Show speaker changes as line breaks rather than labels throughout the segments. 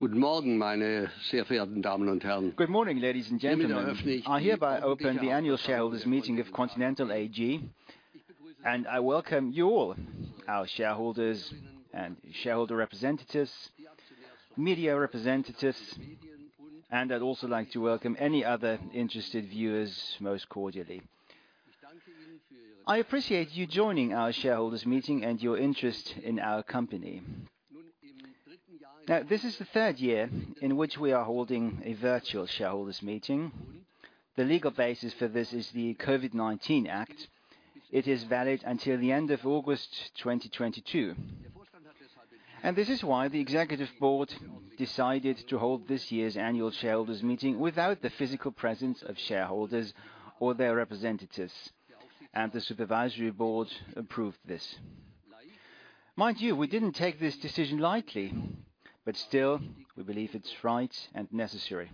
Good morning, ladies and gentlemen. I hereby open the Annual Shareholders Meeting of Continental AG, and I welcome you all, our shareholders and shareholder representatives, media representatives, and I'd also like to welcome any other interested viewers most cordially. I appreciate you joining our shareholders meeting and your interest in our company. Now, this is the third year in which we are holding a virtual shareholders meeting. The legal basis for this is the COVID-19 Act. It is valid until the end of August 2022. This is why the executive board decided to hold this year's annual shareholders meeting without the physical presence of shareholders or their representatives, and the supervisory board approved this. Mind you, we didn't take this decision lightly, but still, we believe it's right and necessary.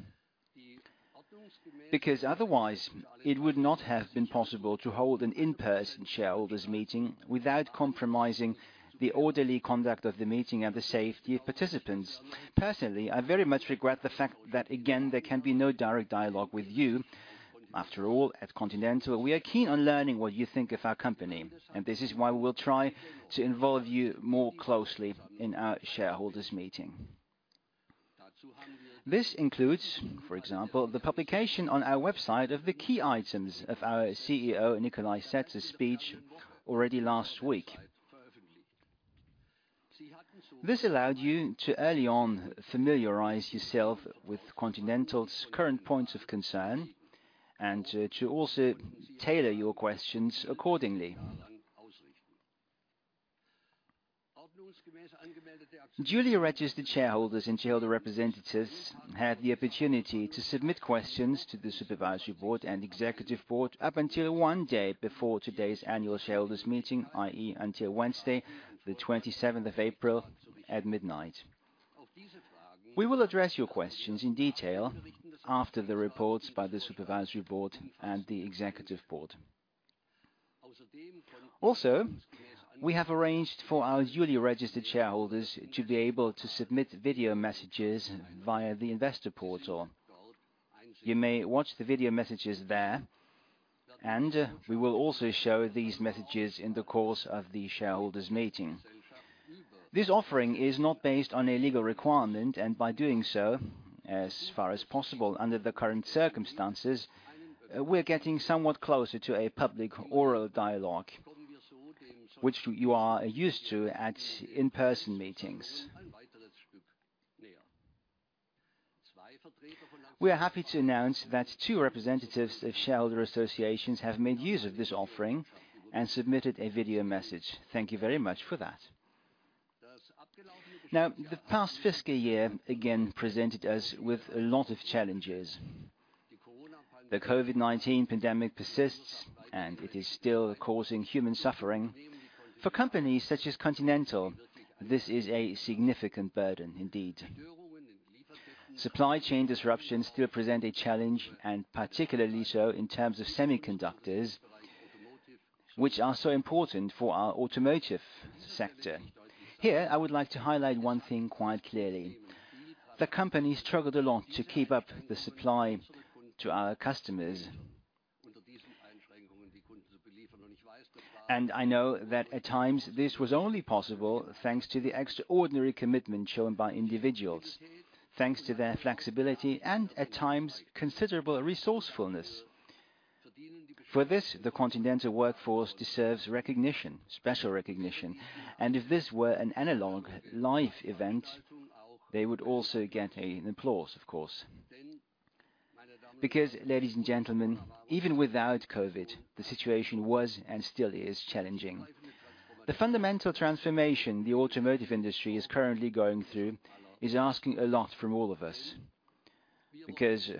Because otherwise, it would not have been possible to hold an in-person shareholders meeting without compromising the orderly conduct of the meeting and the safety of participants. Personally, I very much regret the fact that again, there can be no direct dialogue with you. After all, at Continental, we are keen on learning what you think of our company, and this is why we will try to involve you more closely in our shareholders meeting. This includes, for example, the publication on our website of the key items of our CEO, Nikolai Setzer's speech already last week. This allowed you to early on familiarize yourself with Continental's current points of concern and to also tailor your questions accordingly. Duly registered shareholders and shareholder representatives had the opportunity to submit questions to the Supervisory Board and Executive Board up until one day before today's annual shareholders meeting, i.e. until Wednesday, April 27 at midnight. We will address your questions in detail after the reports by the Supervisory Board and the Executive Board. Also, we have arranged for our duly registered shareholders to be able to submit video messages via the InvestorPortal. You may watch the video messages there, and we will also show these messages in the course of the shareholders' meeting. This offering is not based on a legal requirement, and by doing so, as far as possible under the current circumstances, we're getting somewhat closer to a public oral dialogue, which you are used to at in-person meetings. We are happy to announce that two representatives of shareholder associations have made use of this offering and submitted a video message. Thank you very much for that. Now, the past fiscal year again presented us with a lot of challenges. The COVID-19 pandemic persists, and it is still causing human suffering. For companies such as Continental, this is a significant burden indeed. Supply chain disruptions still present a challenge, and particularly so in terms of semiconductors, which are so important for our Automotive sector. Here, I would like to highlight one thing quite clearly. The company struggled a lot to keep up the supply to our customers. I know that at times, this was only possible thanks to the extraordinary commitment shown by individuals, thanks to their flexibility and at times, considerable resourcefulness. For this, the Continental workforce deserves recognition, special recognition. If this were an analog live event, they would also get an applause, of course. Ladies and gentlemen, even without COVID, the situation was and still is challenging. The fundamental transformation the automotive industry is currently going through is asking a lot from all of us because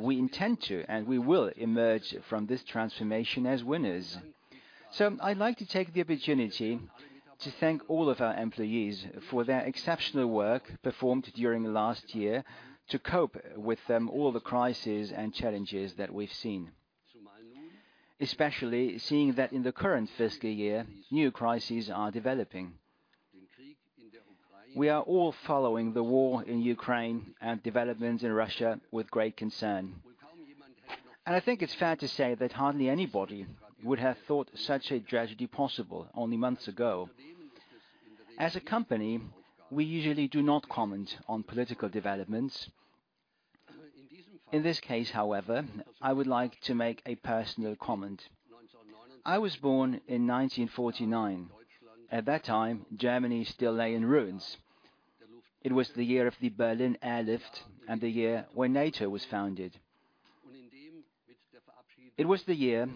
we intend to, and we will emerge from this transformation as winners. I'd like to take the opportunity to thank all of our employees for their exceptional work performed during last year to cope with all the crises and challenges that we've seen. Especially seeing that in the current fiscal year, new crises are developing. We are all following the war in Ukraine and developments in Russia with great concern. I think it's fair to say that hardly anybody would have thought such a tragedy possible only months ago. As a company, we usually do not comment on political developments. In this case, however, I would like to make a personal comment. I was born in 1949. At that time, Germany still lay in ruins. It was the year of the Berlin Airlift and the year when NATO was founded. It was the year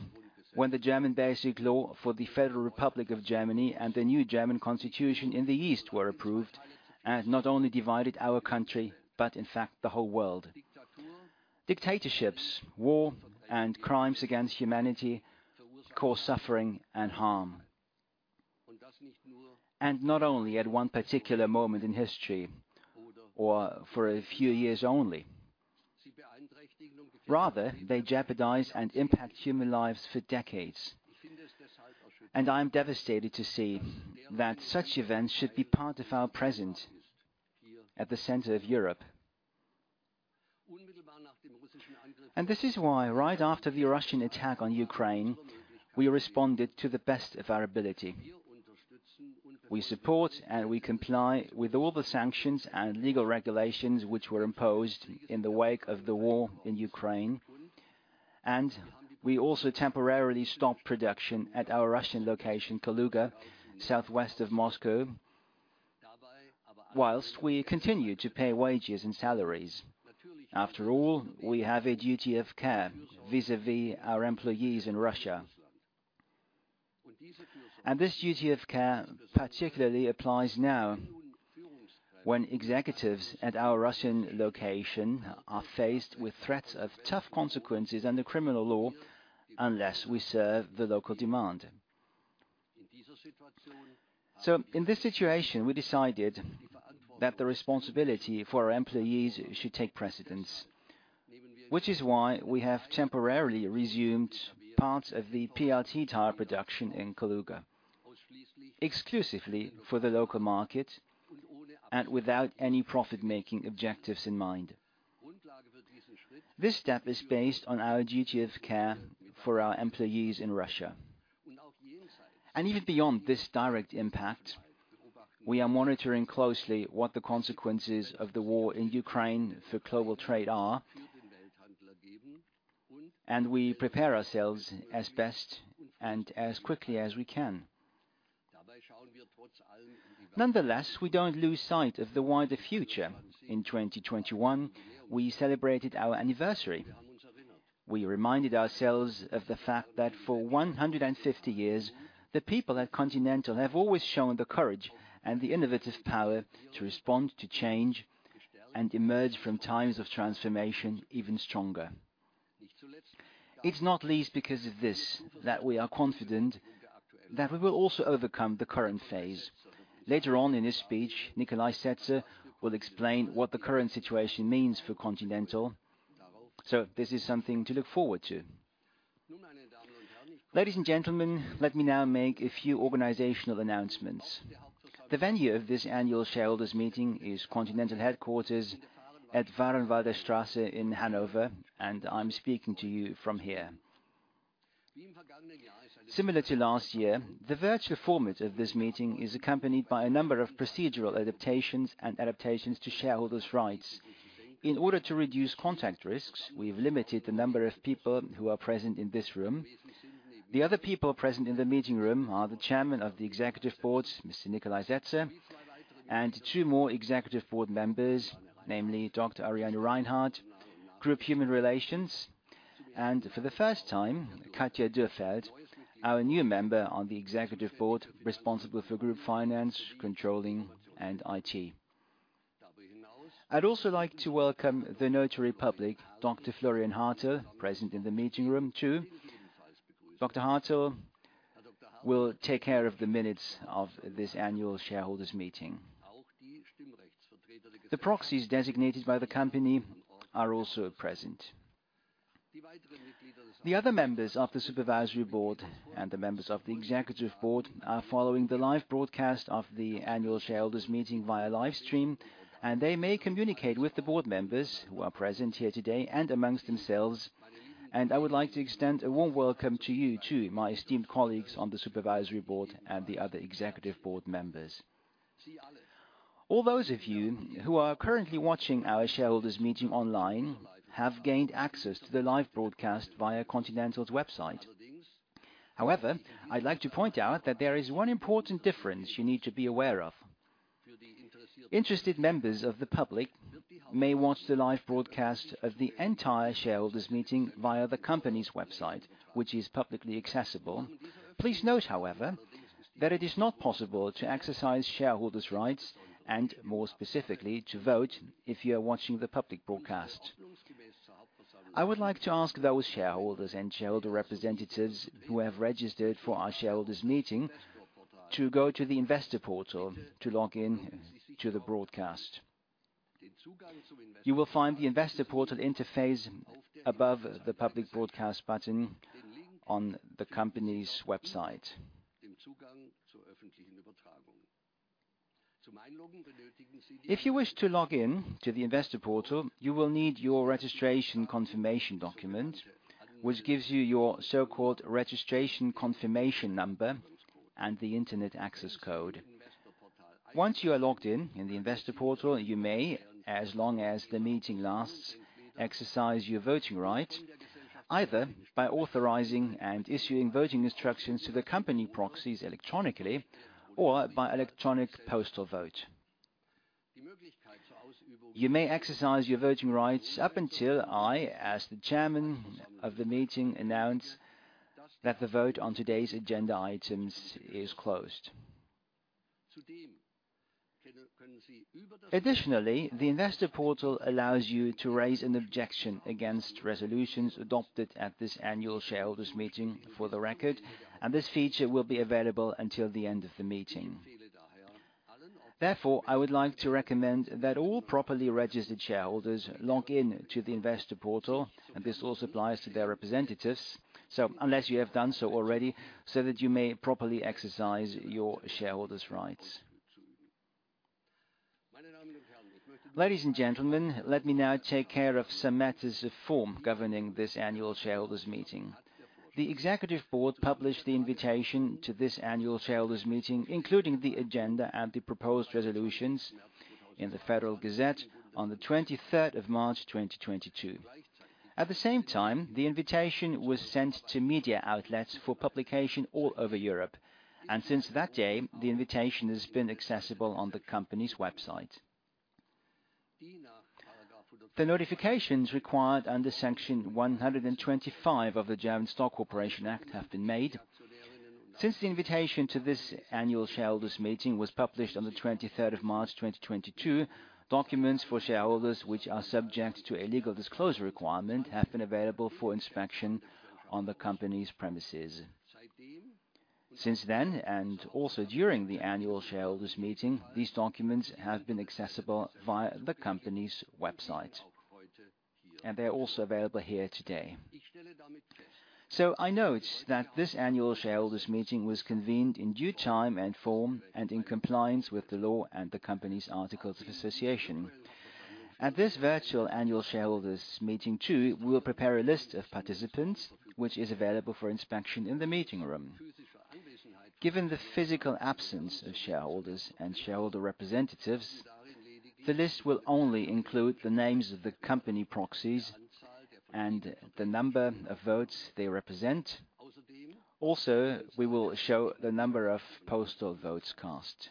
when the German Basic Law for the Federal Republic of Germany and the new German constitution in the east were approved and not only divided our country, but in fact the whole world. Dictatorships, war, and crimes against humanity cause suffering and harm. Not only at one particular moment in history or for a few years only. Rather, they jeopardize and impact human lives for decades. I am devastated to see that such events should be part of our present at the center of Europe. This is why right after the Russian attack on Ukraine, we responded to the best of our ability. We support and we comply with all the sanctions and legal regulations which were imposed in the wake of the war in Ukraine. We also temporarily stopped production at our Russian location, Kaluga, southwest of Moscow, while we continue to pay wages and salaries. After all, we have a duty of care vis-a-vis our employees in Russia. This duty of care particularly applies now when executives at our Russian location are faced with threats of tough consequences under criminal law unless we serve the local demand. In this situation, we decided that the responsibility for our employees should take precedence, which is why we have temporarily resumed part of the PLT tire production in Kaluga exclusively for the local market and without any profit-making objectives in mind. This step is based on our duty of care for our employees in Russia. Even beyond this direct impact, we are monitoring closely what the consequences of the war in Ukraine for global trade are, and we prepare ourselves as best and as quickly as we can. Nonetheless, we don't lose sight of the wider future. In 2021, we celebrated our anniversary. We reminded ourselves of the fact that for 150 years, the people at Continental have always shown the courage and the innovative power to respond to change and emerge from times of transformation even stronger. It's not least because of this that we are confident that we will also overcome the current phase. Later on in his speech, Nikolai Setzer will explain what the current situation means for Continental, so this is something to look forward to. Ladies and gentlemen, let me now make a few organizational announcements. The venue of this annual shareholders' meeting is Continental Headquarters at Vahrenwalder Straße 9 in Hanover, and I'm speaking to you from here. Similar to last year, the virtual format of this meeting is accompanied by a number of procedural adaptations and adaptations to shareholders' rights. In order to reduce contact risks, we've limited the number of people who are present in this room. The other people present in the meeting room are the Chairman of the Executive Board, Mr. Nikolai Setzer, and two more Executive Board members, namely Dr. Ariane Reinhart, Group Human Relations, and for the first time, Katja Dürrfeld, our new member on the Executive Board responsible for Group Finance, Controlling, and IT. I'd also like to welcome the Notary Public, Dr. Florian Hartl, present in the meeting room too. Dr. Hartl will take care of the minutes of this annual shareholders' meeting. The proxies designated by the company are also present. The other members of the Supervisory Board and the members of the Executive Board are following the live broadcast of the annual shareholders' meeting via live stream, and they may communicate with the board members who are present here today and amongst themselves. I would like to extend a warm welcome to you too, my esteemed colleagues on the Supervisory Board and the other Executive Board members. All those of you who are currently watching our shareholders' meeting online have gained access to the live broadcast via Continental's website. However, I'd like to point out that there is one important difference you need to be aware of. Interested members of the public may watch the live broadcast of the entire shareholders' meeting via the company's website, which is publicly accessible. Please note, however, that it is not possible to exercise shareholders' rights and, more specifically, to vote if you are watching the public broadcast. I would like to ask those shareholders and shareholder representatives who have registered for our shareholders' meeting to go to the InvestorPortal to log in to the broadcast. You will find the InvestorPortal interface above the Public Broadcast button on the company's website. If you wish to log in to the InvestorPortal, you will need your registration confirmation document, which gives you your so-called registration confirmation number and the Internet access code. Once you are logged in the InvestorPortal, you may, as long as the meeting lasts, exercise your voting right either by authorizing and issuing voting instructions to the company proxies electronically or by electronic postal vote. You may exercise your voting rights up until I, as the Chairman of the meeting, announce that the vote on today's agenda items is closed. Additionally, the InvestorPortal allows you to raise an objection against resolutions adopted at this annual shareholders meeting for the record, and this feature will be available until the end of the meeting. Therefore, I would like to recommend that all properly registered shareholders log in to the InvestorPortal, and this also applies to their representatives. Unless you have done so already, so that you may properly exercise your shareholders' rights. Ladies and gentlemen, let me now take care of some matters of form governing this annual shareholders meeting. The executive board published the invitation to this annual shareholders meeting, including the agenda and the proposed resolutions in the Federal Gazette on the 23rd of March 2022. At the same time, the invitation was sent to media outlets for publication all over Europe, and since that day, the invitation has been accessible on the company's website. The notifications required under Section 125 of the German Stock Corporation Act have been made. Since the invitation to this annual shareholders meeting was published on the 23rd of March 2022, documents for shareholders which are subject to a legal disclosure requirement have been available for inspection on the company's premises. Since then, and also during the annual shareholders meeting, these documents have been accessible via the company's website, and they're also available here today. I note that this annual shareholders meeting was convened in due time and form and in compliance with the law and the company's articles of association. At this virtual annual shareholders meeting, too, we will prepare a list of participants which is available for inspection in the meeting room. Given the physical absence of shareholders and shareholder representatives, the list will only include the names of the company proxies and the number of votes they represent. Also, we will show the number of postal votes cast.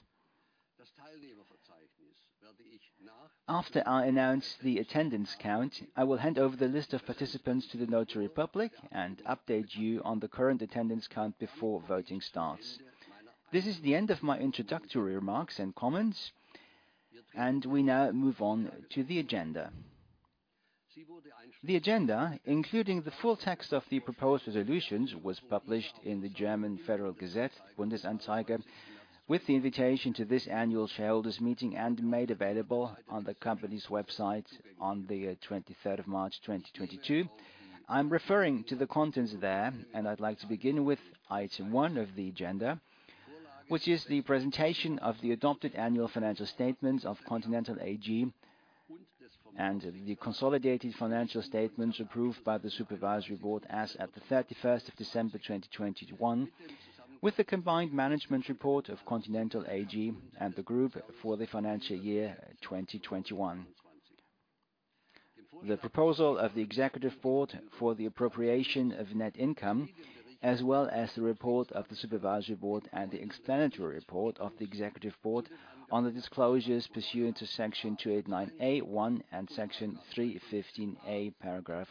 After I announce the attendance count, I will hand over the list of participants to the notary public and update you on the current attendance count before voting starts. This is the end of my introductory remarks and comments, and we now move on to the agenda. The agenda, including the full text of the proposed resolutions, was published in the German Federal Gazette, Bundesanzeiger, with the invitation to this annual shareholders meeting and made available on the company's website on the 23rd of March 2022. I'm referring to the contents there, and I'd like to begin with item one of the agenda, which is the presentation of the adopted annual financial statements of Continental AG and the consolidated financial statements approved by the supervisory board as at the 31st of December 2021 with the combined management report of Continental AG and the group for the financial year 2021. The proposal of the executive board for the appropriation of net income, as well as the report of the supervisory board and the explanatory report of the executive board on the disclosures pursuant to Section 289a (1) and Section 315a, paragraph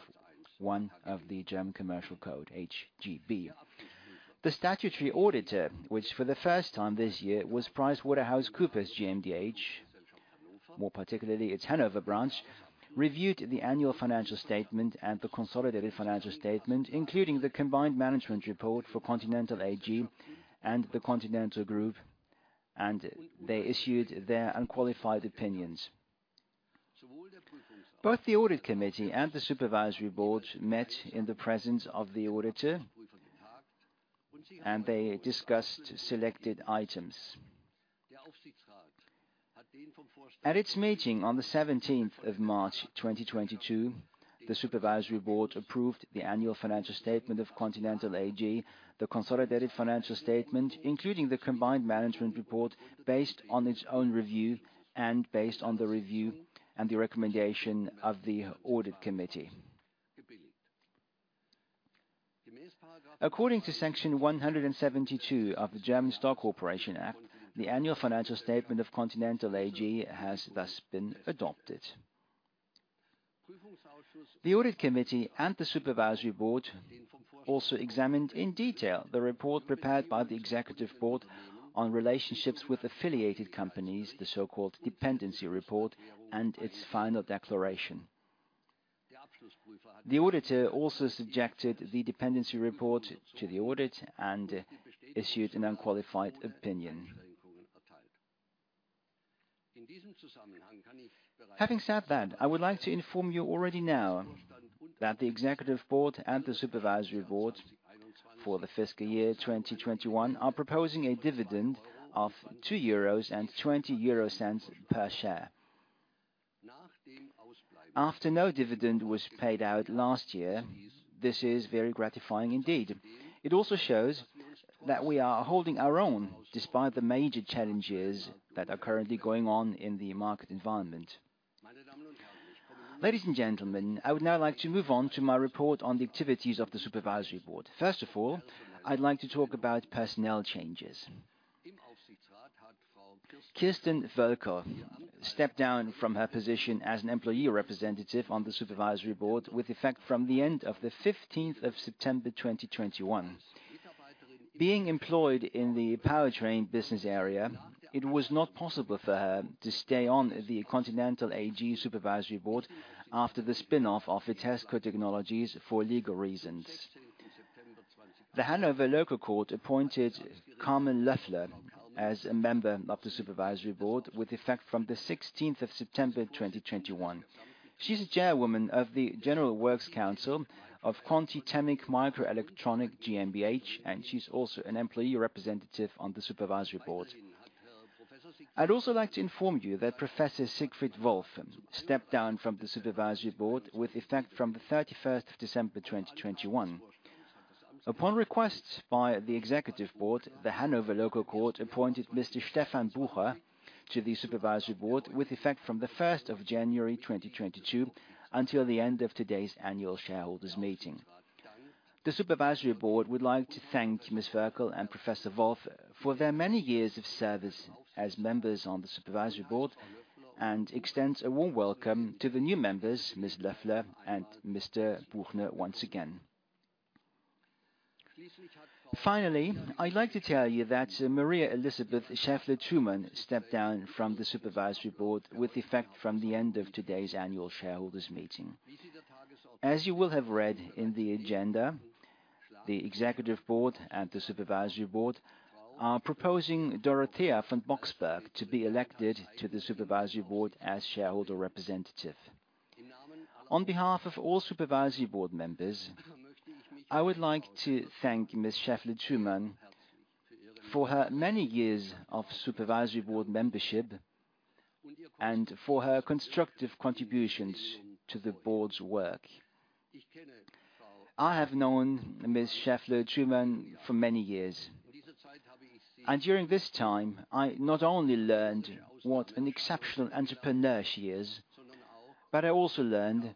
1 of the German Commercial Code, HGB. The statutory auditor, which for the first time this year was PricewaterhouseCoopers GmbH, more particularly its Hanover branch, reviewed the annual financial statement and the consolidated financial statement, including the combined management report for Continental AG and the Continental Group, and they issued their unqualified opinions. Both the audit committee and the supervisory board met in the presence of the auditor, and they discussed selected items. At its meeting on the 17th of March 2022, the supervisory board approved the annual financial statement of Continental AG, the consolidated financial statement, including the combined management report based on its own review and based on the review and the recommendation of the audit committee. According to Section 172 of the German Stock Corporation Act, the annual financial statement of Continental AG has thus been adopted. The Audit Committee and the Supervisory Board also examined in detail the report prepared by the Executive Board on relationships with affiliated companies, the so-called dependency report, and its final declaration. The auditor also subjected the dependency report to the audit and issued an unqualified opinion. Having said that, I would like to inform you already now that the executive board and the supervisory board for the fiscal year 2021 are proposing a dividend of 2.20 euros per share. After no dividend was paid out last year, this is very gratifying indeed. It also shows that we are holding our own despite the major challenges that are currently going on in the market environment. Ladies and gentlemen, I would now like to move on to my report on the activities of the supervisory board. First of all, I'd like to talk about personnel changes. Elke Volkmann stepped down from her position as an employee representative on the Supervisory Board with effect from the end of the 15th of September 2021. Being employed in the powertrain business area, it was not possible for her to stay on the Continental AG Supervisory Board after the spin-off of Vitesco Technologies for legal reasons. The Hanover Local Court appointed Carmen Löffler as a member of the Supervisory Board with effect from the 16th of September 2021. She's Chairwoman of the General Works Council of Conti Temic microelectronic GmbH, and she's also an employee representative on the Supervisory Board. I'd also like to inform you that Professor Siegfried Wolf stepped down from the Supervisory Board with effect from the 31st of December 2021. Upon request by the Executive Board, the Hanover Local Court appointed Mr. Stefan Buchner to the Supervisory Board with effect from January 1, 2022 until the end of today's annual shareholders' meeting. The Supervisory Board would like to thank Ms. Volkmann and Professor Wolf for their many years of service as members on the Supervisory Board and extends a warm welcome to the new members, Ms. Löffler and Mr. Buchner, once again. Finally, I'd like to tell you that Maria-Elisabeth Schaeffler-Thumann stepped down from the Supervisory Board with effect from the end of today's annual shareholders meeting. As you will have read in the agenda, the Executive Board and the Supervisory Board are proposing Dorothea von Boxberg to be elected to the Supervisory Board as shareholder representative. On behalf of all Supervisory Board members, I would like to thank Ms. Schaeffler-Thumann for her many years of Supervisory Board membership and for her constructive contributions to the Board's work. I have known Ms. Schaeffler-Thumann for many years, and during this time, I not only learned what an exceptional entrepreneur she is, but I also learned,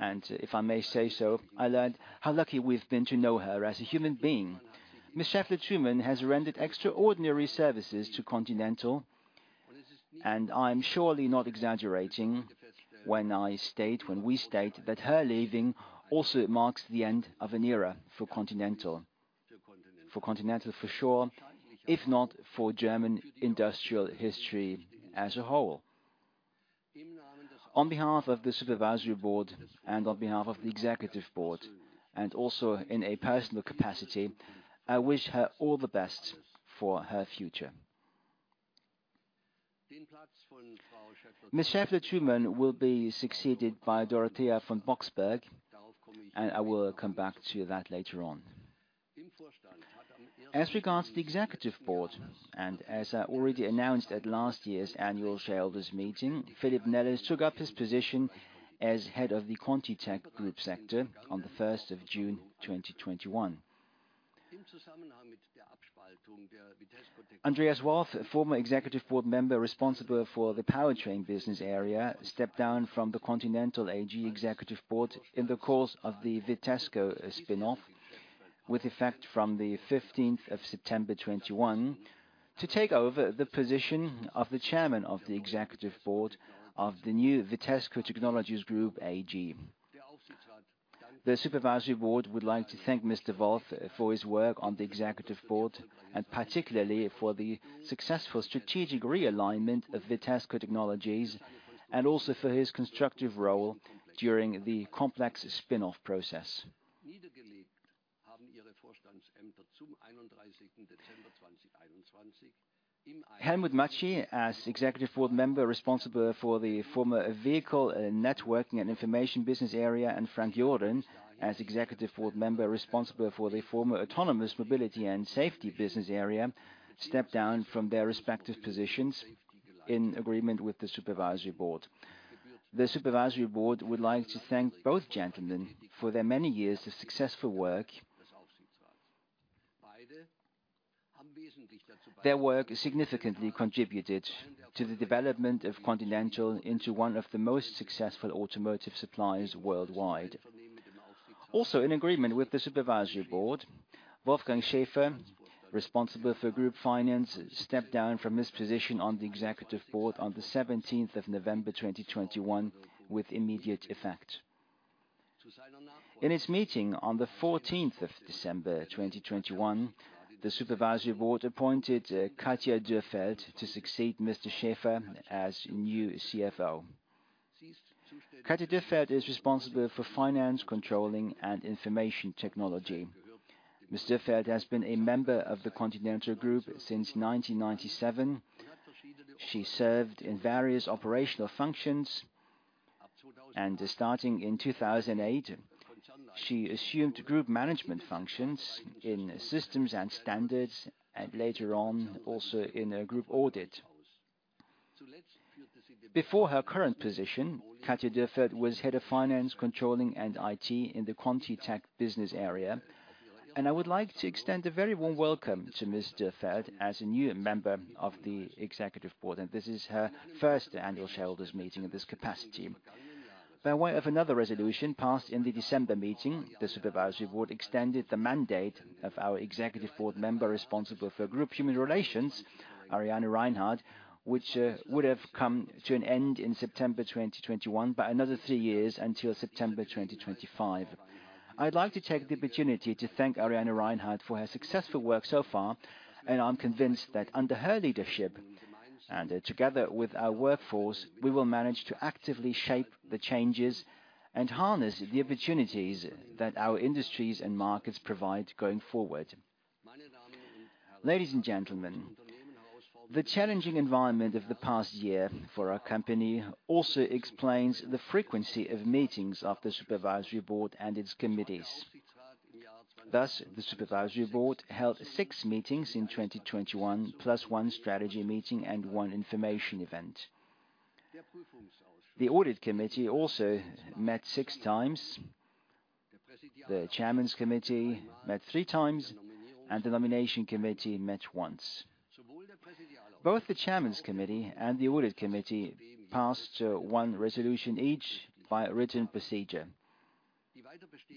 and if I may say so, I learned how lucky we've been to know her as a human being. Ms. Schaeffler-Thumann has rendered extraordinary services to Continental, and I'm surely not exaggerating when we state that her leaving also marks the end of an era for Continental for sure, if not for German industrial history as a whole. On behalf of the Supervisory Board and on behalf of the Executive Board, and also in a personal capacity, I wish her all the best for her future. Ms. Schaeffler-Thumann will be succeeded by Dorothea von Boxberg, and I will come back to that later on. As regards the Executive Board, as I already announced at last year's annual shareholders meeting, Philip Nelles took up his position as Head of the ContiTech Group sector on June 1, 2021. Andreas Wolf, former Executive Board member responsible for the powertrain business area, stepped down from the Continental AG Executive Board in the course of the Vitesco spin-off with effect from September 15, 2021 to take over the position of the Chairman of the Executive Board of the new Vitesco Technologies Group AG. The Supervisory Board would like to thank Mr. Wolf for his work on the Executive Board, and particularly for the successful strategic realignment of Vitesco Technologies, and also for his constructive role during the complex spin-off process. Helmut Matschi, as Executive Board member responsible for the former Vehicle Networking and Information business area, and Frank Jourdan, as Executive Board member responsible for the former Autonomous Mobility and Safety business area, stepped down from their respective positions in agreement with the Supervisory Board. The Supervisory Board would like to thank both gentlemen for their many years of successful work. Their work significantly contributed to the development of Continental into one of the most successful automotive suppliers worldwide. Also, in agreement with the Supervisory Board, Wolfgang Schäfer, responsible for group finance, stepped down from his position on the Executive Board on November 17, 2021 with immediate effect. In its meeting on December 14, 2021, the Supervisory Board appointed Katja Dürrfeld to succeed Mr. Schäfer as new CFO. Katja Dürrfeld is responsible for finance, controlling, and information technology. Ms. Dürrfeld has been a member of the Continental Group since 1997. She served in various operational functions, and starting in 2008, she assumed group management functions in systems and standards, and later on, also in a group audit. Before her current position, Katja Dürrfeld was Head of Finance, Controlling and IT in the ContiTech business area. I would like to extend a very warm welcome to Ms. Dürrfeld as a new member of the Executive Board, and this is her first annual shareholders meeting in this capacity. By way of another resolution passed in the December meeting, the Supervisory Board extended the mandate of our Executive Board member responsible for Group Human Relations, Ariane Reinhart, which would have come to an end in September 2021, by another three years until September 2025. I'd like to take the opportunity to thank Ariane Reinhart for her successful work so far, and I'm convinced that under her leadership, together with our workforce, we will manage to actively shape the changes and harness the opportunities that our industries and markets provide going forward. Ladies and gentlemen, the challenging environment of the past year for our company also explains the frequency of meetings of the supervisory board and its committees. Thus, the supervisory board held six meetings in 2021, plus one strategy meeting and one information event. The Audit Committee also met six times, the Chairman's Committee met three times, and the Nomination Committee met once. Both the chairman's committee and the audit committee passed one resolution each by a written procedure.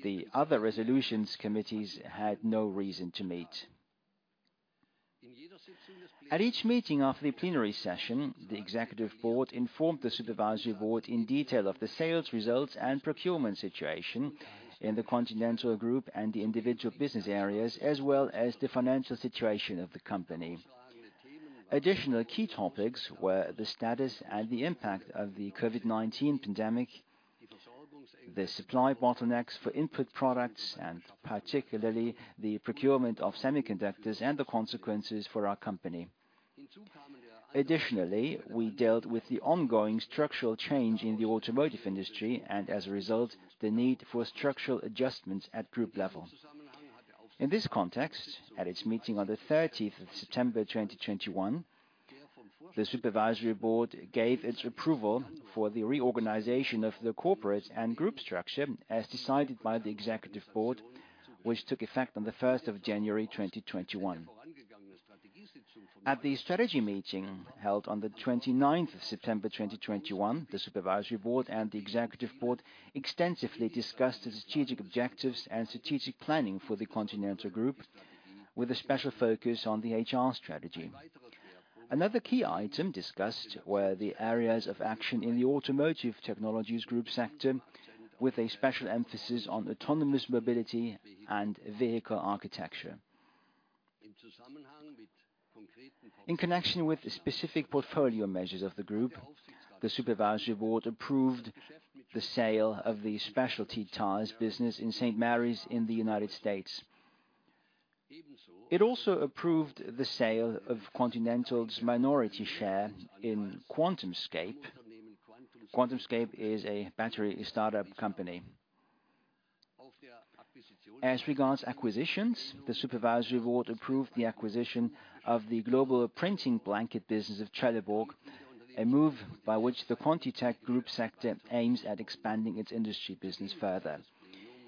The other resolutions committees had no reason to meet. At each meeting after the plenary session, the executive board informed the supervisory board in detail of the sales results and procurement situation in the Continental Group and the individual business areas, as well as the financial situation of the company. Additional key topics were the status and the impact of the COVID-19 pandemic, the supply bottlenecks for input products, and particularly the procurement of semiconductors and the consequences for our company. Additionally, we dealt with the ongoing structural change in the automotive industry and, as a result, the need for structural adjustments at group level. In this context, at its meeting on the 13th of September 2021, the supervisory board gave its approval for the reorganization of the corporate and group structure as decided by the executive board, which took effect on the 1st of January 2021. At the strategy meeting held on the 29th of September 2021, the Supervisory Board and the Executive Board extensively discussed the strategic objectives and strategic planning for the Continental Group with a special focus on the HR strategy. Another key item discussed were the areas of action in the Automotive Technologies group sector, with a special emphasis on Autonomous Mobility and vehicle architecture. In connection with specific portfolio measures of the group, the Supervisory Board approved the sale of the specialty tires business in St. Marys in the United States. It also approved the sale of Continental's minority share in QuantumScape. QuantumScape is a battery startup company. As regards acquisitions, the Supervisory Board approved the acquisition of the global printing blanket business of Trelleborg, a move by which the ContiTech group sector aims at expanding its industry business further.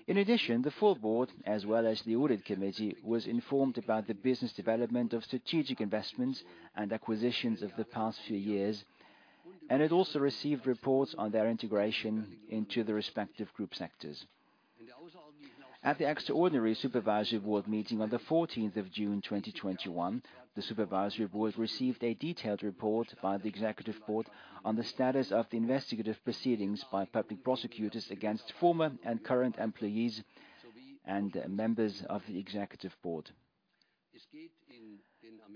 In addition, the full board, as well as the audit committee, was informed about the business development of strategic investments and acquisitions of the past few years, and it also received reports on their integration into the respective group sectors. At the extraordinary supervisory board meeting on the 14th of June 2021, the supervisory board received a detailed report by the executive board on the status of the investigative proceedings by public prosecutors against former and current employees and members of the executive board.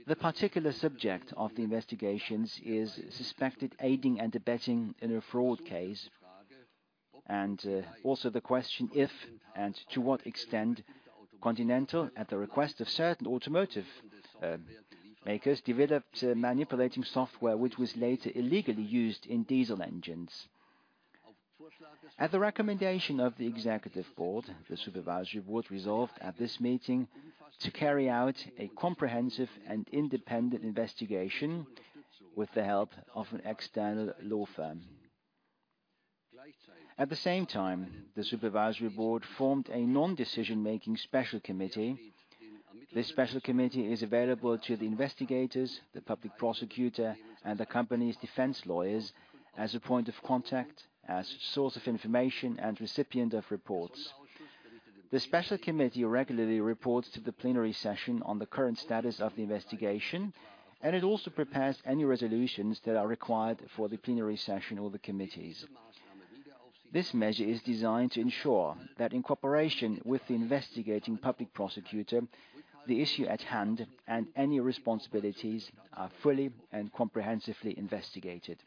The particular subject of the investigations is suspected aiding and abetting in a fraud case, and also the question if and to what extent Continental, at the request of certain automotive makers, developed manipulating software, which was later illegally used in diesel engines. At the recommendation of the executive board, the supervisory board resolved at this meeting to carry out a comprehensive and independent investigation with the help of an external law firm. At the same time, the supervisory board formed a non-decision making special committee. This special committee is available to the investigators, the public prosecutor, and the company's defense lawyers as a point of contact, as source of information, and recipient of reports. The special committee regularly reports to the plenary session on the current status of the investigation, and it also prepares any resolutions that are required for the plenary session or the committees. This measure is designed to ensure that in cooperation with the investigating public prosecutor, the issue at hand and any responsibilities are fully and comprehensively investigated.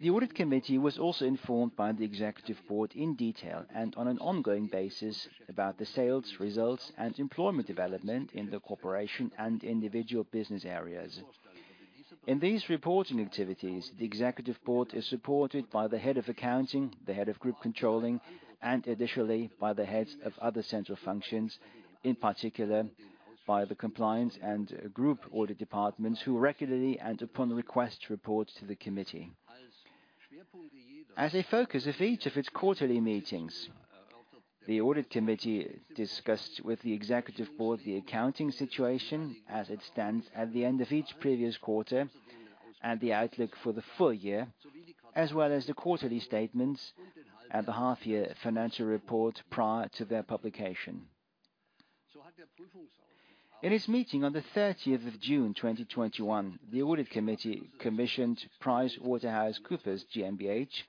The audit committee was also informed by the executive board in detail and on an ongoing basis about the sales results and employment development in the corporation and individual business areas. In these reporting activities, the executive board is supported by the head of accounting, the head of group controlling, and additionally by the heads of other central functions, in particular by the compliance and group audit departments, who regularly and upon request report to the committee. As a focus of each of its quarterly meetings, the audit committee discussed with the executive board the accounting situation as it stands at the end of each previous quarter and the outlook for the full year, as well as the quarterly statements and the half year financial report prior to their publication. In its meeting on the 30th of June 2021, the audit committee commissioned PricewaterhouseCoopers GmbH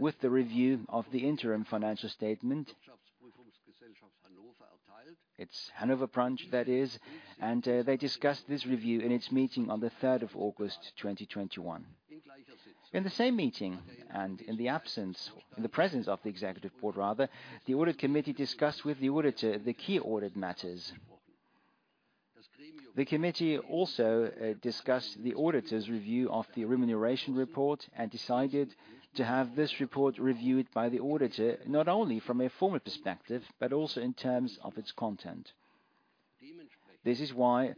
with the review of the interim financial statement. Its Hanover branch, that is, and they discussed this review in its meeting on the 3rd of August 2021. In the same meeting, in the presence of the executive board rather, the audit committee discussed with the auditor the key audit matters. The committee also discussed the auditor's review of the remuneration report and decided to have this report reviewed by the auditor, not only from a formal perspective, but also in terms of its content. This is why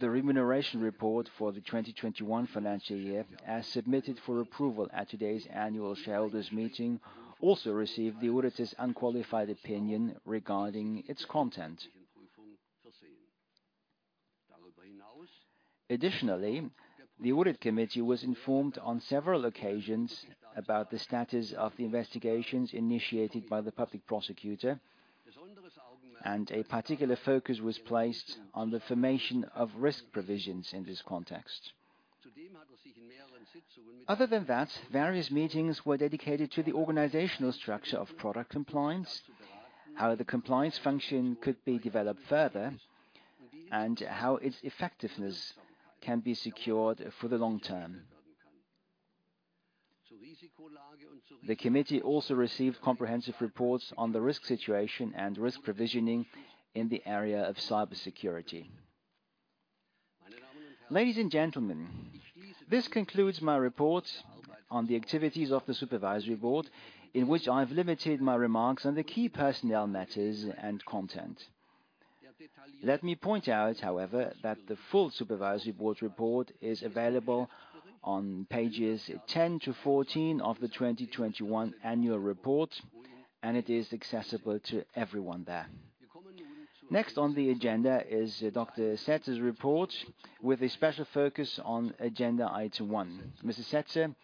the remuneration report for the 2021 financial year, as submitted for approval at today's annual shareholders meeting, also received the auditor's unqualified opinion regarding its content. Additionally, the audit committee was informed on several occasions about the status of the investigations initiated by the public prosecutor, and a particular focus was placed on the formation of risk provisions in this context. Other than that, various meetings were dedicated to the organizational structure of product compliance, how the compliance function could be developed further, and how its effectiveness can be secured for the long term. The committee also received comprehensive reports on the risk situation and risk provisioning in the area of cybersecurity. Ladies and gentlemen, this concludes my report on the activities of the supervisory board, in which I've limited my remarks on the key personnel matters and content. Let me point out, however, that the full supervisory board report is available on pages 10 to 14 of the 2021 annual report, and it is accessible to everyone there. Next on the agenda is Dr. Setzer's report with a special focus on agenda item one. Mr. Setzer,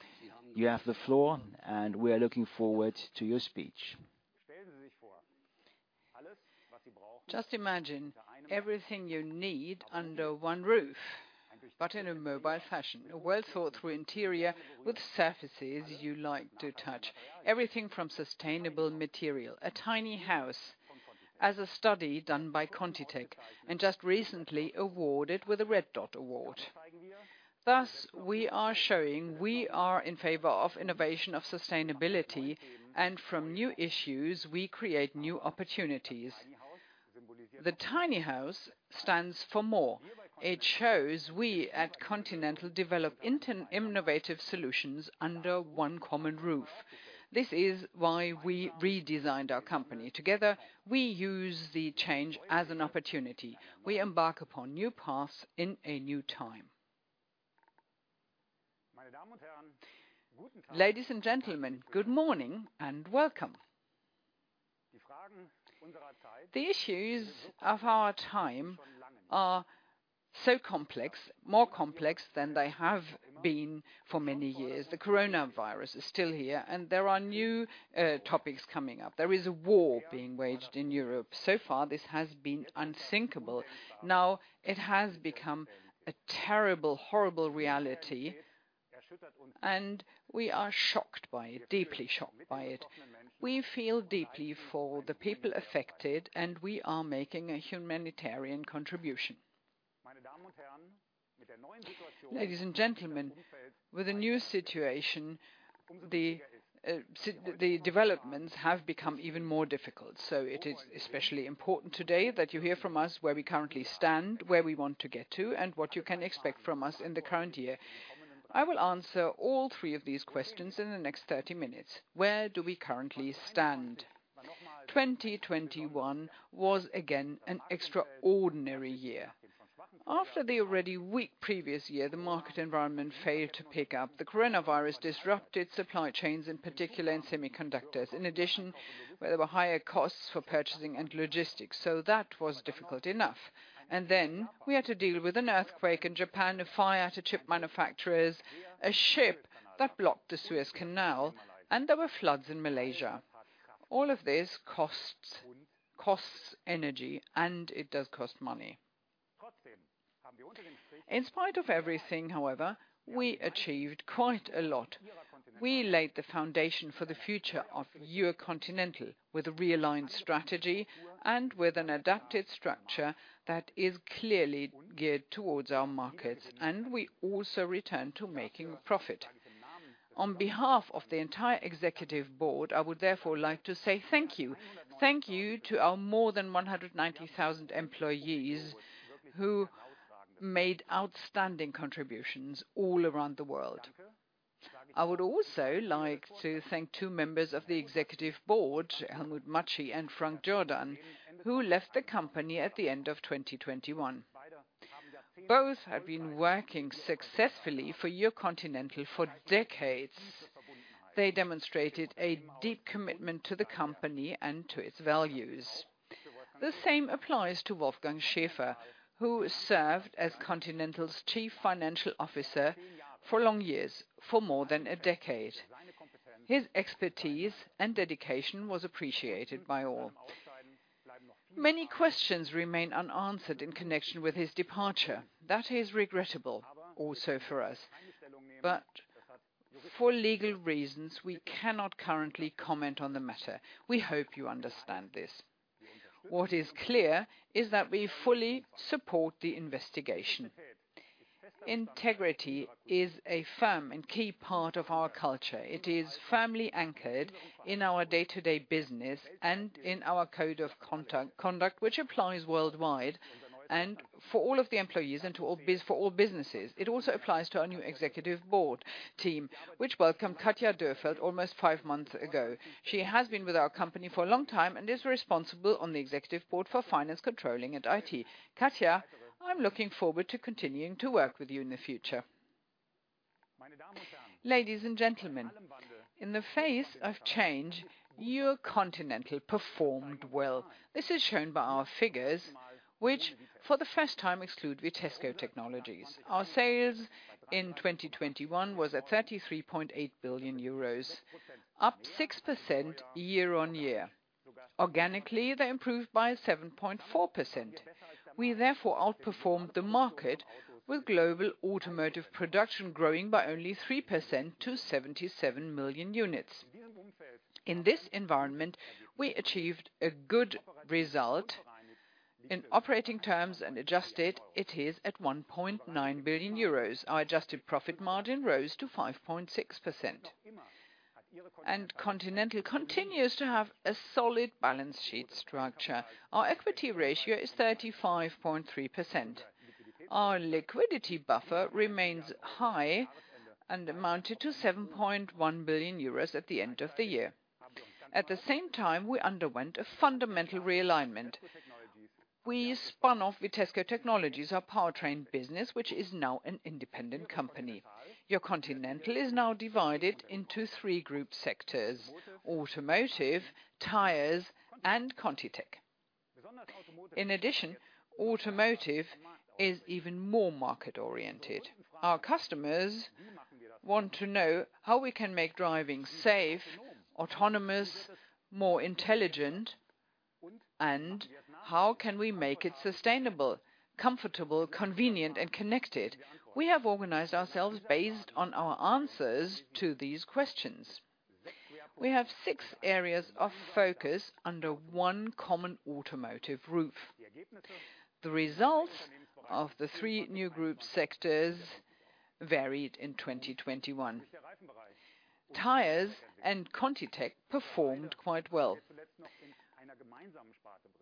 you have the floor, and we are looking forward to your speech. Just imagine everything you need under one roof, but in a mobile fashion. A well-thought-through interior with surfaces you like to touch. Everything from sustainable material. A tiny house as a study done by ContiTech, and just recently awarded with a Red Dot award. Thus, we are showing we are in favor of innovation, of sustainability, and from new issues, we create new opportunities. The tiny house stands for more. It shows we at Continental develop innovative solutions under one common roof. This is why we redesigned our company. Together, we use the change as an opportunity. We embark upon new paths in a new time. Ladies and gentlemen, good morning and welcome. The issues of our time are so complex, more complex than they have been for many years. The coronavirus is still here, and there are new topics coming up. There is a war being waged in Europe. So far, this has been unthinkable. Now it has become a terrible, horrible reality, and we are shocked by it, deeply shocked by it. We feel deeply for the people affected, and we are making a humanitarian contribution. Ladies and gentlemen, with the new situation, the developments have become even more difficult, so it is especially important today that you hear from us where we currently stand, where we want to get to, and what you can expect from us in the current year. I will answer all three of these questions in the next 30 minutes. Where do we currently stand? 2021 was again an extraordinary year. After the already weak previous year, the market environment failed to pick up. The coronavirus disrupted supply chains, in particular in semiconductors. In addition, there were higher costs for purchasing and logistics, so that was difficult enough. We had to deal with an earthquake in Japan, a fire at a chip manufacturer's, a ship that blocked the Suez Canal, and there were floods in Malaysia. All of this costs energy, and it does cost money. In spite of everything, however, we achieved quite a lot. We laid the foundation for the future of your Continental with a realigned strategy and with an adapted structure that is clearly geared towards our markets, and we also returned to making a profit. On behalf of the entire Executive Board, I would therefore like to say thank you. Thank you to our more than 190,000 employees who made outstanding contributions all around the world. I would also like to thank two members of the executive board, Helmut Matschi and Frank Jourdan, who left the company at the end of 2021. Both have been working successfully for your Continental for decades. They demonstrated a deep commitment to the company and to its values. The same applies to Wolfgang Schäfer, who served as Continental's Chief Financial Officer for long years, for more than a decade. His expertise and dedication was appreciated by all. Many questions remain unanswered in connection with his departure. That is regrettable also for us. For legal reasons, we cannot currently comment on the matter. We hope you understand this. What is clear is that we fully support the investigation. Integrity is a firm and key part of our culture. It is firmly anchored in our day-to-day business and in our code of conduct, which applies worldwide and for all of the employees, and for all businesses. It also applies to our new executive board team, which welcomed Katja Dürrfeld almost five months ago. She has been with our company for a long time and is responsible on the executive board for finance, controlling, and IT. Katja, I'm looking forward to continuing to work with you in the future. Ladies and gentlemen, in the face of change, your Continental performed well. This is shown by our figures, which for the first time exclude Vitesco Technologies. Our sales in 2021 was at 33.8 billion euros, up 6% year on year. Organically, they improved by 7.4%. We therefore outperformed the market with global automotive production growing by only 3% to 77 million units. In this environment, we achieved a good result. In operating terms and adjusted, it is at 1.9 billion euros. Our adjusted profit margin rose to 5.6%. Continental continues to have a solid balance sheet structure. Our equity ratio is 35.3%. Our liquidity buffer remains high and amounted to 7.1 billion euros at the end of the year. At the same time, we underwent a fundamental realignment. We spun off Vitesco Technologies, our powertrain business, which is now an independent company. Your Continental is now divided into three group sectors, Automotive, Tires, and ContiTech. In addition, Automotive is even more market-oriented. Our customers want to know how we can make driving safe, autonomous, more intelligent, and how can we make it sustainable, comfortable, convenient, and connected. We have organized ourselves based on our answers to these questions. We have six areas of focus under one common automotive roof. The results of the three new group sectors varied in 2021. Tires and ContiTech performed quite well.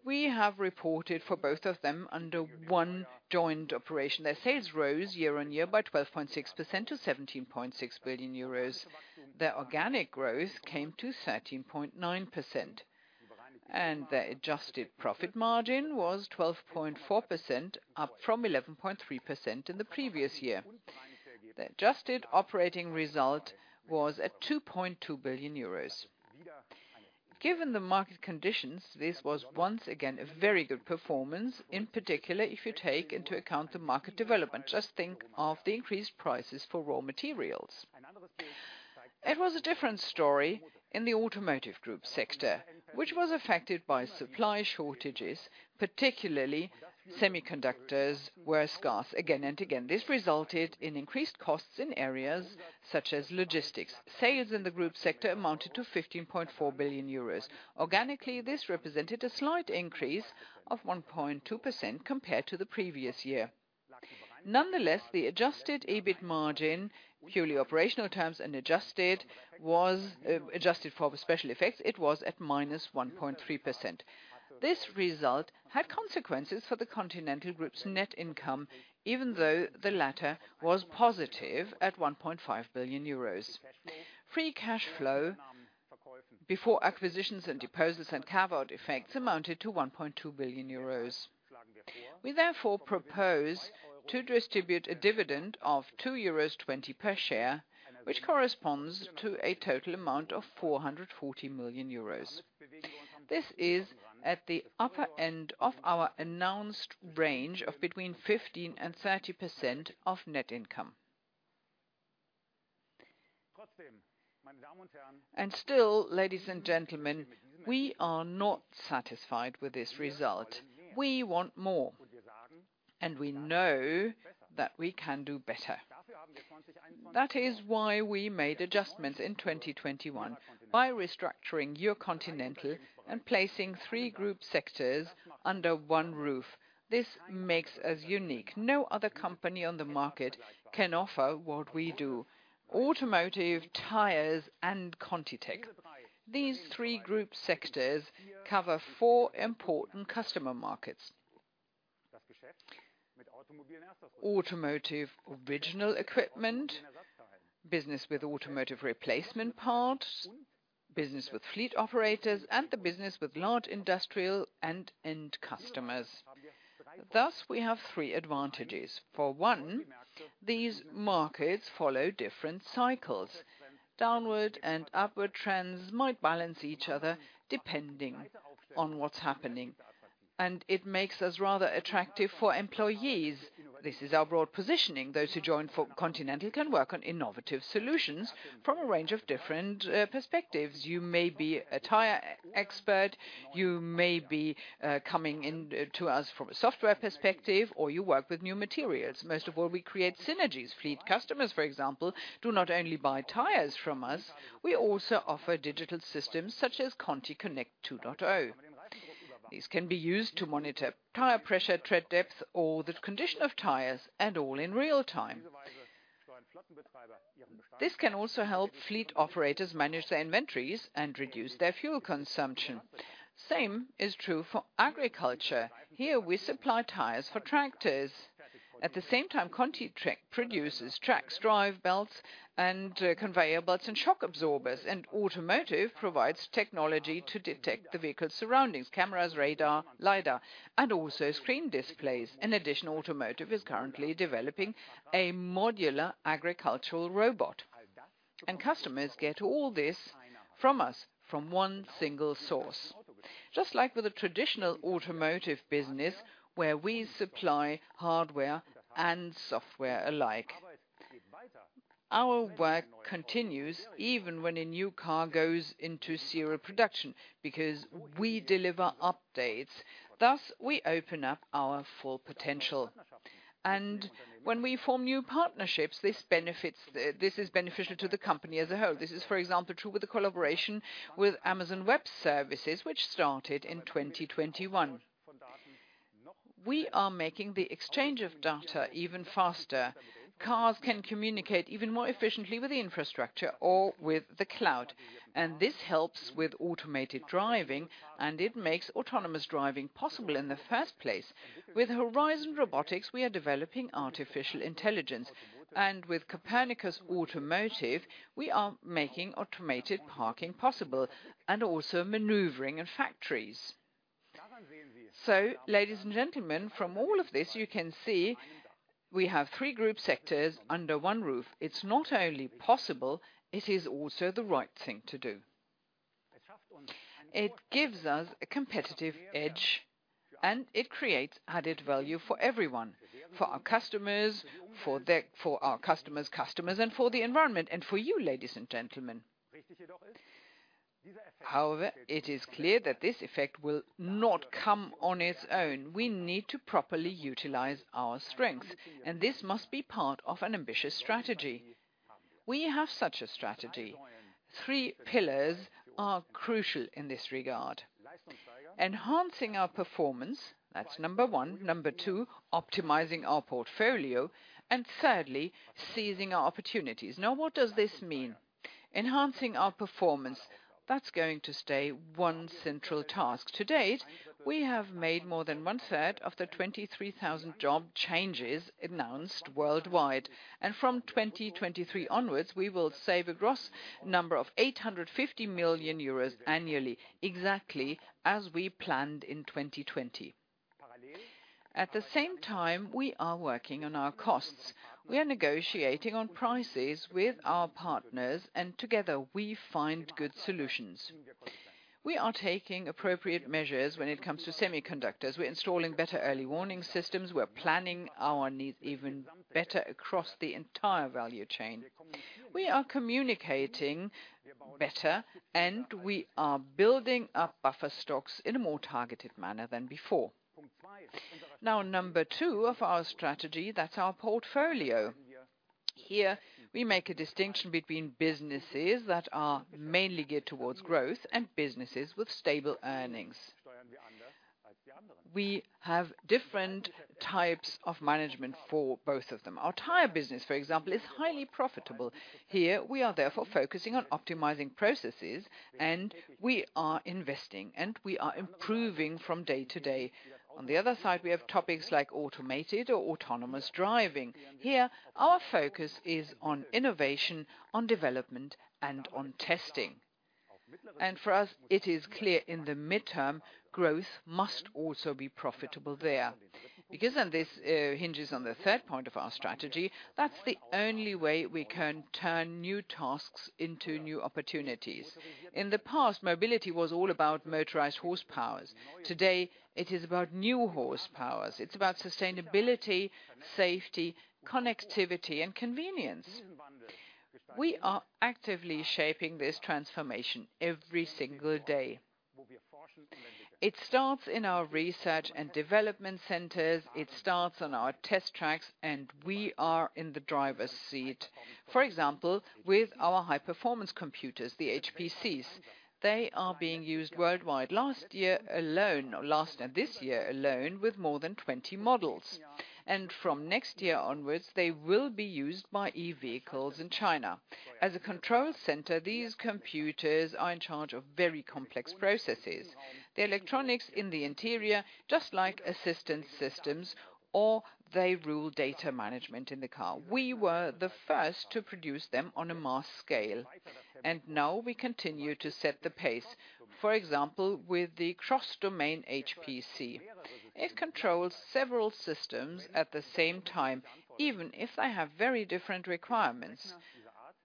We have reported for both of them under one joint operation. Their sales rose year-over-year by 12.6% to 17.6 billion euros. Their organic growth came to 13.9%, and their adjusted profit margin was 12.4%, up from 11.3% in the previous year. The adjusted operating result was at 2.2 billion euros. Given the market conditions, this was once again a very good performance, in particular, if you take into account the market development. Just think of the increased prices for raw materials. It was a different story in the Automotive group sector, which was affected by supply shortages. Particularly semiconductors were scarce again and again. This resulted in increased costs in areas such as logistics. Sales in the group sector amounted to 15.4 billion euros. Organically, this represented a slight increase of 1.2% compared to the previous year. Nonetheless, the Adjusted EBIT margin, purely operational terms and adjusted, was adjusted for the special effects, it was at -1.3%. This result had consequences for the Continental Group's net income, even though the latter was positive at 1.5 billion euros. Free cash flow before acquisitions and deposits and carve-out effects amounted to 1.2 billion euros. We therefore propose to distribute a dividend of 2.20 euros per share, which corresponds to a total amount of 440 million euros. This is at the upper end of our announced range of between 15%-30% of net income. Still, ladies and gentlemen, we are not satisfied with this result. We want more, and we know that we can do better. That is why we made adjustments in 2021 by restructuring your Continental and placing three group sectors under one roof. This makes us unique. No other company on the market can offer what we do. Automotive, tires, and ContiTech. These three group sectors cover four important customer markets. Automotive original equipment, business with automotive replacement parts, business with fleet operators, and the business with large industrial and end customers. Thus, we have three advantages. For one, these markets follow different cycles. Downward and upward trends might balance each other depending on what's happening. It makes us rather attractive for employees. This is our broad positioning. Those who join Continental can work on innovative solutions from a range of different perspectives. You may be a tire expert, you may be coming in to us from a software perspective, or you work with new materials. Most of all, we create synergies. Fleet customers, for example, do not only buy tires from us, we also offer digital systems such as ContiConnect 2.0. These can be used to monitor tire pressure, tread depth, or the condition of tires, and all in real time. This can also help fleet operators manage their inventories and reduce their fuel consumption. Same is true for agriculture. Here, we supply tires for tractors. At the same time, ContiTech produces tracks, drive belts, and conveyor belts and shock absorbers. Automotive provides technology to detect the vehicle's surroundings, cameras, radar, lidar, and also screen displays. In addition, Automotive is currently developing a modular agricultural robot. Customers get all this from us from one single source. Just like with a traditional automotive business, where we supply hardware and software alike. Our work continues even when a new car goes into serial production, because we deliver updates. Thus, we open up our full potential. When we form new partnerships, this benefits. This is beneficial to the company as a whole. This is, for example, true with the collaboration with Amazon Web Services, which started in 2021. We are making the exchange of data even faster. Cars can communicate even more efficiently with the infrastructure or with the cloud, and this helps with automated driving, and it makes autonomous driving possible in the first place. With Horizon Robotics, we are developing artificial intelligence. With Kopernikus Automotive, we are making automated parking possible and also maneuvering in factories. Ladies and gentlemen, from all of this, you can see we have three group sectors under one roof. It's not only possible, it is also the right thing to do. It gives us a competitive edge, and it creates added value for everyone, for our customers, for their, for our customers' customers, and for the environment, and for you, ladies and gentlemen. However, it is clear that this effect will not come on its own. We need to properly utilize our strengths, and this must be part of an ambitious strategy. We have such a strategy. Three pillars are crucial in this regard. Enhancing our performance, that's number one. Number two, optimizing our portfolio. Thirdly, seizing our opportunities. Now, what does this mean? Enhancing our performance, that's going to stay one central task. To date, we have made more than one-third of the 23,000 job changes announced worldwide. From 2023 onwards, we will save a gross 850 million euros annually, exactly as we planned in 2020. At the same time, we are working on our costs. We are negotiating on prices with our partners, and together we find good solutions. We are taking appropriate measures when it comes to semiconductors. We're installing better early warning systems. We're planning our needs even better across the entire value chain. We are communicating better, and we are building up buffer stocks in a more targeted manner than before. Now, number two of our strategy, that's our portfolio. Here, we make a distinction between businesses that are mainly geared towards growth and businesses with stable earnings. We have different types of management for both of them. Our tire business, for example, is highly profitable. Here, we are therefore focusing on optimizing processes, and we are investing, and we are improving from day to day. On the other side, we have topics like automated or autonomous driving. Here, our focus is on innovation, on development, and on testing. For us, it is clear in the midterm, growth must also be profitable there. Because then this hinges on the third point of our strategy. That's the only way we can turn new tasks into new opportunities. In the past, mobility was all about motorized horsepowers. Today, it is about new horsepowers. It's about sustainability, safety, connectivity, and convenience. We are actively shaping this transformation every single day. It starts in our research and development centers. It starts on our test tracks, and we are in the driver's seat. For example, with our high-performance computers, the HPCs. They are being used worldwide. Last year and this year alone, with more than 20 models. From next year onwards, they will be used by E-vehicles in China. As a control center, these computers are in charge of very complex processes. The electronics in the interior, just like assistance systems, or they rule data management in the car. We were the first to produce them on a mass scale, and now we continue to set the pace. For example, with the cross-domain HPC. It controls several systems at the same time, even if they have very different requirements.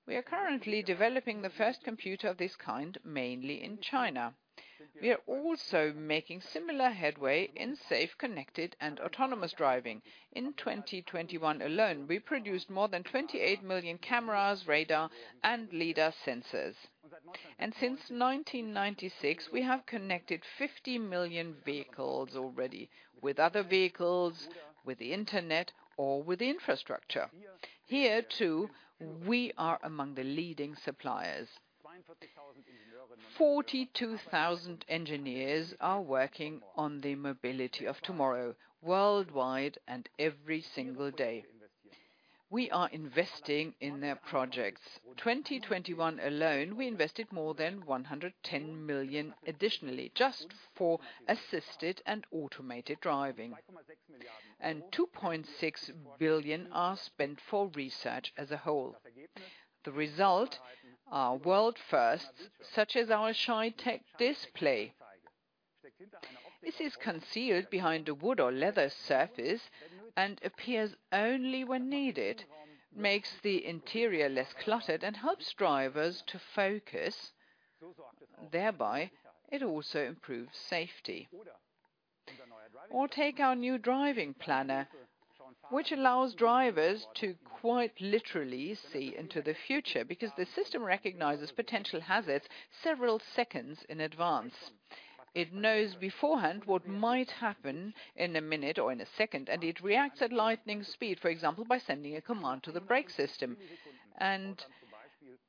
We are currently developing the first computer of this kind, mainly in China. We are also making similar headway in safe, connected, and autonomous driving. In 2021 alone, we produced more than 28 million cameras, radar, and lidar sensors. Since 1996, we have connected 50 million vehicles already with other vehicles, with the Internet or with the infrastructure. Here, too, we are among the leading suppliers. 42,000 engineers are working on the mobility of tomorrow worldwide and every single day. We are investing in their projects. In 2021 alone, we invested more than 110 million additionally just for assisted and automated driving. 2.6 billion are spent for research as a whole. The result are world firsts, such as our ShyTech display. This is concealed behind a wood or leather surface and appears only when needed, makes the interior less cluttered and helps drivers to focus. Thereby, it also improves safety. Take our new driving planner, which allows drivers to quite literally see into the future because the system recognizes potential hazards several seconds in advance. It knows beforehand what might happen in a minute or in a second, and it reacts at lightning speed, for example, by sending a command to the brake system.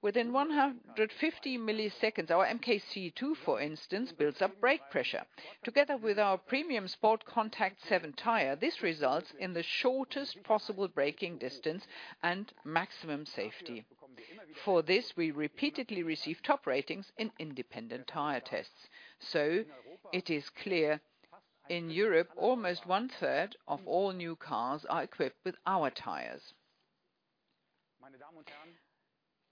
Within 150 milliseconds, our MK C2, for instance, builds up brake pressure. Together with our PremiumContact 7 tire, this results in the shortest possible braking distance and maximum safety. For this, we repeatedly receive top ratings in independent tire tests. It is clear in Europe, almost one-third of all new cars are equipped with our tires.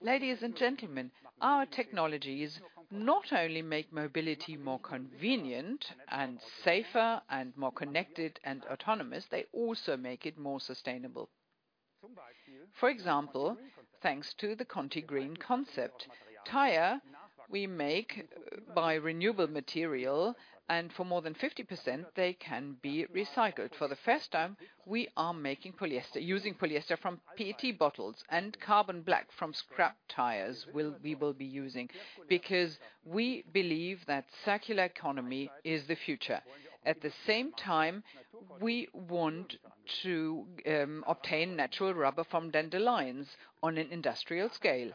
Ladies and gentlemen, our technologies not only make mobility more convenient and safer and more connected and autonomous, they also make it more sustainable. For example, thanks to the Conti GreenConcept tire we make by renewable material, and for more than 50%, they can be recycled. For the first time, we are making polyester using polyester from PET bottles and carbon black from scrap tires we will be using because we believe that circular economy is the future. At the same time, we want to obtain natural rubber from dandelions on an industrial scale.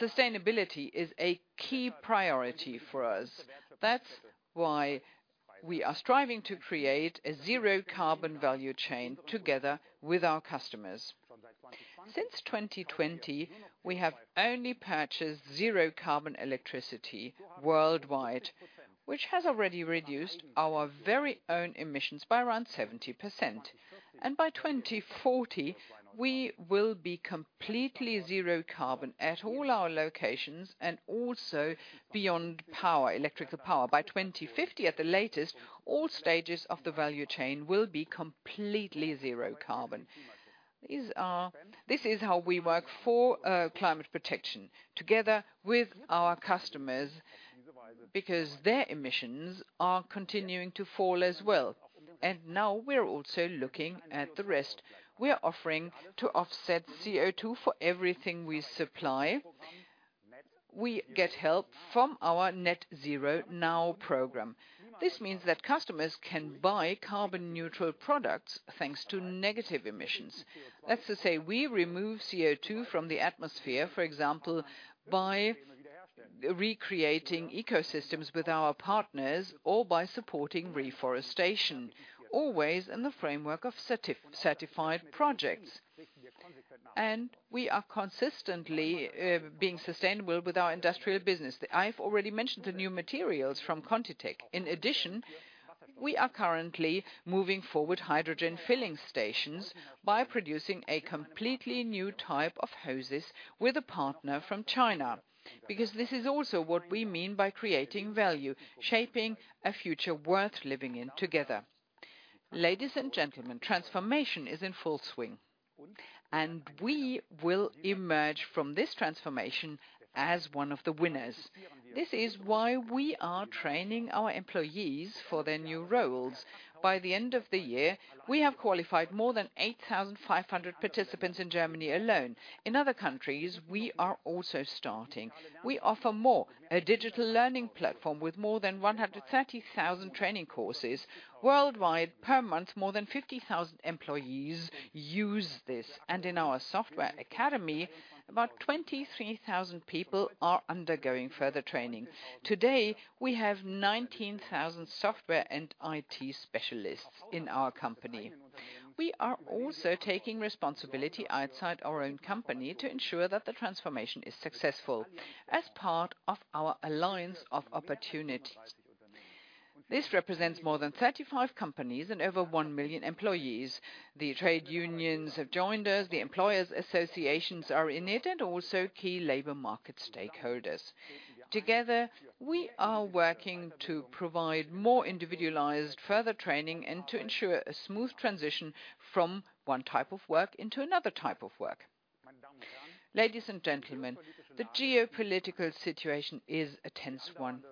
Sustainability is a key priority for us. That's why we are striving to create a zero carbon value chain together with our customers. Since 2020, we have only purchased zero carbon electricity worldwide, which has already reduced our very own emissions by around 70%. By 2040, we will be completely zero carbon at all our locations and also beyond power, electrical power. By 2050 at the latest, all stages of the value chain will be completely zero carbon. This is how we work for climate protection together with our customers because their emissions are continuing to fall as well. Now we're also looking at the rest. We are offering to offset CO2 for everything we supply. We get help from our Net|Zero|Now program. This means that customers can buy carbon neutral products, thanks to negative emissions. That's to say, we remove CO2 from the atmosphere, for example, by recreating ecosystems with our partners or by supporting reforestation, always in the framework of certified projects. We are consistently being sustainable with our industrial business. I've already mentioned the new materials from ContiTech. In addition, we are currently moving forward hydrogen filling stations by producing a completely new type of hoses with a partner from China. Because this is also what we mean by creating value, shaping a future worth living in together. Ladies and gentlemen, transformation is in full swing, and we will emerge from this transformation as one of the winners. This is why we are training our employees for their new roles. By the end of the year, we have qualified more than 8,500 participants in Germany alone. In other countries, we are also starting. We offer more, a digital learning platform with more than 130,000 training courses worldwide per month. More than 50,000 employees use this. In our software academy, about 23,000 people are undergoing further training. Today, we have 19,000 software and IT specialists in our company. We are also taking responsibility outside our own company to ensure that the transformation is successful as part of our alliance of opportunities. This represents more than 35 companies and over 1,000,000 employees. The trade unions have joined us, the employers associations are in it. Also key labor market stakeholders. Together, we are working to provide more individualized further training and to ensure a smooth transition from one type of work into another type of work. Ladies and gentlemen, the geopolitical situation is a tense one.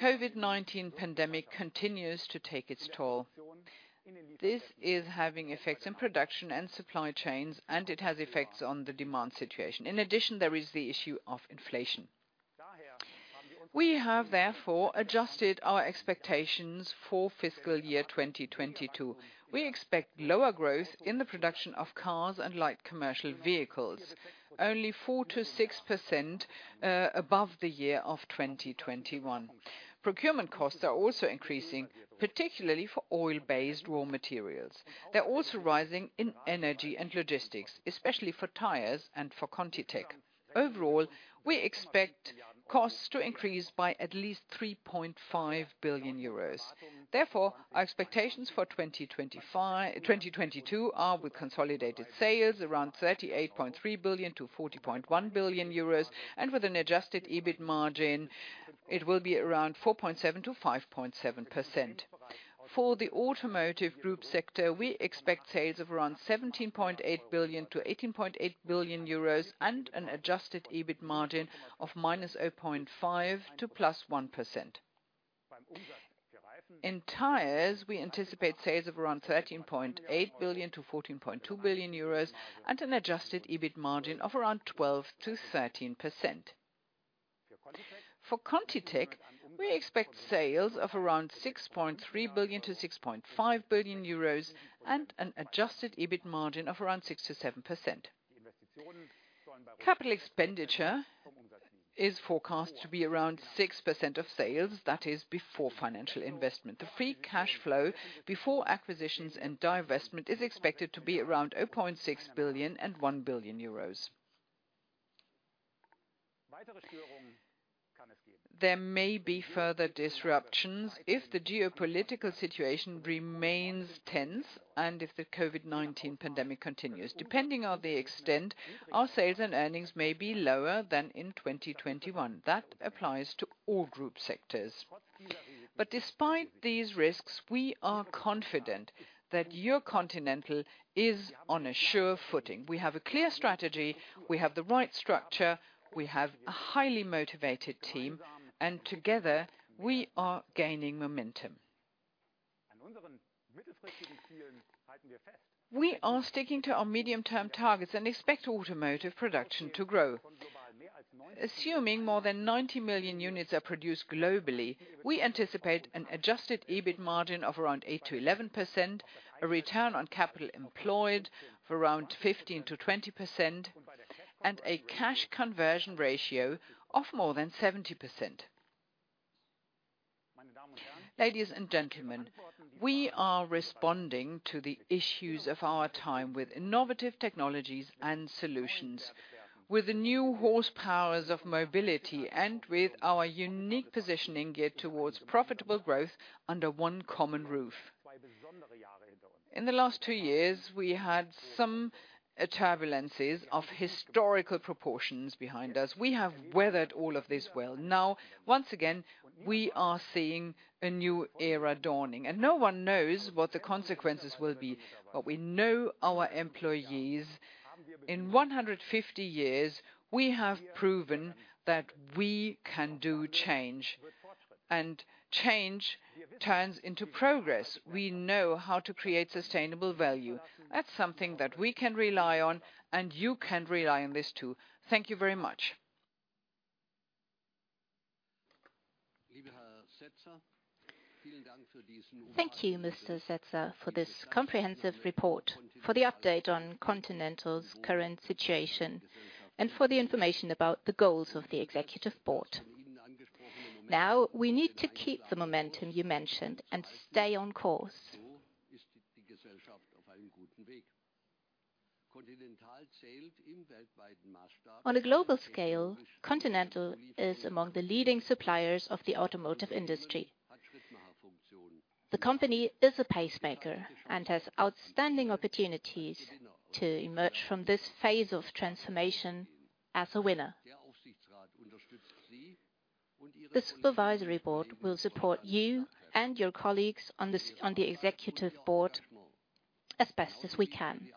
COVID-19 pandemic continues to take its toll. This is having effects in production and supply chains, and it has effects on the demand situation. In addition, there is the issue of inflation. We have therefore adjusted our expectations for fiscal year 2022. We expect lower growth in the production of cars and light commercial vehicles, only 4%-6% above the year of 2021. Procurement costs are also increasing, particularly for oil-based raw materials. They're also rising in energy and logistics, especially for tires and for ContiTech. Overall, we expect costs to increase by at least 3.5 billion euros. Therefore, our expectations for 2022 are with consolidated sales around 38.3 billion-40.1 billion euros, and with an Adjusted EBIT margin, it will be around 4.7%-5.7%. For the Automotive group sector, we expect sales of around 17.8 billion-18.8 billion euros and an Adjusted EBIT margin of -0.5% to +1%. In Tires, we anticipate sales of around 13.8 billion-14.2 billion euros and an Adjusted EBIT margin of around 12%-13%. For ContiTech, we expect sales of around 6.3 billion-6.5 billion euros and an Adjusted EBIT margin of around 6%-7%. Capital expenditure is forecast to be around 6% of sales, that is before financial investment. The free cash flow before acquisitions and divestment is expected to be around 0.6 billion and 1 billion euros. There may be further disruptions if the geopolitical situation remains tense and if the COVID-19 pandemic continues. Depending on the extent, our sales and earnings may be lower than in 2021. That applies to all group sectors. Despite these risks, we are confident that your Continental is on a sure footing. We have a clear strategy, we have the right structure, we have a highly motivated team, and together we are gaining momentum. We are sticking to our medium-term targets and expect Automotive production to grow. Assuming more than 90 million units are produced globally, we anticipate an Adjusted EBIT margin of around 8%-11%, a return on capital employed for around 15%-20%, and a cash conversion ratio of more than 70%. Ladies and gentlemen, we are responding to the issues of our time with innovative technologies and solutions, with the new horsepowers of mobility and with our unique positioning geared towards profitable growth under one common roof. In the last two years, we had some turbulences of historical proportions behind us. We have weathered all of this well. Now, once again, we are seeing a new era dawning, and no one knows what the consequences will be. We know our employees. In 150 years, we have proven that we can do change, and change turns into progress. We know how to create sustainable value. That's something that we can rely on, and you can rely on this, too. Thank you very much. Thank you, Mr. Setzer, for this comprehensive report, for the update on Continental's current situation, and for the information about the goals of the executive board. Now, we need to keep the momentum you mentioned and stay on course. On a global scale, Continental is among the leading suppliers of the automotive industry. The company is a pacemaker and has outstanding opportunities to emerge from this phase of transformation as a winner. The supervisory board will support you and your colleagues on this, on the executive board as best as we can.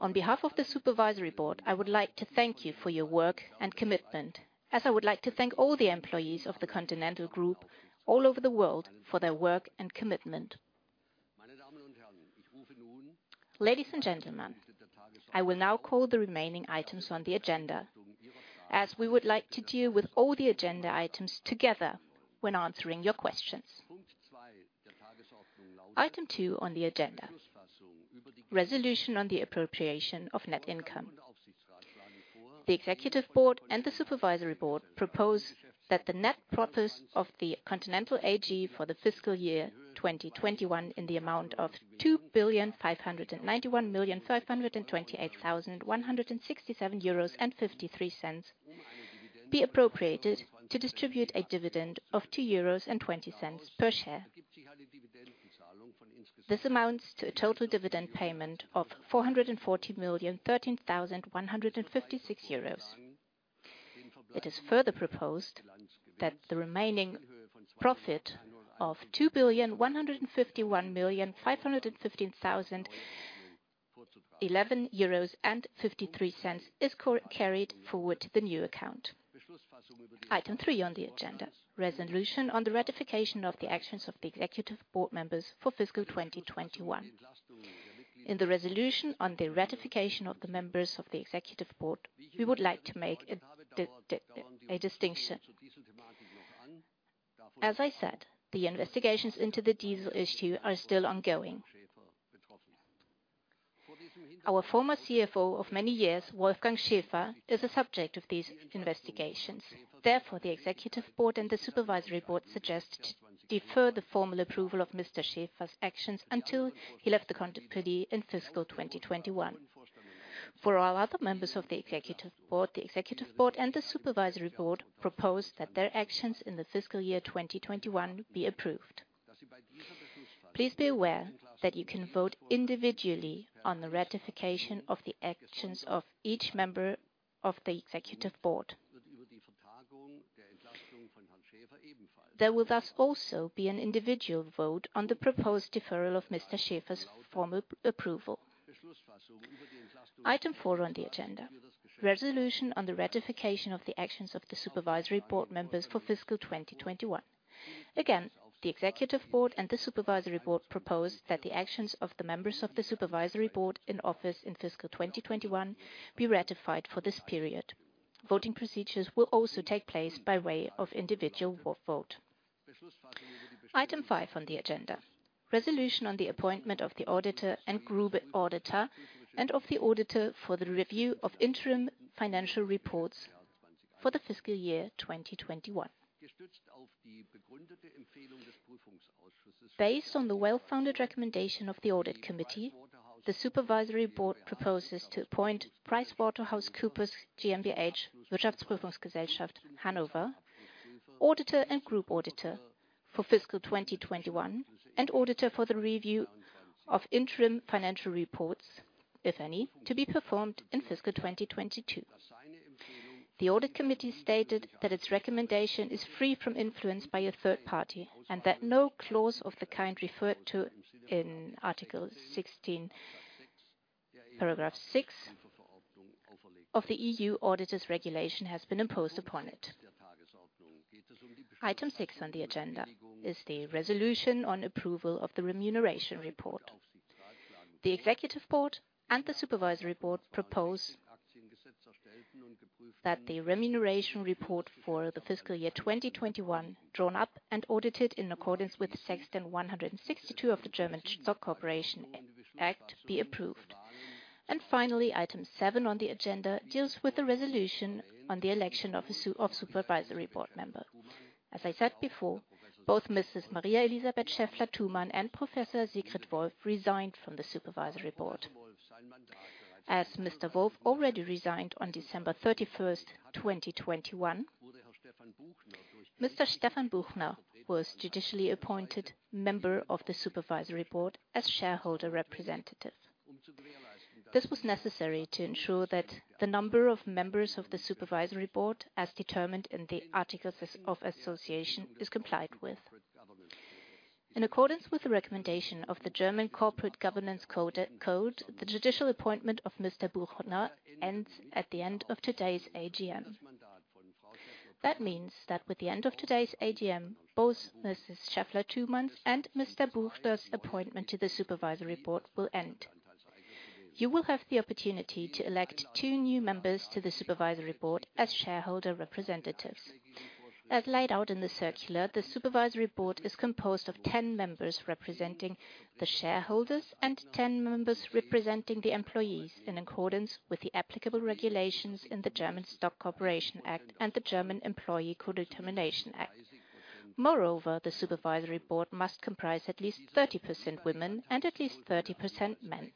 On behalf of the supervisory board, I would like to thank you for your work and commitment, as I would like to thank all the employees of the Continental Group all over the world for their work and commitment. Ladies and gentlemen, I will now call the remaining items on the agenda, as we would like to deal with all the agenda items together when answering your questions. Item two on the agenda, resolution on the appropriation of net income. The executive board and the supervisory board propose that the net profits of the Continental AG for the fiscal year 2021 in the amount of 2,591,528,167.53 euros be appropriated to distribute a dividend of 2.20 euros per share. This amounts to a total dividend payment of 440,013,156 euros. It is further proposed that the remaining profit of 2,151,515,011.53 euros is carried forward to the new account. Item 3 on the agenda, resolution on the ratification of the actions of the Executive Board members for fiscal 2021. In the resolution on the ratification of the members of the Executive Board, we would like to make a distinction. As I said, the investigations into the diesel issue are still ongoing. Our former CFO of many years, Wolfgang Schäfer, is a subject of these investigations. Therefore, the Executive Board and the Supervisory Board suggest to defer the formal approval of Mr. Schäfer's actions until he left the company in fiscal 2021. For all other members of the executive board, the executive board and the supervisory board propose that their actions in the fiscal year 2021 be approved. Please be aware that you can vote individually on the ratification of the actions of each member of the executive board. There will, thus, also be an individual vote on the proposed deferral of Mr. Schäfer's formal approval. Item four on the agenda: resolution on the ratification of the actions of the supervisory board members for fiscal 2021. Again, the executive board and the supervisory board propose that the actions of the members of the supervisory board in office in fiscal 2021 be ratified for this period. Voting procedures will also take place by way of individual vote. Item 5 on the agenda, resolution on the appointment of the auditor and group auditor and of the auditor for the review of interim financial reports for the fiscal year 2021. Based on the well-founded recommendation of the audit committee, the supervisory board proposes to appoint PricewaterhouseCoopers GmbH Wirtschaftsprüfungsgesellschaft, Hannover, auditor and group auditor for fiscal 2021, and auditor for the review of interim financial reports, if any, to be performed in fiscal 2022. The audit committee stated that its recommendation is free from influence by a third party, and that no clause of the kind referred to in Article 16, paragraph 6 of the EU Audit Regulation has been imposed upon it. Item 6 on the agenda is the resolution on approval of the remuneration report. The executive board and the supervisory board propose that the remuneration report for the fiscal year 2021 drawn up and audited in accordance with Section 162 of the German Stock Corporation Act be approved. Finally, Item 7 on the agenda deals with the resolution on the election of supervisory board member. As I said before, both Mrs. Maria-Elisabeth Schaeffler-Thumann and Professor Siegfried Wolf resigned from the supervisory board. As Mr. Wolf already resigned on December 31, 2021, Mr. Stefan E. Buchner was judicially appointed member of the supervisory board as shareholder representative. This was necessary to ensure that the number of members of the supervisory board, as determined in the articles of association, is complied with. In accordance with the recommendation of the German Corporate Governance Code, the judicial appointment of Mr. Buchner ends at the end of today's AGM. That means that with the end of today's AGM, both Mrs. Maria-Elisabeth Schaeffler-Thumann's and Mr. Stefan E. Buchner's appointment to the supervisory board will end. You will have the opportunity to elect two new members to the supervisory board as shareholder representatives. As laid out in the circular, the supervisory board is composed of 10 members representing the shareholders and 10 members representing the employees in accordance with the applicable regulations in the German Stock Corporation Act and the German Co-Determination Act. Moreover, the supervisory board must comprise at least 30% women and at least 30% men.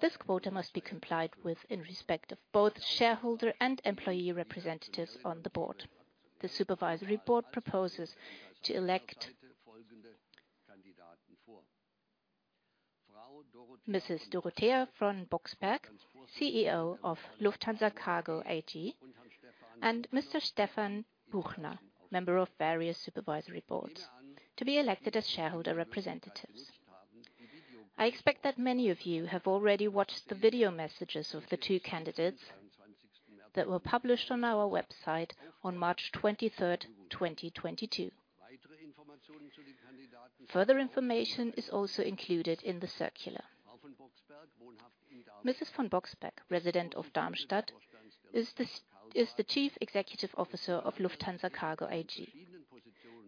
This quota must be complied with in respect of both shareholder and employee representatives on the board. The supervisory board proposes to elect Mrs. Dorothea von Boxberg, CEO of Lufthansa Cargo AG, and Mr. Stefan E. Buchner, member of various supervisory boards, to be elected as shareholder representatives. I expect that many of you have already watched the video messages of the two candidates that were published on our website on March 23, 2022. Further information is also included in the circular. Mrs. von Boxberg, resident of Darmstadt, is the Chief Executive Officer of Lufthansa Cargo AG.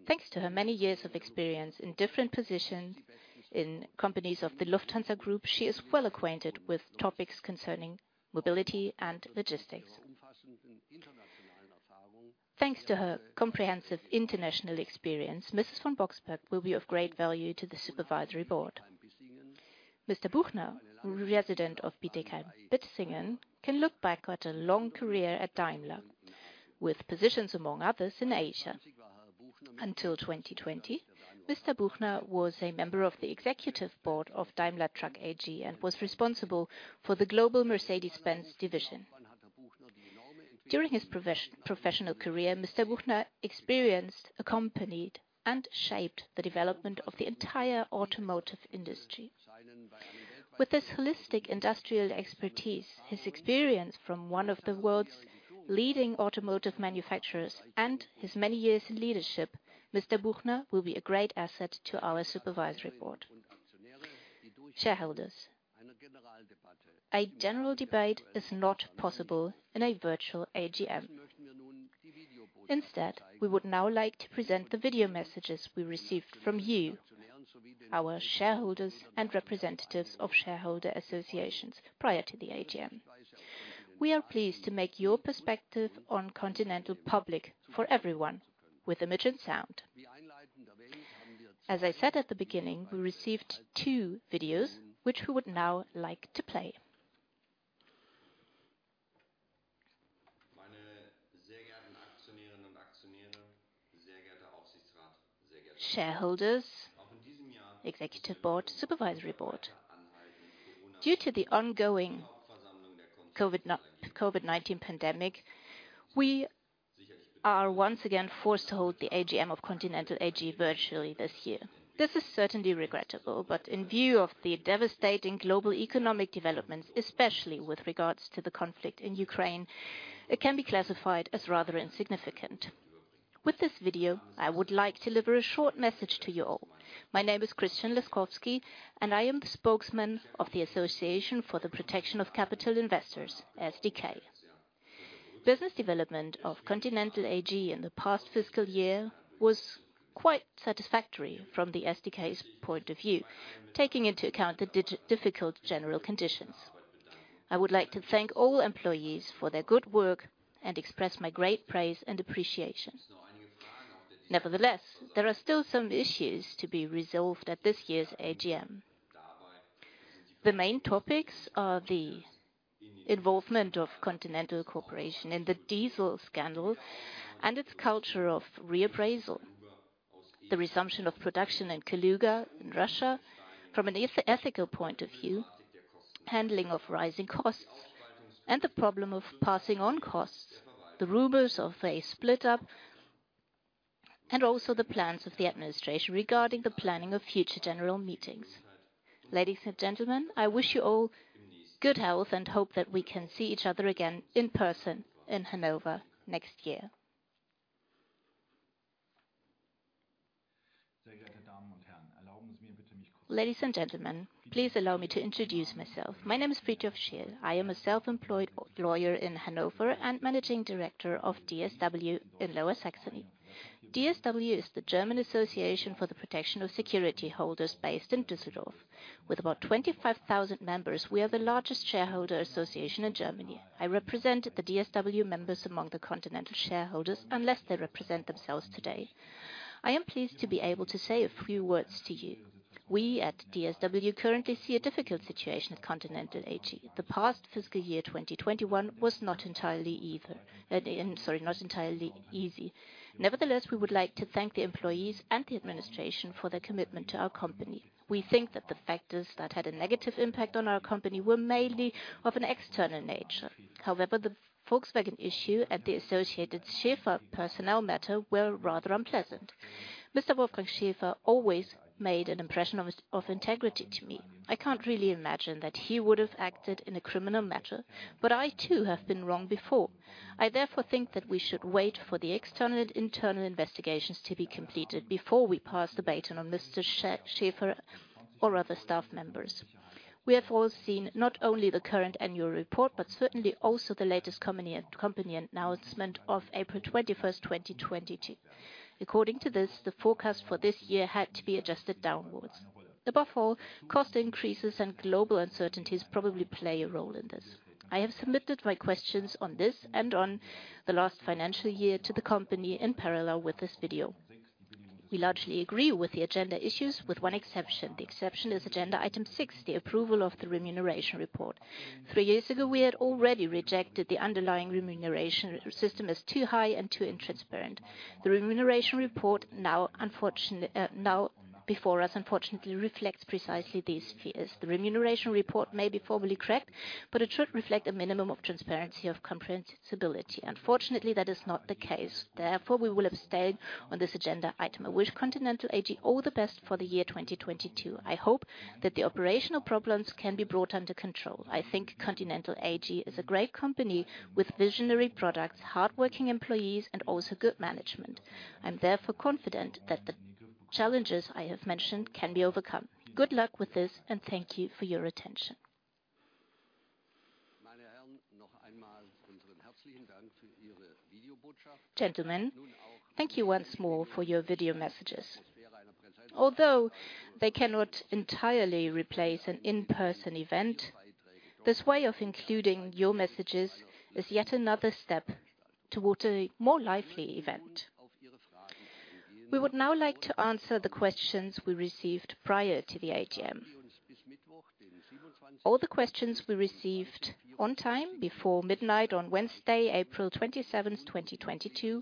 Thanks to her many years of experience in different positions in companies of the Lufthansa Group, she is well acquainted with topics concerning mobility and logistics. Thanks to her comprehensive international experience, Mrs. von Boxberg will be of great value to the Supervisory Board. Mr. Buchner, resident of Bietigheim-Bissingen, can look back at a long career at Daimler with positions, among others, in Asia. Until 2020, Mr. Buchner was a member of the executive board of Daimler Truck AG and was responsible for the global Mercedes-Benz division. During his professional career, Mr. Buchner experienced, accompanied, and shaped the development of the entire automotive industry. With this holistic industrial expertise, his experience from one of the world's leading automotive manufacturers, and his many years in leadership, Mr. Buchner will be a great asset to our supervisory board. Shareholders, a general debate is not possible in a virtual AGM. Instead, we would now like to present the video messages we received from you, our shareholders and representatives of shareholder associations prior to the AGM. We are pleased to make your perspective on Continental public for everyone with image and sound. As I said at the beginning, we received two videos, which we would now like to play. Shareholders, executive board, supervisory board. Due to the ongoing COVID-19 pandemic, we are once again forced to hold the AGM of Continental AG virtually this year. This is certainly regrettable, but in view of the devastating global economic developments, especially with regards to the conflict in Ukraine, it can be classified as rather insignificant. With this video, I would like to deliver a short message to you all. My name is Christian Laskowski, and I am the spokesman of the Association for the Protection of Capital Investors, SdK. Business development of Continental AG in the past fiscal year was quite satisfactory from the SdK's point of view, taking into account the despite difficult general conditions. I would like to thank all employees for their good work and express my great praise and appreciation. Nevertheless, there are still some issues to be resolved at this year's AGM. The main topics are the involvement of Continental AG in the diesel scandal and its culture of reappraisal, the resumption of production in Kaluga in Russia from an ethical point of view, handling of rising costs, and the problem of passing on costs, the rumors of a split-up, and also the plans of the administration regarding the planning of future general meetings. Ladies and gentlemen, I wish you all good health and hope that we can see each other again in person in Hanover next year. Ladies and gentlemen, please allow me to introduce myself. My name is Fridtjof Schill. I am a self-employed lawyer in Hanover and Managing Director of DSW in Lower Saxony. DSW is the German Association for the Protection of Security Holders based in Düsseldorf. With about 25,000 members, we are the largest shareholder association in Germany. I represent the DSW members among the Continental shareholders unless they represent themselves today. I am pleased to be able to say a few words to you. We at DSW currently see a difficult situation at Continental AG. The past fiscal year 2021 was not entirely easy. Nevertheless, we would like to thank the employees and the administration for their commitment to our company. We think that the factors that had a negative impact on our company were mainly of an external nature. However, the Volkswagen issue and the associated Schäfer personnel matter were rather unpleasant. Mr. Wolfgang Schäfer always made an impression of integrity to me. I can't really imagine that he would have acted in a criminal matter, but I, too, have been wrong before. I therefore think that we should wait for the external and internal investigations to be completed before we pass the baton on Mr. Schäfer or other staff members. We have all seen not only the current annual report, but certainly also the latest company announcement of April 21, 2022. According to this, the forecast for this year had to be adjusted downwards. Above all, cost increases and global uncertainties probably play a role in this. I have submitted my questions on this and on the last financial year to the company in parallel with this video. We largely agree with the agenda issues with one exception. The exception is agenda Item 6, the approval of the remuneration report. Three years ago, we had already rejected the underlying remuneration system as too high and too intransparent. The remuneration report now unfortunate. Now before us, unfortunately reflects precisely these fears. The remuneration report may be formally correct, but it should reflect a minimum of transparency, of comprehensibility. Unfortunately, that is not the case. Therefore, we will abstain on this agenda item. I wish Continental AG all the best for the year 2022. I hope that the operational problems can be brought under control. I think Continental AG is a great company with visionary products, hardworking employees, and also good management. I'm therefore confident that the challenges I have mentioned can be overcome. Good luck with this, and thank you for your attention. Gentlemen, thank you once more for your video messages. Although they cannot entirely replace an in-person event, this way of including your messages is yet another step toward a more lively event. We would now like to answer the questions we received prior to the AGM. All the questions we received on time before midnight on Wednesday, April 27, 2022,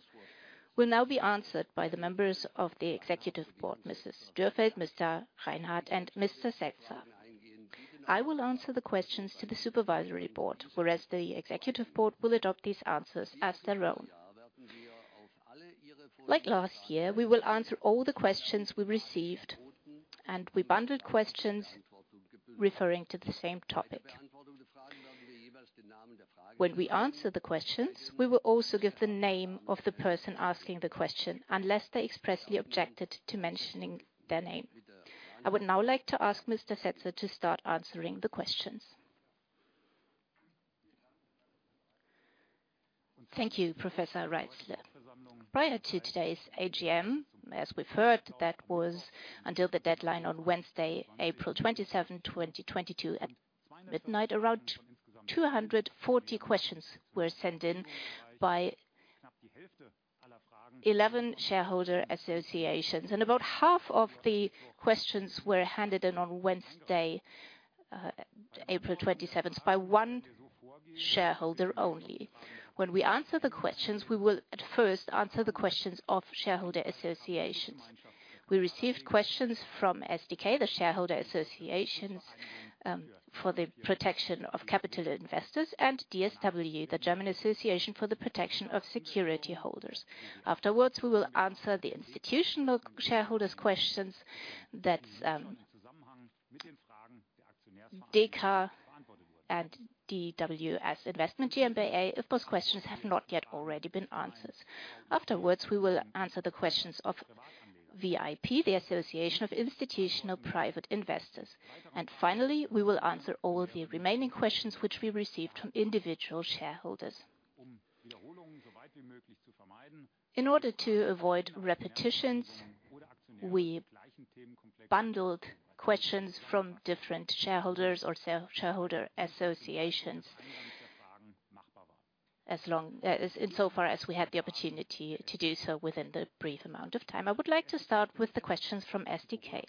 will now be answered by the members of the executive board, Mrs. Dürrfeld, Dr. Ariane Reinhart, and Mr. Setzer. I will answer the questions to the supervisory board, whereas the executive board will adopt these answers as their own. Like last year, we will answer all the questions we received, and we bundled questions referring to the same topic. When we answer the questions, we will also give the name of the person asking the question, unless they expressly objected to mentioning their name. I would now like to ask Mr. Setzer to start answering the questions. Thank you, Professor Reitzle. Prior to today's AGM, as we've heard, that was until the deadline on Wednesday, April 27, 2022 at midnight. Around 240 questions were sent in by 11 shareholder associations, and about half of the questions were handed in on Wednesday, April 27th, by one shareholder only. When we answer the questions, we will at first answer the questions of shareholder associations. We received questions from SdK, the Shareholder Associations for the Protection of Capital Investors, and DSW, the German Association for the Protection of Security Holders. Afterwards, we will answer the institutional shareholders questions that Deka and DWS Investment GmbH, if those questions have not yet already been answered. Afterwards, we will answer the questions of VIP, the Association of Institutional Private Investors. Finally, we will answer all the remaining questions which we received from individual shareholders. In order to avoid repetitions, we bundled questions from different shareholders or shareholder associations insofar as we have the opportunity to do so within the brief amount of time. I would like to start with the questions from SdK.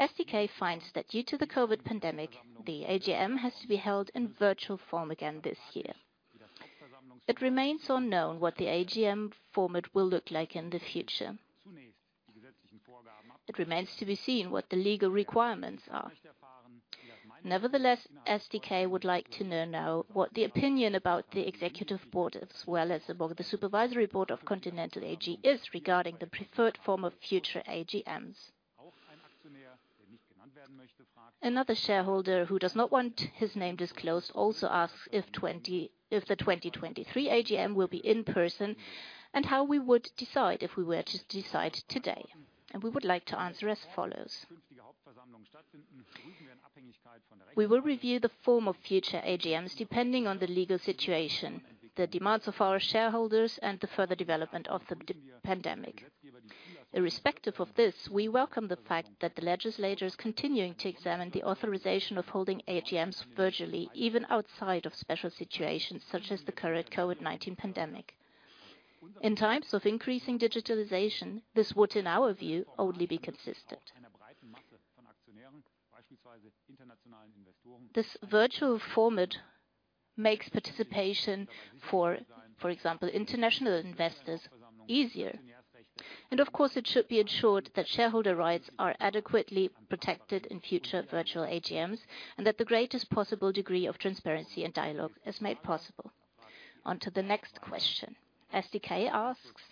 SdK finds that due to the COVID pandemic, the AGM has to be held in virtual form again this year. It remains unknown what the AGM format will look like in the future. It remains to be seen what the legal requirements are. Nevertheless, SdK would like to know now what the opinion about the Executive Board, as well as the board of the Supervisory Board of Continental AG is regarding the preferred form of future AGMs. Another shareholder who does not want his name disclosed also asks if the 2023 AGM will be in person and how we would decide if we were to decide today. We would like to answer as follows. We will review the form of future AGMs depending on the legal situation, the demands of our shareholders, and the further development of the pandemic. Irrespective of this, we welcome the fact that the legislator is continuing to examine the authorization of holding AGMs virtually, even outside of special situations such as the current COVID-19 pandemic. In times of increasing digitalization, this would, in our view, only be consistent. This virtual format makes participation, for example, international investors easier. Of course it should be ensured that shareholder rights are adequately protected in future virtual AGMs, and that the greatest possible degree of transparency and dialogue is made possible. On to the next question. SdK asks,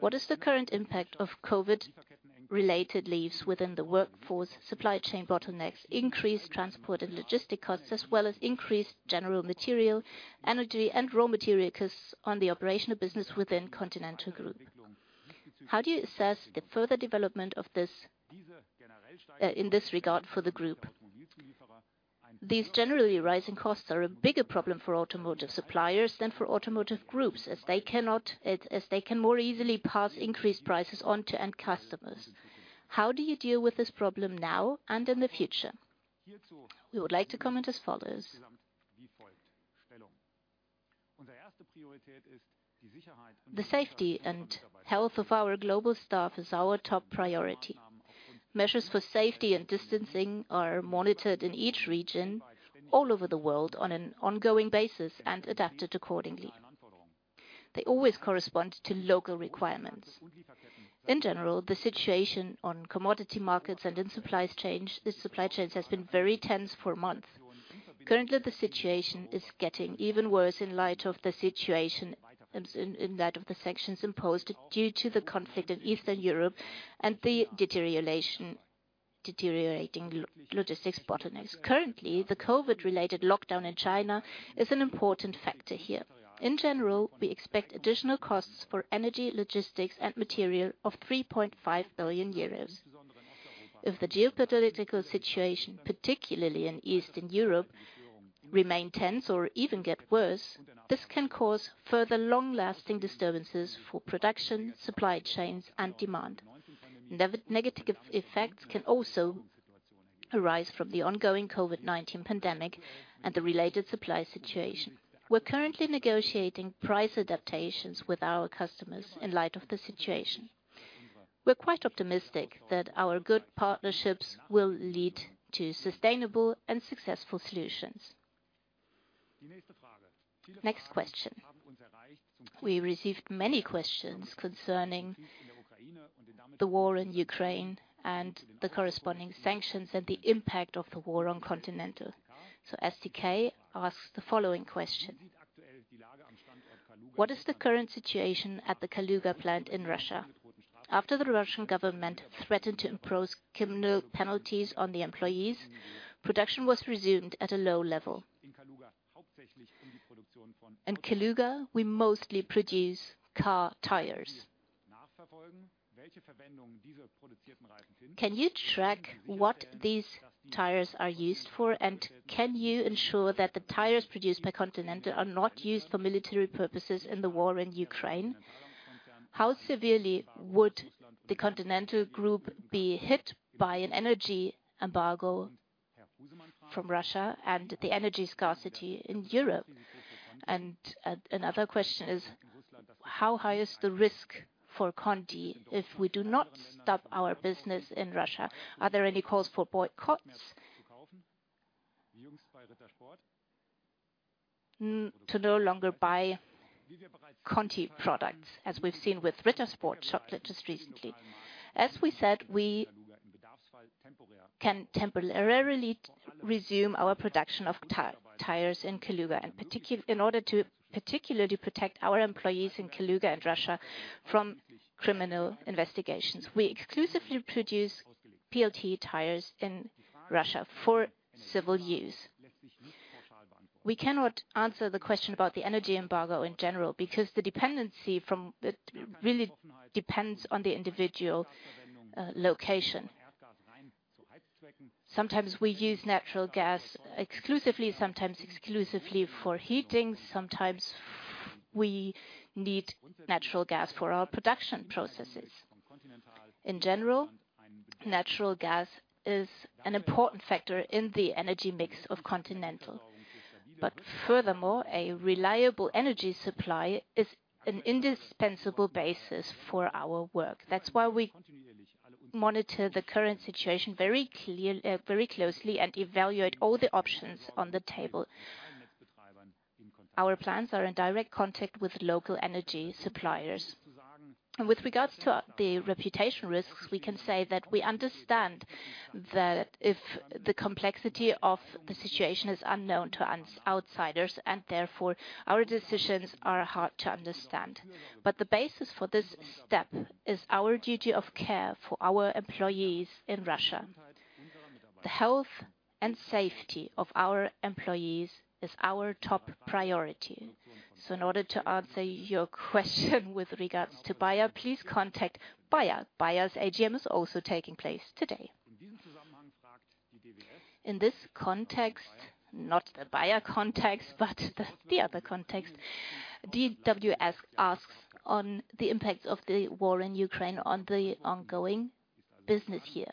what is the current impact of COVID-related leaves within the workforce, supply chain bottlenecks, increased transport and logistic costs, as well as increased general material, energy and raw material costs on the operational business within Continental Group? How do you assess the further development of this, in this regard for the group? These generally rising costs are a bigger problem for automotive suppliers than for automotive groups, as they can more easily pass increased prices on to end customers. How do you deal with this problem now and in the future? We would like to comment as follows. The safety and health of our global staff is our top priority. Measures for safety and distancing are monitored in each region all over the world on an ongoing basis and adapted accordingly. They always correspond to local requirements. In general, the situation on commodity markets and in supplies change, the supply chains has been very tense for months. Currently, the situation is getting even worse in light of the sanctions imposed due to the conflict in Eastern Europe and the deteriorating logistics bottlenecks. Currently, the COVID-related lockdown in China is an important factor here. In general, we expect additional costs for energy, logistics and material of 3.5 billion euros. If the geopolitical situation, particularly in Eastern Europe, remain tense or even get worse, this can cause further long-lasting disturbances for production, supply chains and demand. Negative effects can also arise from the ongoing COVID-19 pandemic and the related supply situation. We're currently negotiating price adaptations with our customers in light of the situation. We're quite optimistic that our good partnerships will lead to sustainable and successful solutions. Next question. We received many questions concerning the war in Ukraine and the corresponding sanctions and the impact of the war on Continental. SdK asks the following question: What is the current situation at the Kaluga plant in Russia? After the Russian government threatened to impose criminal penalties on the employees, production was resumed at a low level. In Kaluga, we mostly produce car tires. Can you track what these tires are used for? And can you ensure that the tires produced by Continental are not used for military purposes in the war in Ukraine? How severely would the Continental Group be hit by an energy embargo from Russia and the energy scarcity in Europe? Another question is, how high is the risk for Conti if we do not stop our business in Russia? Are there any calls for boycotts to no longer buy Conti products, as we've seen with Ritter Sport chocolate just recently? As we said, we can temporarily resume our production of tires in Kaluga, in order to particularly protect our employees in Kaluga and Russia from criminal investigations. We exclusively produce PLT tires in Russia for civil use. We cannot answer the question about the energy embargo in general because the dependency from it really depends on the individual location. Sometimes we use natural gas exclusively, sometimes exclusively for heating, sometimes we need natural gas for our production processes. In general, natural gas is an important factor in the energy mix of Continental. Furthermore, a reliable energy supply is an indispensable basis for our work. That's why we monitor the current situation very clear, very closely and evaluate all the options on the table. Our plants are in direct contact with local energy suppliers. With regards to the reputation risks, we can say that we understand that if the complexity of the situation is unknown to outsiders, and therefore our decisions are hard to understand. The basis for this step is our duty of care for our employees in Russia. The health and safety of our employees is our top priority. In order to answer your question with regards to Bayer, please contact Bayer. Bayer's AGM is also taking place today. In this context, not the Bayer context, but the other context, DWS asks on the impact of the war in Ukraine on the ongoing business year.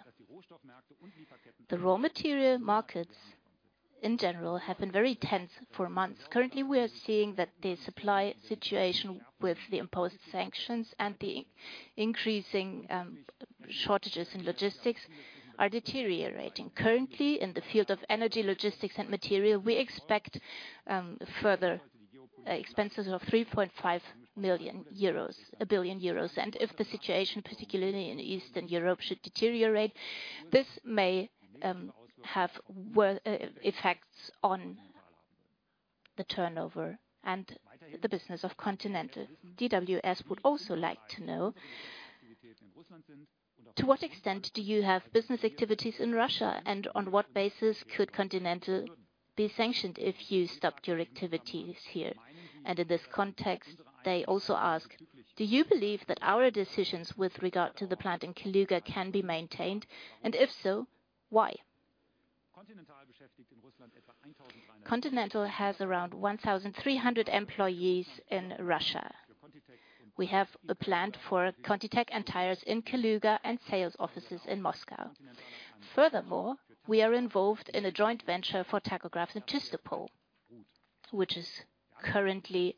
The raw material markets in general have been very tense for months. Currently, we are seeing that the supply situation with the imposed sanctions and the increasing shortages in logistics are deteriorating. Currently, in the field of energy, logistics, and material, we expect further expenses of 3.5 million euros, 1 billion euros. If the situation, particularly in Eastern Europe, should deteriorate, this may have effects on the turnover and the business of Continental. DWS would also like to know, to what extent do you have business activities in Russia, and on what basis could Continental be sanctioned if you stopped your activities here? In this context, they also ask, do you believe that our decisions with regard to the plant in Kaluga can be maintained? If so, why? Continental has around 1,300 employees in Russia. We have a plant for ContiTech and tires in Kaluga and sales offices in Moscow. Furthermore, we are involved in a joint venture for tachograph in Tver, which is currently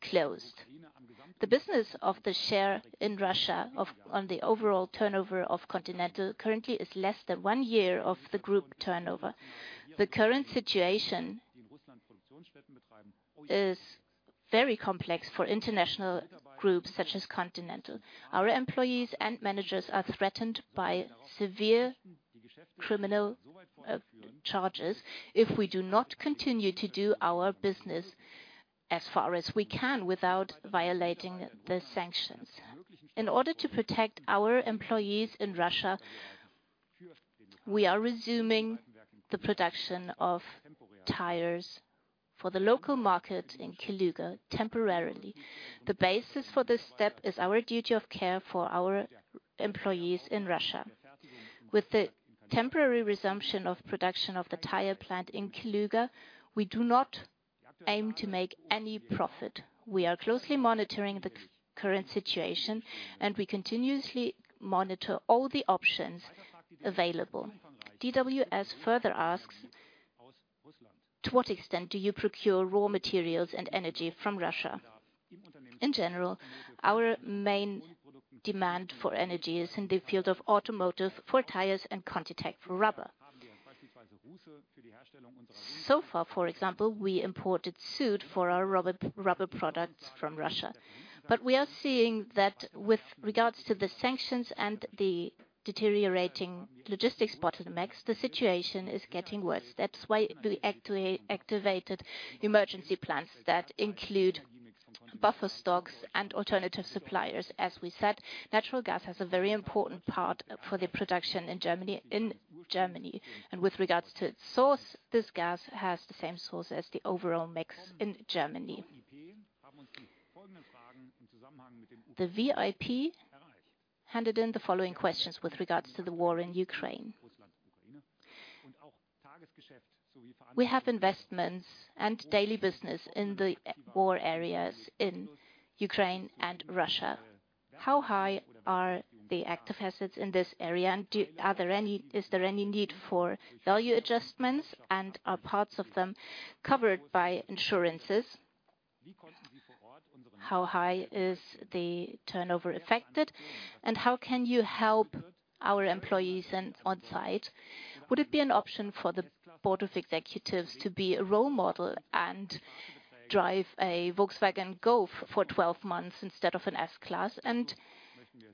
closed. The business share in Russia of, on the overall turnover of Continental currently is less than one percent of the group turnover. The current situation is very complex for international groups such as Continental. Our employees and managers are threatened by severe criminal charges if we do not continue to do our business as far as we can without violating the sanctions. In order to protect our employees in Russia, we are resuming the production of tires for the local market in Kaluga temporarily. The basis for this step is our duty of care for our employees in Russia. With the temporary resumption of production of the tire plant in Kaluga, we do not aim to make any profit. We are closely monitoring the current situation, and we continuously monitor all the options available. DWS further asks, to what extent do you procure raw materials and energy from Russia? In general, our main demand for energy is in the field of Automotive for Tires and ContiTech for rubber. So far, for example, we imported soot for our rubber products from Russia. But we are seeing that with regards to the sanctions and the deteriorating logistics bottlenecks, the situation is getting worse. That's why we activated emergency plans that include buffer stocks and alternative suppliers. As we said, natural gas has a very important part for the production in Germany. In Germany, and with regards to its source, this gas has the same source as the overall mix in Germany. The VIP handed in the following questions with regards to the war in Ukraine. We have investments and daily business in the war areas in Ukraine and Russia. How high are the active assets in this area, and is there any need for value adjustments, and are parts of them covered by insurances? How high is the turnover affected, and how can you help our employees and on site? Would it be an option for the board of executives to be a role model and drive a Volkswagen Golf for 12 months instead of an S-Class and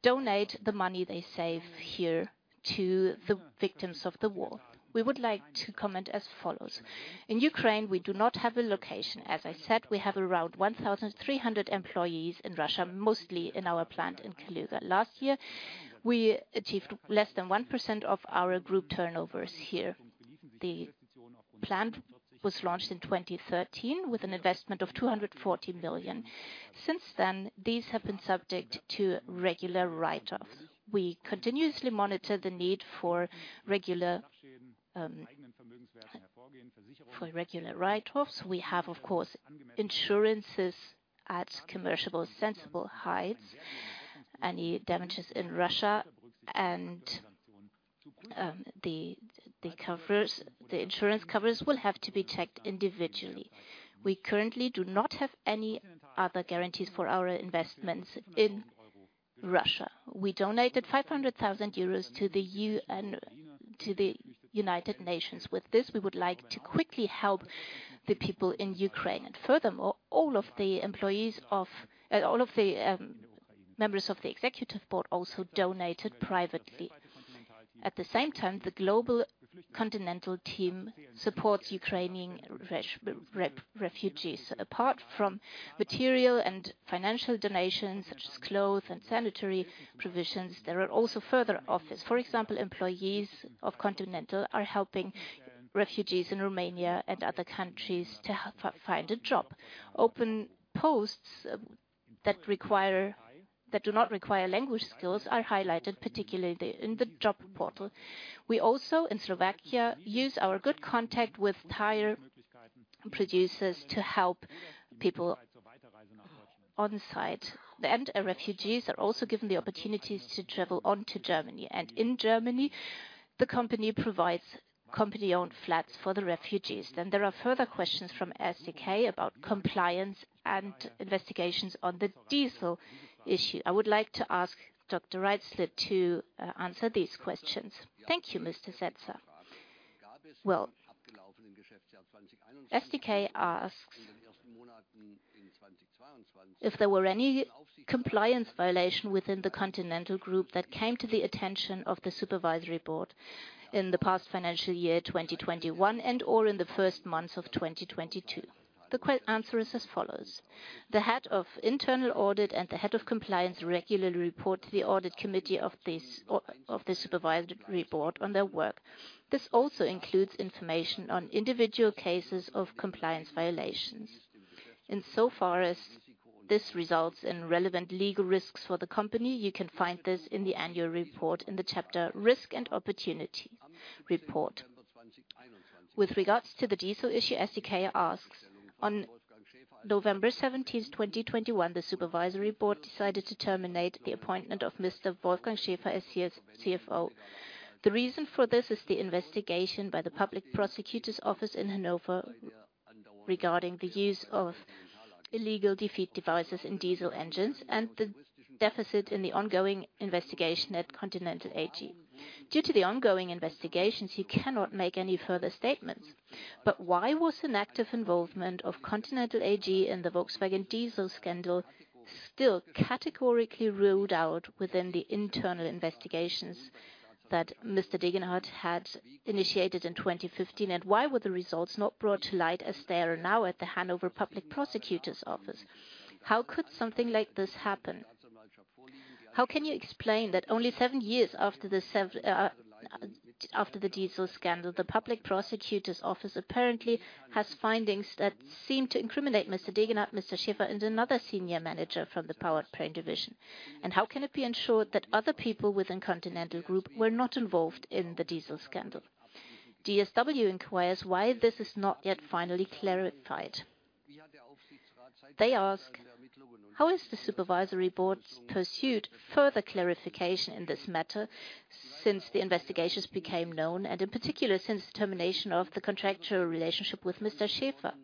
donate the money they save here to the victims of the war? We would like to comment as follows. In Ukraine, we do not have a location. As I said, we have around 1,300 employees in Russia, mostly in our plant in Kaluga. Last year, we achieved less than 1% of our group turnovers here. The plant was launched in 2013 with an investment of 240 million. Since then, these have been subject to regular write-offs. We continuously monitor the need for regular write-offs. We have, of course, insurances at commercial sensible heights. Any damages in Russia and the covers, the insurance covers will have to be checked individually. We currently do not have any other guarantees for our investments in Russia. We donated 500,000 euros to the UN, to the United Nations. With this, we would like to quickly help the people in Ukraine. Furthermore, all of the members of the executive board also donated privately. At the same time, the global Continental team supports Ukrainian refugees. Apart from material and financial donations, such as clothes and sanitary provisions, there are also further offers. For example, employees of Continental are helping refugees in Romania and other countries to help find a job. Open posts that do not require language skills are highlighted, particularly in the job portal. We also in Slovakia use our good contact with tire producers to help people on site. Refugees are also given the opportunities to travel on to Germany. In Germany, the company provides company-owned flats for the refugees. There are further questions from SdK about compliance and investigations on the diesel issue. I would like to ask Dr. Reitzle to answer these questions. Thank you, Mr. Setzer. Well, SdK asks if there were any compliance violation within the Continental group that came to the attention of the supervisory board in the past financial year, 2021, and/or in the first months of 2022. The answer is as follows: the head of internal audit and the head of compliance regularly report to the audit committee of the supervisory board on their work. This also includes information on individual cases of compliance violations. Insofar as this results in relevant legal risks for the company, you can find this in the annual report in the chapter Risk and Opportunity Report. With regards to the diesel issue, SdK asks, on November 17, 2021, the supervisory board decided to terminate the appointment of Mr. Wolfgang Schäfer as his CFO. The reason for this is the investigation by the Public Prosecutor's Office in Hanover regarding the use of illegal defeat devices in diesel engines and the defect in the ongoing investigation at Continental AG. Due to the ongoing investigations, he cannot make any further statements. Why was an active involvement of Continental AG in the Volkswagen diesel scandal still categorically ruled out within the internal investigations that Mr. Degenhart had initiated in 2015? Why were the results not brought to light as they are now at the Hanover Public Prosecutor's Office? How could something like this happen? How can you explain that only seven years after the diesel scandal, the Public Prosecutor's Office apparently has findings that seem to incriminate Mr. Degenhart, Mr. Schäfer, and another Senior Manager from the Powertrain division. How can it be ensured that other people within Continental AG were not involved in the diesel scandal? DSW inquires why this is not yet finally clarified. They ask, how has the supervisory board pursued further clarification in this matter since the investigations became known, and in particular, since the termination of the contractual relationship with Mr. Schäfer?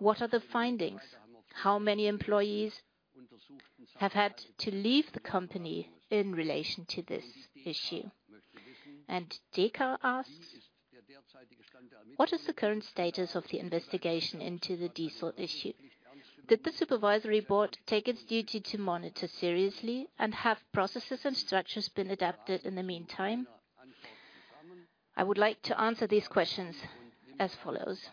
What are the findings? How many employees have had to leave the company in relation to this issue? Deka asks, what is the current status of the investigation into the diesel issue? Did the supervisory board take its duty to monitor seriously, and have processes and structures been adapted in the meantime? I would like to answer these questions as follows.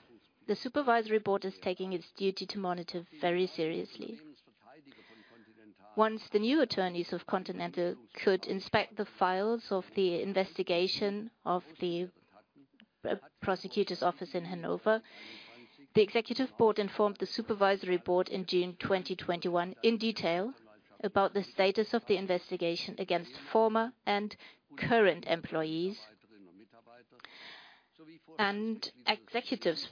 The supervisory board is taking its duty to monitor very seriously. Once the new attorneys of Continental could inspect the files of the investigation of the prosecutor's office in Hanover, the executive board informed the supervisory board in June 2021 in detail about the status of the investigation against former and current employees and executives.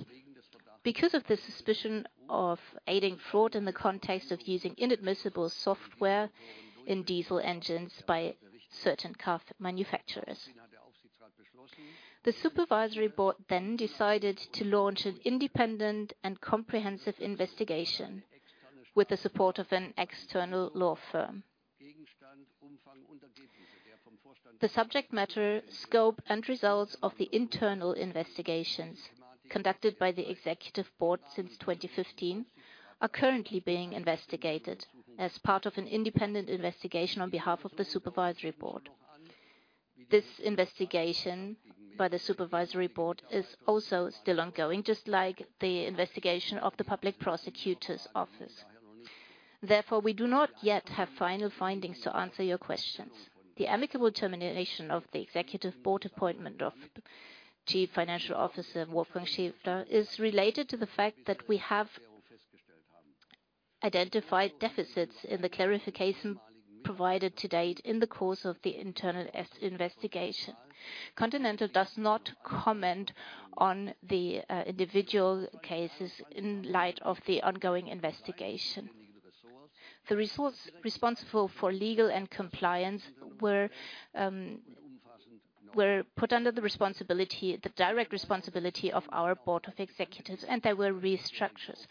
Because of the suspicion of aiding fraud in the context of using inadmissible software in diesel engines by certain car manufacturers. The supervisory board then decided to launch an independent and comprehensive investigation with the support of an external law firm. The subject matter, scope, and results of the internal investigations conducted by the executive board since 2015 are currently being investigated as part of an independent investigation on behalf of the supervisory board. This investigation by the supervisory board is also still ongoing, just like the investigation of the public prosecutor's office. Therefore, we do not yet have final findings to answer your questions. The amicable termination of the executive board appointment of Chief Financial Officer Wolfgang Schäfer is related to the fact that we have identified deficits in the clarification provided to date in the course of the internal investigation. Continental does not comment on the individual cases in light of the ongoing investigation. The resources responsible for legal and compliance were put under the responsibility, the direct responsibility of our board of executives, and they were restructured.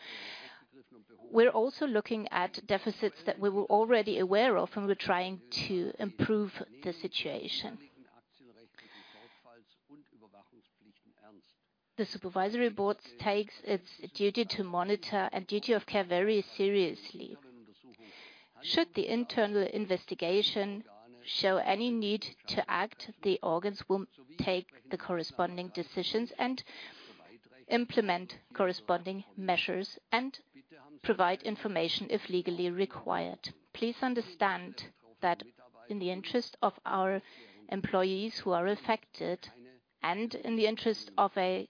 We're also looking at deficits that we were already aware of, and we're trying to improve the situation. The supervisory board takes its duty to monitor and duty of care very seriously. Should the internal investigation show any need to act, the organs will take the corresponding decisions and implement corresponding measures and provide information if legally required. Please understand that in the interest of our employees who are affected, and in the interest of a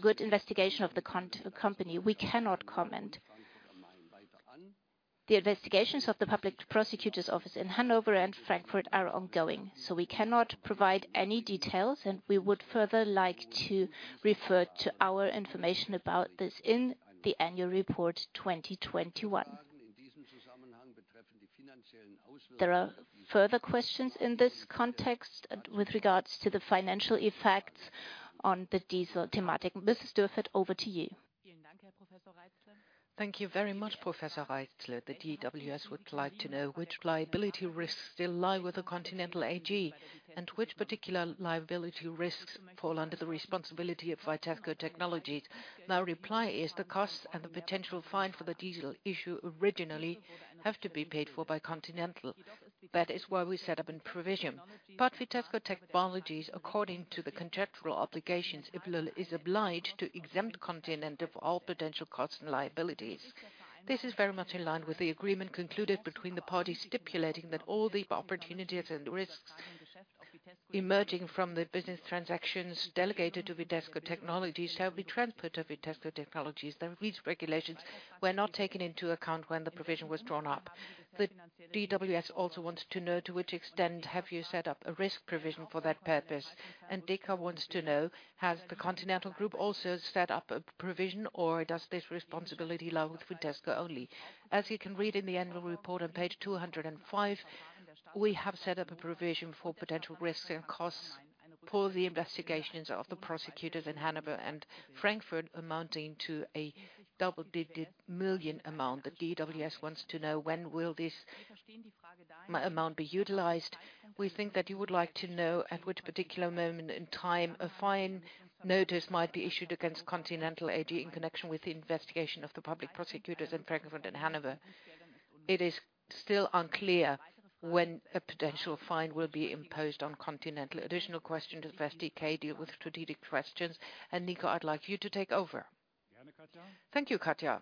good investigation of the company, we cannot comment. The investigations of the public prosecutor's office in Hanover and Frankfurt are ongoing, so we cannot provide any details, and we would further like to refer to our information about this in the annual report 2021. There are further questions in this context with regards to the financial effects on the diesel thematic. Mrs. Dürrfeld, over to you. Thank you very much, Professor Reitzle. The DWS would like to know which liability risks still lie with the Continental AG, and which particular liability risks fall under the responsibility of Vitesco Technologies. My reply is the costs and the potential fine for the diesel issue originally have to be paid for by Continental. That is why we set up a provision. Vitesco Technologies, according to the contractual obligations, it is obliged to exempt Continental of all potential costs and liabilities. This is very much in line with the agreement concluded between the parties stipulating that all the opportunities and risks emerging from the business transactions delegated to Vitesco Technologies shall be transferred to Vitesco Technologies. The lease regulations were not taken into account when the provision was drawn up. The DWS also wants to know to which extent have you set up a risk provision for that purpose? Deka wants to know, has the Continental group also set up a provision, or does this responsibility lie with Vitesco only? As you can read in the annual report on page 205, we have set up a provision for potential risks and costs for the investigations of the prosecutors in Hanover and Frankfurt amounting to a double-digit million amount. The DWS wants to know when will this amount be utilized? We think that you would like to know at which particular moment in time a fine notice might be issued against Continental AG in connection with the investigation of the public prosecutors in Frankfurt and Hanover. It is still unclear when a potential fine will be imposed on Continental. Additional questions of SdK deal with strategic questions. Nico, I'd like you to take over. Thank you, Katja.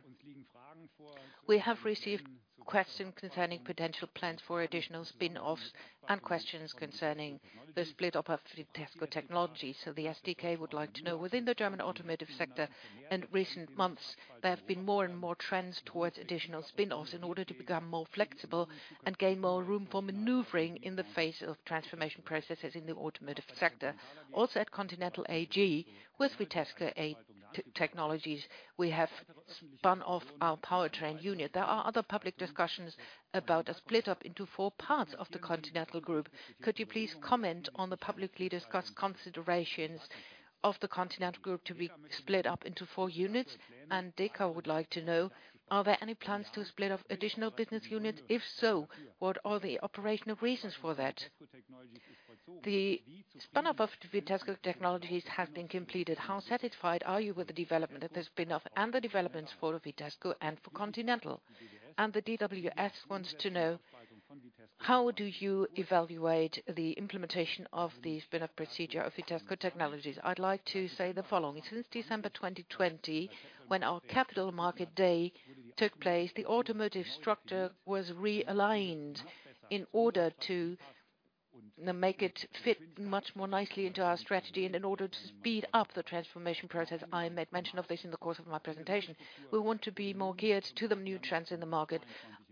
We have received questions concerning potential plans for additional spin-offs and questions concerning the split up of Vitesco Technologies. The SdK would like to know, within the German Automotive sector in recent months, there have been more and more trends towards additional spin-offs in order to become more flexible and gain more room for maneuvering in the face of transformation processes in the Automotive sector. Also at Continental AG, with Vitesco Technologies, we have spun off our powertrain unit. There are other public discussions about a split up into four parts of the Continental Group. Could you please comment on the publicly discussed considerations of the Continental Group to be split up into four units? Deka would like to know, are there any plans to split up additional business units? If so, what are the operational reasons for that? The spin-off of Vitesco Technologies has been completed. How satisfied are you with the development of the spin off and the developments for Vitesco and for Continental? The DWS wants to know, how do you evaluate the implementation of the spin off procedure of Vitesco Technologies? I'd like to say the following. Since December 2020, when our Capital Market Day took place, the Automotive structure was realigned in order to, you know, make it fit much more nicely into our strategy and in order to speed up the transformation process. I made mention of this in the course of my presentation. We want to be more geared to the new trends in the market.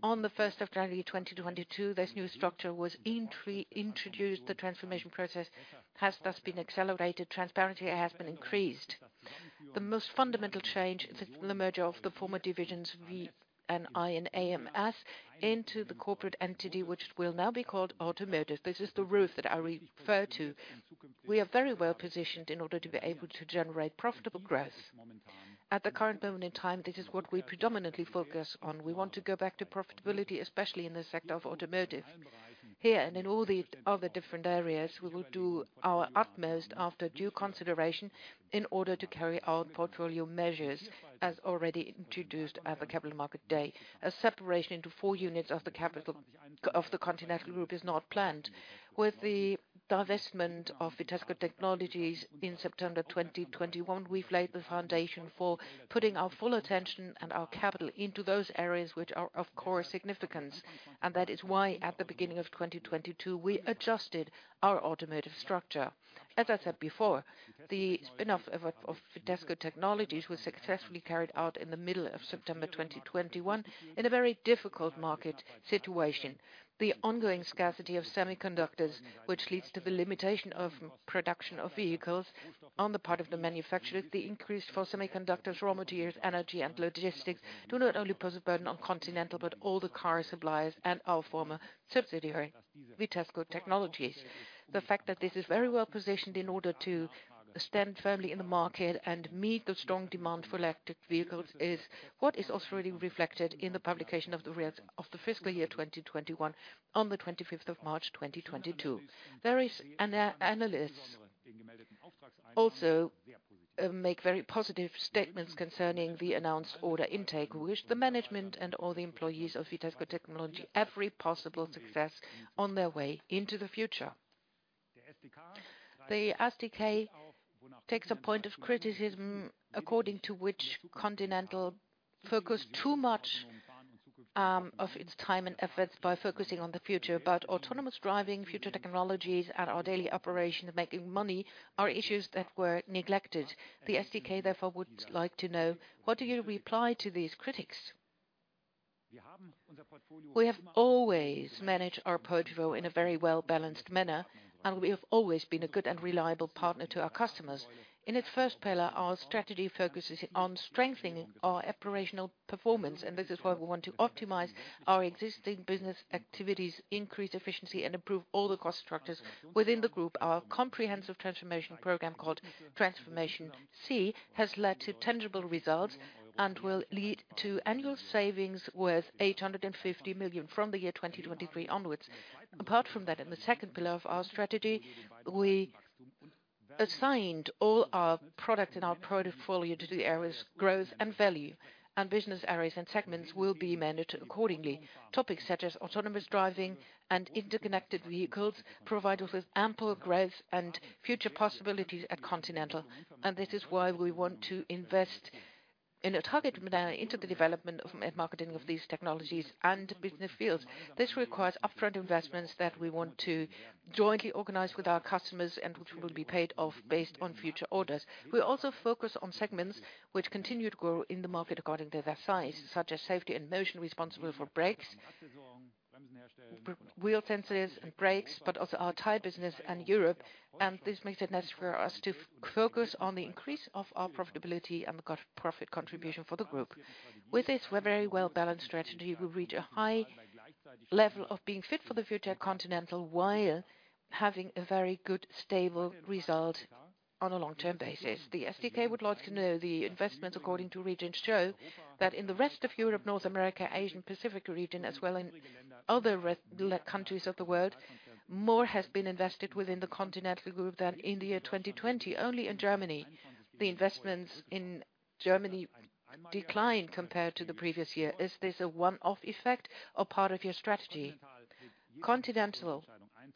On January 1, 2022, this new structure was introduced. The transformation process has thus been accelerated. Transparency has been increased. The most fundamental change is the merger of the former divisions V and I and AMS into the corporate entity, which will now be called Automotive. This is the roof that I refer to. We are very well positioned in order to be able to generate profitable growth. At the current moment in time, this is what we predominantly focus on. We want to go back to profitability, especially in the sector of Automotive. Here and in all the other different areas, we will do our utmost after due consideration in order to carry out portfolio measures, as already introduced at the Capital Market Day. A separation into four units of the Continental Group is not planned. With the divestment of Vitesco Technologies in September 2021, we've laid the foundation for putting our full attention and our capital into those areas which are of core significance. That is why at the beginning of 2022, we adjusted our Automotive structure. As I said before, the spin off of Vitesco Technologies was successfully carried out in the middle of September 2021 in a very difficult market situation. The ongoing scarcity of semiconductors, which leads to the limitation of production of vehicles on the part of the manufacturer, the increase for semiconductors, raw materials, energy and logistics do not only pose a burden on Continental, but all the car suppliers and our former subsidiary, Vitesco Technologies. The fact that this is very well positioned in order to stand firmly in the market and meet the strong demand for electric vehicles is what is also really reflected in the publication of the results of the fiscal year 2021 on the 25th of March 2022. Various analysts also make very positive statements concerning the announced order intake. We wish the management and all the employees of Vitesco Technologies every possible success on their way into the future. The SDK takes a point of criticism according to which Continental focused too much of its time and efforts by focusing on the future. Autonomous driving, future technologies and our daily operations making money are issues that were neglected. The SDK, therefore, would like to know, what do you reply to these critics? We have always managed our portfolio in a very well-balanced manner, and we have always been a good and reliable partner to our customers. In its first pillar, our strategy focuses on strengthening our operational performance, and this is why we want to optimize our existing business activities, increase efficiency, and improve all the cost structures within the group. Our comprehensive transformation program, called Transformation 2019–2029, has led to tangible results and will lead to annual savings worth 850 million from the year 2023 onwards. Apart from that, in the second pillar of our strategy, we assigned all our products in our portfolio to the areas growth and value, and business areas and segments will be managed accordingly. Topics such as autonomous driving and interconnected vehicles provide us with ample growth and future possibilities at Continental, and this is why we want to invest in a targeted manner into the development of, and marketing of these technologies and business fields. This requires upfront investments that we want to jointly organize with our customers and which will be paid off based on future orders. We also focus on segments which continue to grow in the market according to their size, such as Safety and Motion, responsible for brakes, wheel sensors and brakes, but also our tire business in Europe. This makes it necessary for us to focus on the increase of our profitability and the profit contribution for the group. With this very well-balanced strategy, we reach a high level of being fit for the future at Continental while having a very good, stable result on a long-term basis. The SDK would like to know the investments according to regions show that in the rest of Europe, North America, Asia-Pacific region, as well in other countries of the world, more has been invested within the Continental Group than in the year 2020. Only in Germany, the investments in Germany declined compared to the previous year. Is this a one-off effect or part of your strategy? Continental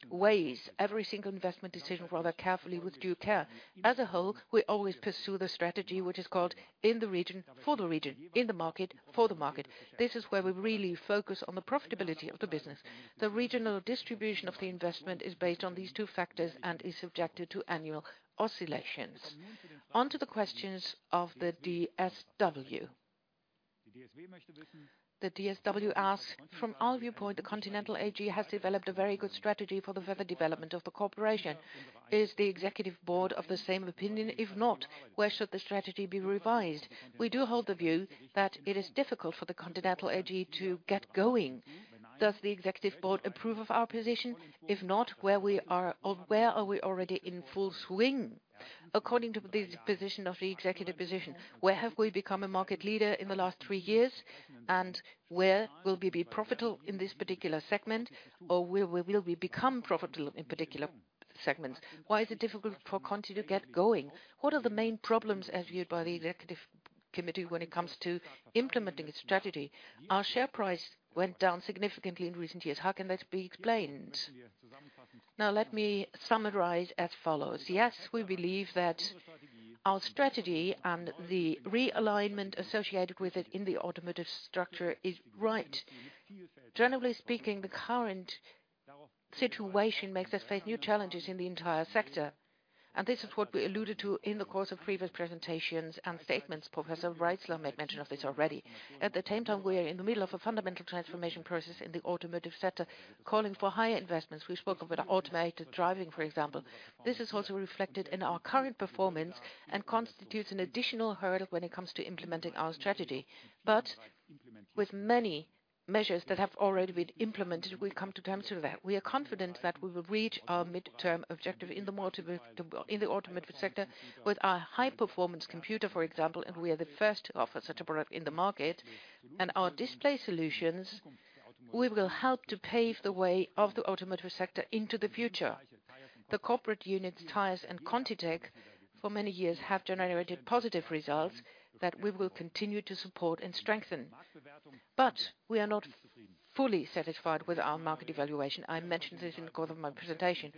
weighs every single investment decision rather carefully with due care. As a whole, we always pursue the strategy which is called in the region for the region, in the market for the market. This is where we really focus on the profitability of the business. The regional distribution of the investment is based on these two factors and is subjected to annual oscillations. Onto the questions of the DSW. The DSW asks, from our viewpoint, the Continental AG has developed a very good strategy for the further development of the corporation. Is the executive board of the same opinion? If not, where should the strategy be revised? We do hold the view that it is difficult for the Continental AG to get going. Does the executive board approve of our position? If not, where we are, or where are we already in full swing according to the position of the Executive Board? Where have we become a market leader in the last three years, and where will we be profitable in this particular segment, or where will we become profitable in particular segments? Why is it difficult for Conti to get going? What are the main problems as viewed by the Executive Board when it comes to implementing its strategy? Our share price went down significantly in recent years. How can that be explained? Now let me summarize as follows. Yes, we believe that our strategy and the realignment associated with it in the Automotive structure is right. Generally speaking, the current situation makes us face new challenges in the entire sector, and this is what we alluded to in the course of previous presentations and statements. Professor Reitzle made mention of this already. At the same time, we are in the middle of a fundamental transformation process in the Automotive sector, calling for higher investments. We spoke about automated driving, for example. This is also reflected in our current performance and constitutes an additional hurdle when it comes to implementing our strategy. But with many measures that have already been implemented, we come to terms with that. We are confident that we will reach our midterm objective in the Automotive sector with our high-performance computer, for example, and we are the first to offer such a product in the market. Our display solutions, we will help to pave the way of the Automotive sector into the future. The corporate units, tires, and ContiTech for many years have generated positive results that we will continue to support and strengthen. We are not fully satisfied with our market evaluation. I mentioned this in the course of my presentation.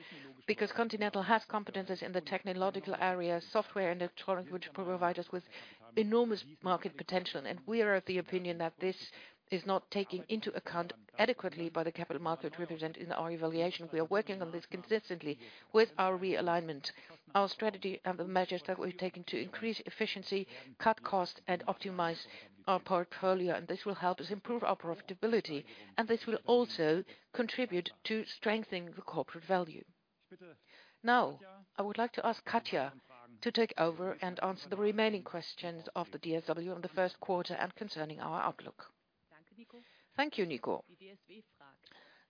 Because Continental has competencies in the technological area, software, and electronics, which provide us with enormous market potential. We are of the opinion that this is not taking into account adequately by the capital market represented in our evaluation. We are working on this consistently with our realignment, our strategy, and the measures that we're taking to increase efficiency, cut costs, and optimize our portfolio. This will help us improve our profitability, and this will also contribute to strengthening the corporate value. Now, I would like to ask Katja to take over and answer the remaining questions of the DSW on the first quarter and concerning our outlook. Thank you, Nico.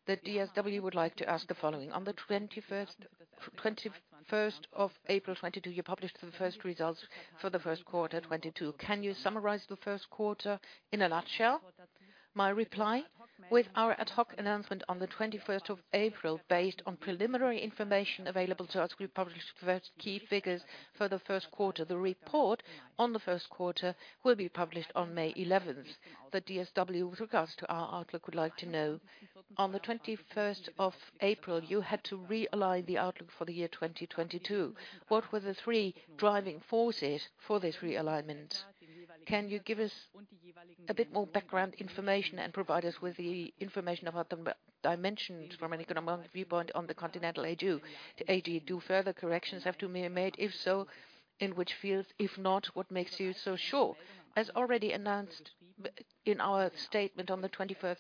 The DSW would like to ask the following. On the twenty-first of April 2022, you published the first results for the first quarter 2022. Can you summarize the first quarter in a nutshell? My reply, with our ad hoc announcement on the twenty-first of April, based on preliminary information available to us, we published key figures for the first quarter. The report on the first quarter will be published on May eleventh. The DSW, with regard to our outlook, would like to know, on the twenty-first of April, you had to realign the outlook for the year 2022. What were the three driving forces for this realignment? Can you give us a bit more background information and provide us with the information about the dimensions from an economic viewpoint on the Continental AG? Do further corrections have to be made? If so, in which fields? If not, what makes you so sure? As already announced in our statement on April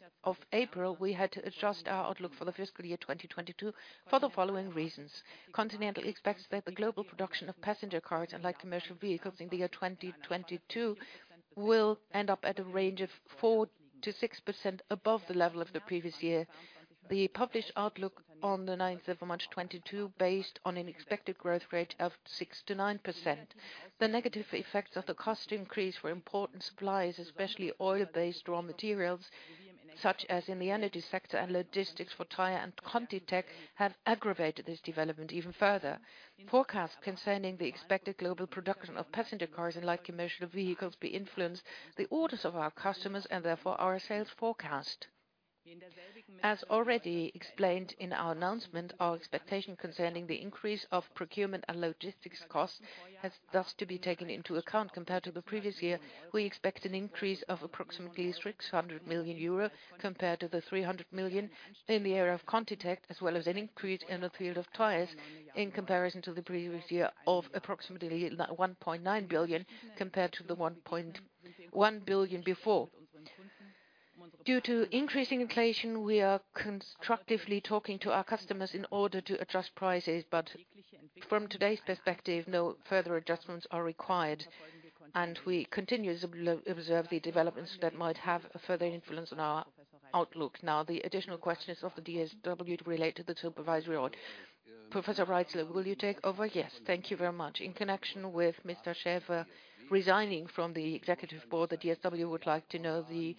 21, we had to adjust our outlook for the fiscal year 2022 for the following reasons. Continental expects that the global production of passenger cars and light commercial vehicles in the year 2022 will end up at a range of 4%-6% above the level of the previous year. The published outlook on March 9, 2022, based on an expected growth rate of 6%-9%. The negative effects of the cost increase for important supplies, especially oil-based raw materials, such as in the energy sector and logistics for tire and ContiTech, have aggravated this development even further. Forecasts concerning the expected global production of passenger cars and light commercial vehicles will influence the orders of our customers and therefore our sales forecast. As already explained in our announcement, our expectation concerning the increase of procurement and logistics costs has thus to be taken into account. Compared to the previous year, we expect an increase of approximately 600 million euro compared to the 300 million in the area of ContiTech, as well as an increase in the field of tires in comparison to the previous year of approximately 1.9 billion compared to the 1.1 billion before. Due to increasing inflation, we are constructively talking to our customers in order to adjust prices, but from today's perspective, no further adjustments are required, and we continue to observe the developments that might have a further influence on our outlook. Now, the additional questions of the DSW relate to the supervisory audit. Professor Reitzle, will you take over? Yes. Thank you very much. In connection with Mr. Schäfer resigning from the Executive Board, the DSW would like to know the...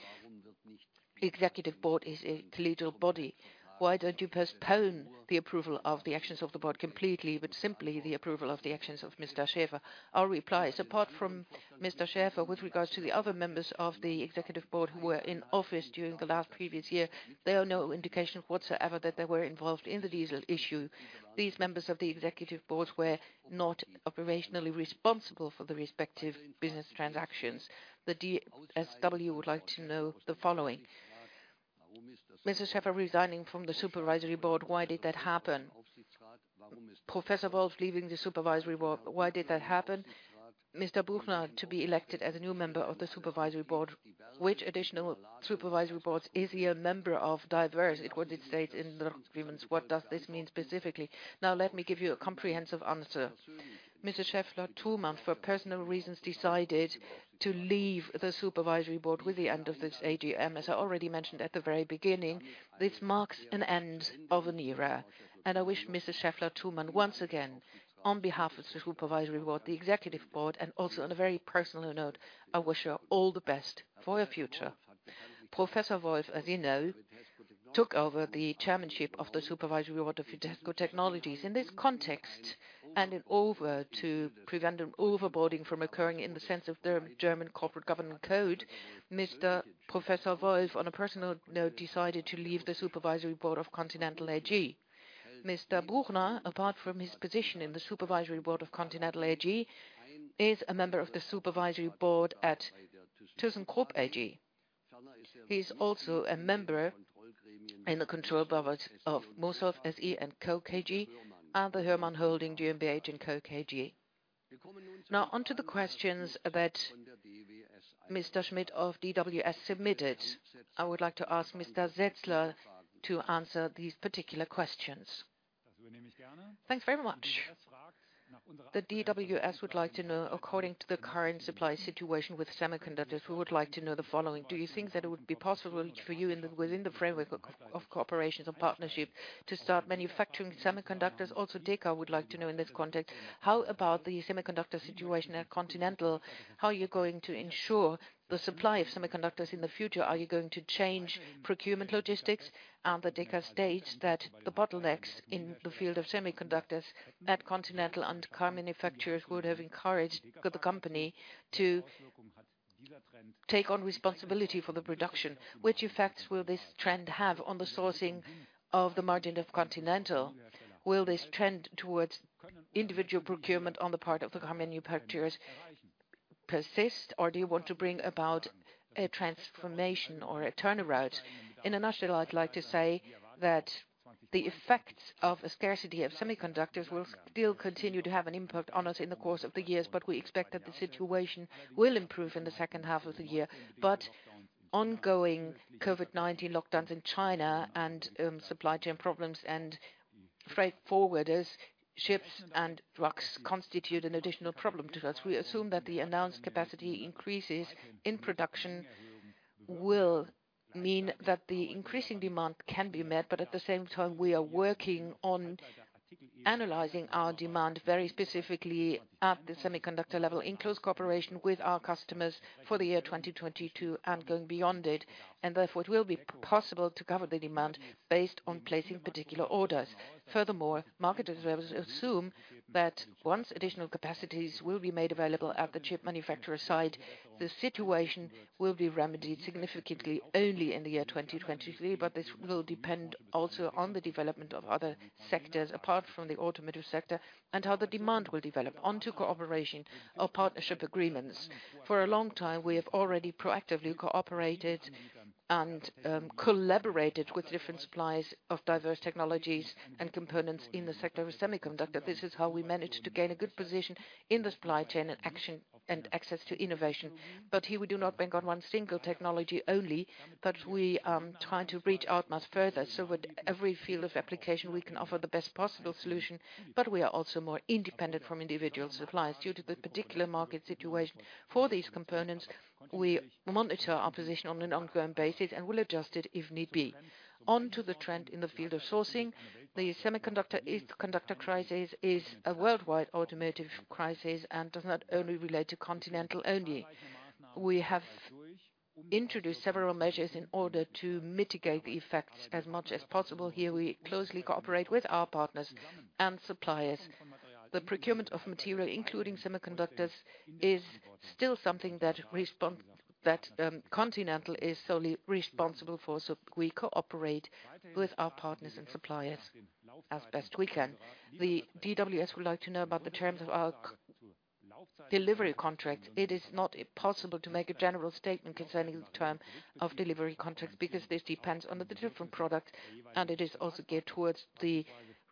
The Executive Board is a collegial body. Why don't you postpone the approval of the actions of the board completely, but simply the approval of the actions of Mr. Schäfer? Our reply is, apart from Mr. Schäfer, with regards to the other members of the Executive Board who were in office during the last previous year, there are no indication whatsoever that they were involved in the diesel issue. The DSW would like to know the following: Mr. Schäfer resigning from the Supervisory Board, why did that happen? Professor Wolf leaving the Supervisory Board, why did that happen? Mr. Buchner to be elected as a new member of the supervisory board, which additional supervisory boards is he a member of diverse, is what it states in the agreements. What does this mean specifically? Now let me give you a comprehensive answer. Maria-Elisabeth Schaeffler-Thumann, for personal reasons, decided to leave the supervisory board with the end of this AGM. As I already mentioned at the very beginning, this marks an end of an era, and I wish Maria-Elisabeth Schaeffler-Thumann once again, on behalf of the supervisory board, the executive board, and also on a very personal note, I wish her all the best for her future. Professor Siegfried Wolf, as you know, took over the chairmanship of the Supervisory Board of Vitesco Technologies. In this context, and in order to prevent an overboarding from occurring in the sense of the German Corporate Governance Code, Mr. Professor Wolf, on a personal note, decided to leave the supervisory board of Continental AG. Mr. Buchner, apart from his position in the supervisory board of Continental AG, is a member of the supervisory board at thyssenkrupp AG. He is also a member in the control board of MOSOLF SE & Co. KG, and the HÖRMANN Holding GmbH & Co. KG. Now on to the questions that Mr. Schmidt of DWS submitted. I would like to ask Mr. Setzer to answer these particular questions. Thanks very much. The DWS would like to know, according to the current supply situation with semiconductors, we would like to know the following: Do you think that it would be possible for you within the framework of cooperation or partnership to start manufacturing semiconductors? Also, Deka would like to know in this context, how about the semiconductor situation at Continental? How are you going to ensure the supply of semiconductors in the future? Are you going to change procurement logistics? The Deka states that the bottlenecks in the field of semiconductors at Continental and car manufacturers would have encouraged the company to take on responsibility for the production. Which effects will this trend have on the sourcing of the margin of Continental? Will this trend towards individual procurement on the part of the car manufacturers persist, or do you want to bring about a transformation or a turnaround? In a nutshell, I'd like to say that the effects of a scarcity of semiconductors will still continue to have an impact on us in the course of the years, but we expect that the situation will improve in the second half of the year. Ongoing COVID-19 lockdowns in China and supply chain problems and freight forwarders, ships, and trucks constitute an additional problem to us. We assume that the announced capacity increases in production will mean that the increasing demand can be met, but at the same time, we are working on analyzing our demand very specifically at the semiconductor level in close cooperation with our customers for the year 2022 and going beyond it. It will be possible to cover the demand based on placing particular orders. Furthermore, market observers assume that once additional capacities will be made available at the chip manufacturer side, the situation will be remedied significantly only in the year 2023, but this will depend also on the development of other sectors, apart from the Automotive sector, and how the demand will develop. Onto cooperation or partnership agreements. For a long time, we have already proactively cooperated and collaborated with different suppliers of diverse technologies and components in the sector of semiconductor. This is how we managed to gain a good position in the supply chain and access to innovation. Here we do not bank on one single technology only, but we try to reach out much further, so with every field of application, we can offer the best possible solution, but we are also more independent from individual suppliers. Due to the particular market situation for these components, we monitor our position on an ongoing basis and will adjust it if need be. Onto the trend in the field of sourcing. The semiconductor crisis is a worldwide automotive crisis and does not only relate to Continental only. We have introduced several measures in order to mitigate the effects as much as possible. Here, we closely cooperate with our partners and suppliers. The procurement of material, including semiconductors, is still something that Continental is solely responsible for, so we cooperate with our partners and suppliers as best we can. The DWS would like to know about the terms of our delivery contract. It is not possible to make a general statement concerning the terms of delivery contracts because this depends on the different products, and it is also geared towards the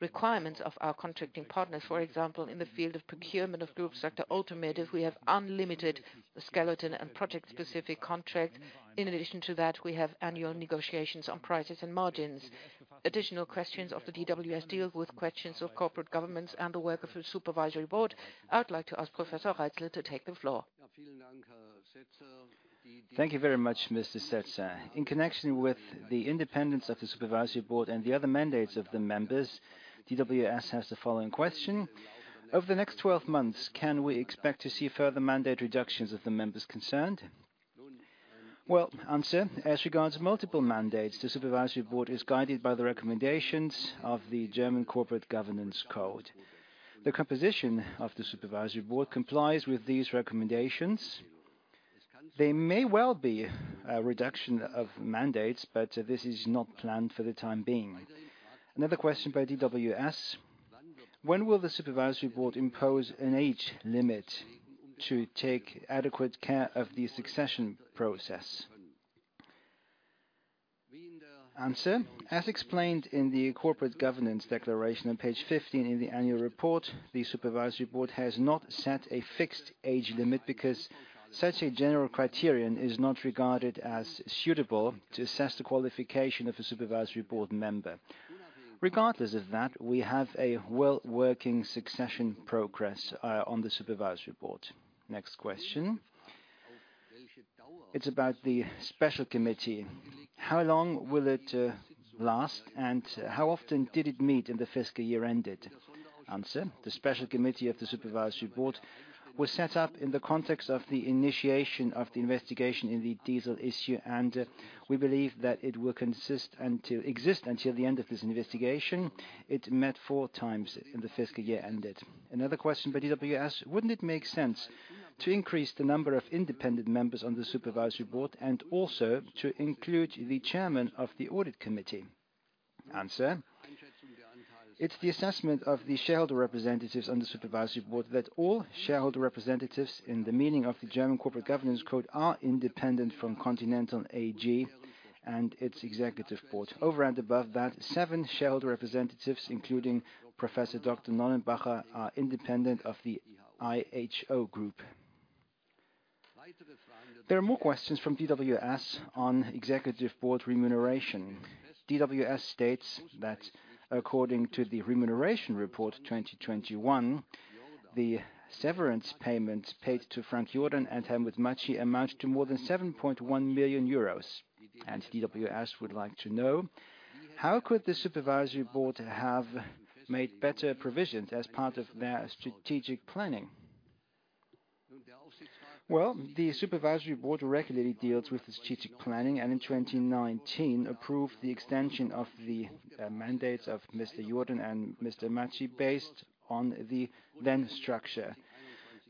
requirements of our contracting partners. For example, in the field of procurement of group sector Automotive, we have unlimited skeleton and project-specific contracts. In addition to that, we have annual negotiations on prices and margins. Additional questions of the DWS deal with questions of corporate governance and the work of the supervisory board. I would like to ask Professor Reitzle to take the floor. Thank you very much, Mr. Setzer. In connection with the independence of the supervisory board and the other mandates of the members, DWS has the following question: Over the next twelve months, can we expect to see further mandate reductions of the members concerned? Well, answer as regards multiple mandates, the supervisory board is guided by the recommendations of the German Corporate Governance Code. The composition of the supervisory board complies with these recommendations. They may well be a reduction of mandates, but this is not planned for the time being. Another question by DWS: When will the supervisory board impose an age limit to take adequate care of the succession process? Answer: As explained in the corporate governance declaration on page 15 in the annual report, the supervisory board has not set a fixed age limit because such a general criterion is not regarded as suitable to assess the qualification of a supervisory board member. Regardless of that, we have a well-working succession process on the supervisory board. Next question, it's about the special committee. How long will it last, and how often did it meet in the fiscal year ended? Answer: The special committee of the supervisory board was set up in the context of the initiation of the investigation in the diesel issue, and we believe that it will exist until the end of this investigation. It met four times in the fiscal year ended. Another question by DWS: Wouldn't it make sense to increase the number of independent members on the supervisory board and also to include the chairman of the audit committee? Answer: It's the assessment of the shareholder representatives on the supervisory board that all shareholder representatives in the meaning of the German Corporate Governance Code are independent from Continental AG and its executive board. Over and above that, seven shareholder representatives, including Professor Dr. Nonnenmacher, are independent of the IHO Group. There are more questions from DWS on executive board remuneration. DWS states that according to the remuneration report 2021, the severance payment paid to Frank Jourdan and Helmut Matschi amount to more than 7.1 million euros, and DWS would like to know: How could the supervisory board have made better provisions as part of their strategic planning? Well, the supervisory board regularly deals with strategic planning and in 2019 approved the extension of the mandates of Mr. Jourdan and Mr. Matschi based on the then structure.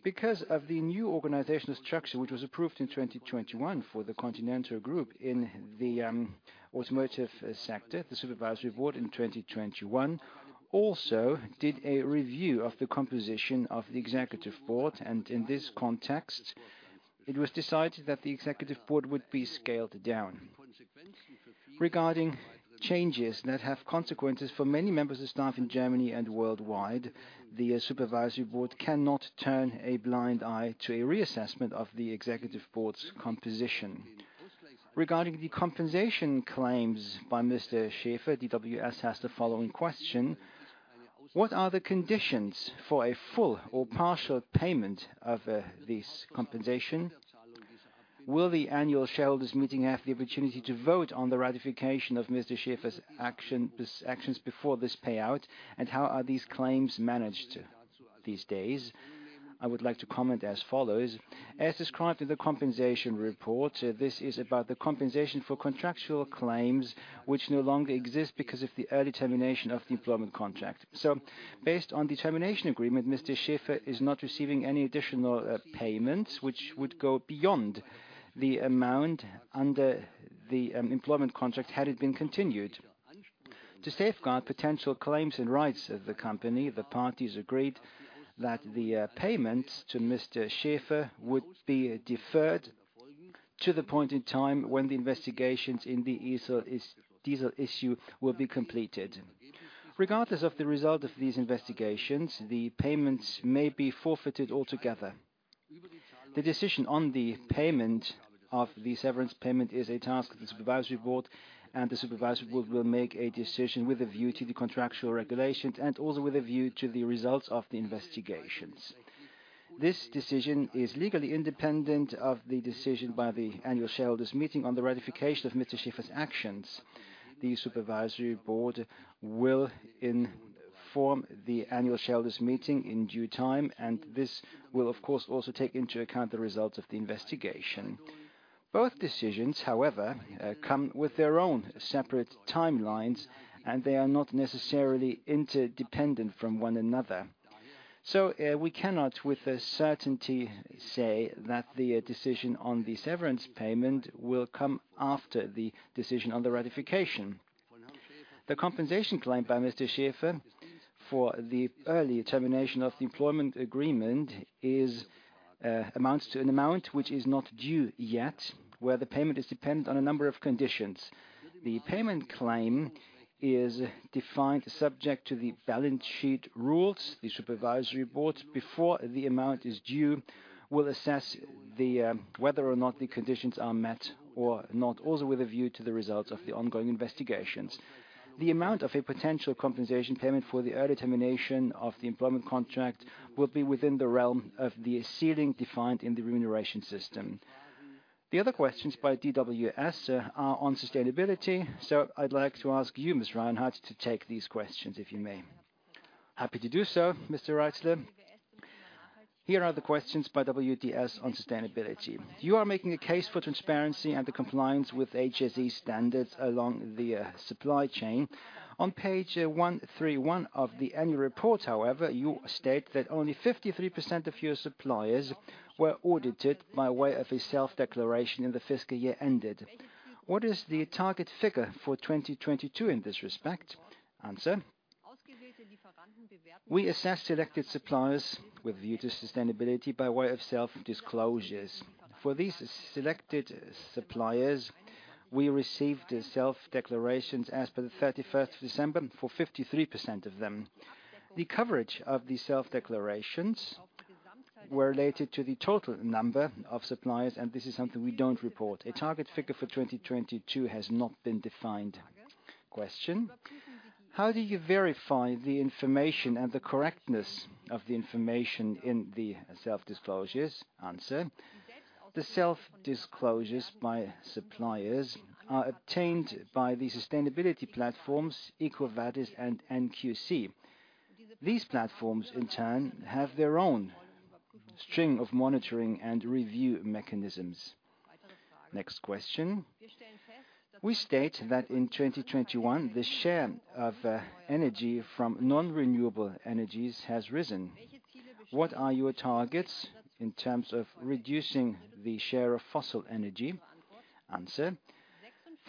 Because of the new organizational structure, which was approved in 2021 for the Continental Group in the Automotive sector, the supervisory board in 2021 also did a review of the composition of the executive board, and in this context, it was decided that the executive board would be scaled down. Regarding changes that have consequences for many members of staff in Germany and worldwide, the supervisory board cannot turn a blind eye to a reassessment of the executive board's composition. Regarding the compensation claims by Mr. Schäfer, DWS has the following question: What are the conditions for a full or partial payment of this compensation? Will the annual shareholders meeting have the opportunity to vote on the ratification of Mr. Schäfer's actions before this payout, and how are these claims managed these days? I would like to comment as follows. As described in the compensation report, this is about the compensation for contractual claims which no longer exist because of the early termination of the employment contract. Based on the termination agreement, Mr. Schäfer is not receiving any additional payments, which would go beyond the amount under the employment contract had it been continued. To safeguard potential claims and rights of the company, the parties agreed that the payments to Mr. Schäfer would be deferred to the point in time when the investigations in the diesel issue will be completed. Regardless of the result of these investigations, the payments may be forfeited altogether. The decision on the payment of the severance payment is a task of the supervisory board, and the supervisory board will make a decision with a view to the contractual regulations and also with a view to the results of the investigations. This decision is legally independent of the decision by the annual shareholders meeting on the ratification of Mr. Schäfer's actions. The supervisory board will inform the annual shareholders meeting in due time, and this will of course also take into account the results of the investigation. Both decisions, however, come with their own separate timelines, and they are not necessarily interdependent from one another. We cannot with a certainty say that the decision on the severance payment will come after the decision on the ratification. The compensation claimed by Mr. Schäfer for the early termination of the employment agreement amounts to an amount which is not due yet, where the payment is dependent on a number of conditions. The payment claim is defined subject to the balance sheet rules. The supervisory board, before the amount is due, will assess whether or not the conditions are met or not, also with a view to the results of the ongoing investigations. The amount of a potential compensation payment for the early termination of the employment contract will be within the realm of the ceiling defined in the remuneration system.
The other questions by DWS are on sustainability. I'd like to ask you, Ms. Reinhart, to take these questions, if you may. Happy to do so, Mr. Reitzle. Here are the questions by DWS on sustainability. You are making a case for transparency and the compliance with HSE standards along the supply chain. On page 131 of the annual report, however, you state that only 53% of your suppliers were audited by way of a self-declaration in the fiscal year ended. What is the target figure for 2022 in this respect? Answer. We assess selected suppliers with a view to sustainability by way of self-disclosures. For these selected suppliers, we received self-declarations as per the 31st of December for 53% of them. The coverage of the self-declarations were related to the total number of suppliers, and this is something we don't report.
A target figure for 2022 has not been defined. Question: How do you verify the information and the correctness of the information in the self-disclosures? Answer. The self-disclosures by suppliers are obtained by the sustainability platforms, EcoVadis and NQC. These platforms, in turn, have their own string of monitoring and review mechanisms. Next question. We state that in 2021, the share of energy from non-renewable energies has risen. What are your targets in terms of reducing the share of fossil energy? Answer.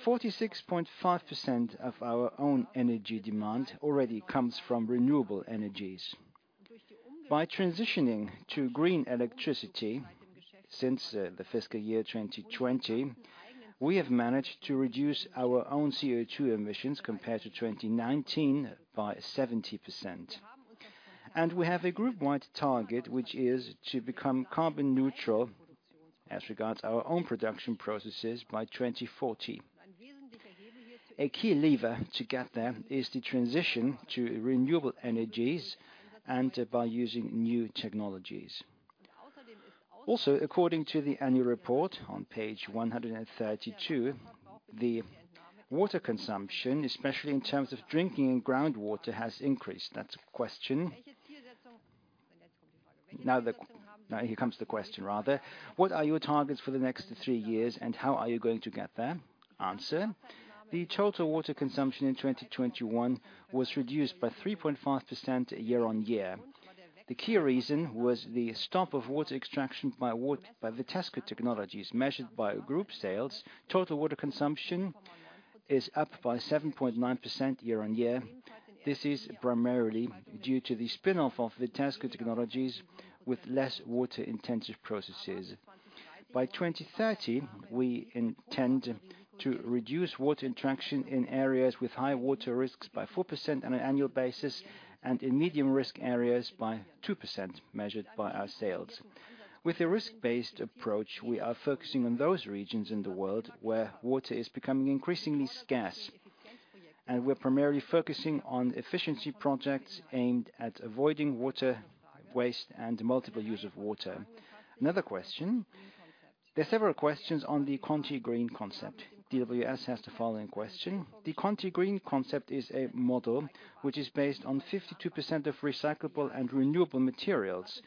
46.5% of our own energy demand already comes from renewable energies. By transitioning to green electricity since the fiscal year 2020, we have managed to reduce our own CO₂ emissions compared to 2019 by 70%. We have a group-wide target, which is to become carbon neutral as regards our own production processes by 2040. A key lever to get there is the transition to renewable energies and by using new technologies. Also, according to the annual report on page 132, the water consumption, especially in terms of drinking and groundwater, has increased. That's a question. Now here comes the question rather: What are your targets for the next three years, and how are you going to get there? Answer. The total water consumption in 2021 was reduced by 3.5% year-on-year. The key reason was the stop of water extraction by Vitesco Technologies, measured by group sales. Total water consumption is up by 7.9% year-on-year. This is primarily due to the spin-off of Vitesco Technologies with less water-intensive processes. By 2030, we intend to reduce water interaction in areas with high water risks by 4% on an annual basis and in medium risk areas by 2%, measured by our sales. With a risk-based approach, we are focusing on those regions in the world where water is becoming increasingly scarce, and we're primarily focusing on efficiency projects aimed at avoiding water waste and multiple use of water. Another question. There are several questions on the Conti GreenConcept. DWS has the following question: The Conti GreenConcept is a model which is based on 52% of recyclable and renewable materials.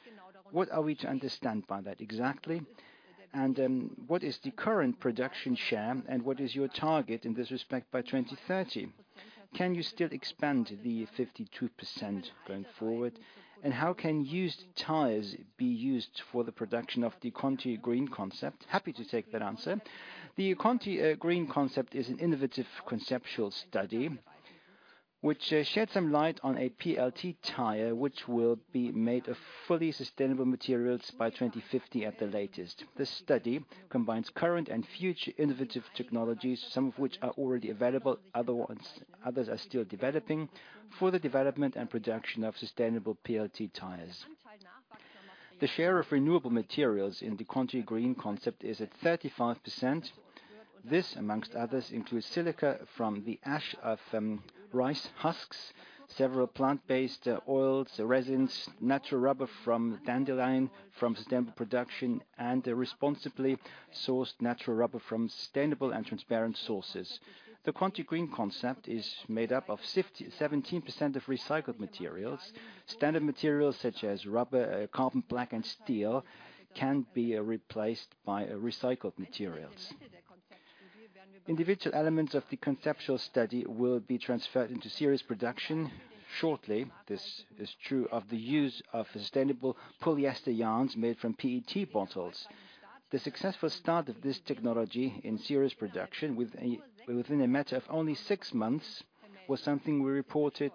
What are we to understand by that exactly? And, what is the current production share, and what is your target in this respect by 2030? Can you still expand the 52% going forward? How can used tires be used for the production of the Conti GreenConcept? Happy to take that answer. The Conti GreenConcept is an innovative conceptual study which sheds some light on a PLT tire, which will be made of fully sustainable materials by 2050 at the latest. This study combines current and future innovative technologies, some of which are already available, others are still developing, for the development and production of sustainable PLT tires. The share of renewable materials in the Conti GreenConcept is at 35%. This, among others, includes silica from the ash of rice husks, several plant-based oils, resins, natural rubber from dandelion, from sustainable production, and a responsibly sourced natural rubber from sustainable and transparent sources. The Conti GreenConcept is made up of 17% of recycled materials. Standard materials such as rubber, carbon black and steel can be replaced by recycled materials. Individual elements of the conceptual study will be transferred into series production shortly. This is true of the use of sustainable polyester yarns made from PET bottles. The successful start of this technology in series production within a matter of only six months was something we reported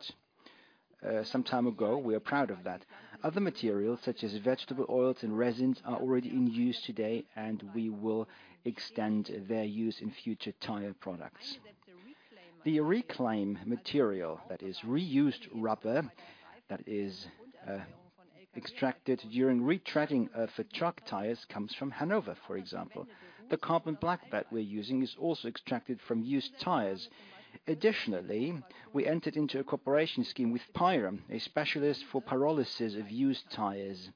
some time ago. We are proud of that. Other materials, such as vegetable oils and resins, are already in use today, and we will extend their use in future tire products. The reclaim material that is reused rubber that is extracted during retreading of truck tires comes from Hanover, for example. The carbon black that we're using is also extracted from used tires. Additionally, we entered into a cooperation scheme with Pyrum, a specialist for pyrolysis of used tires.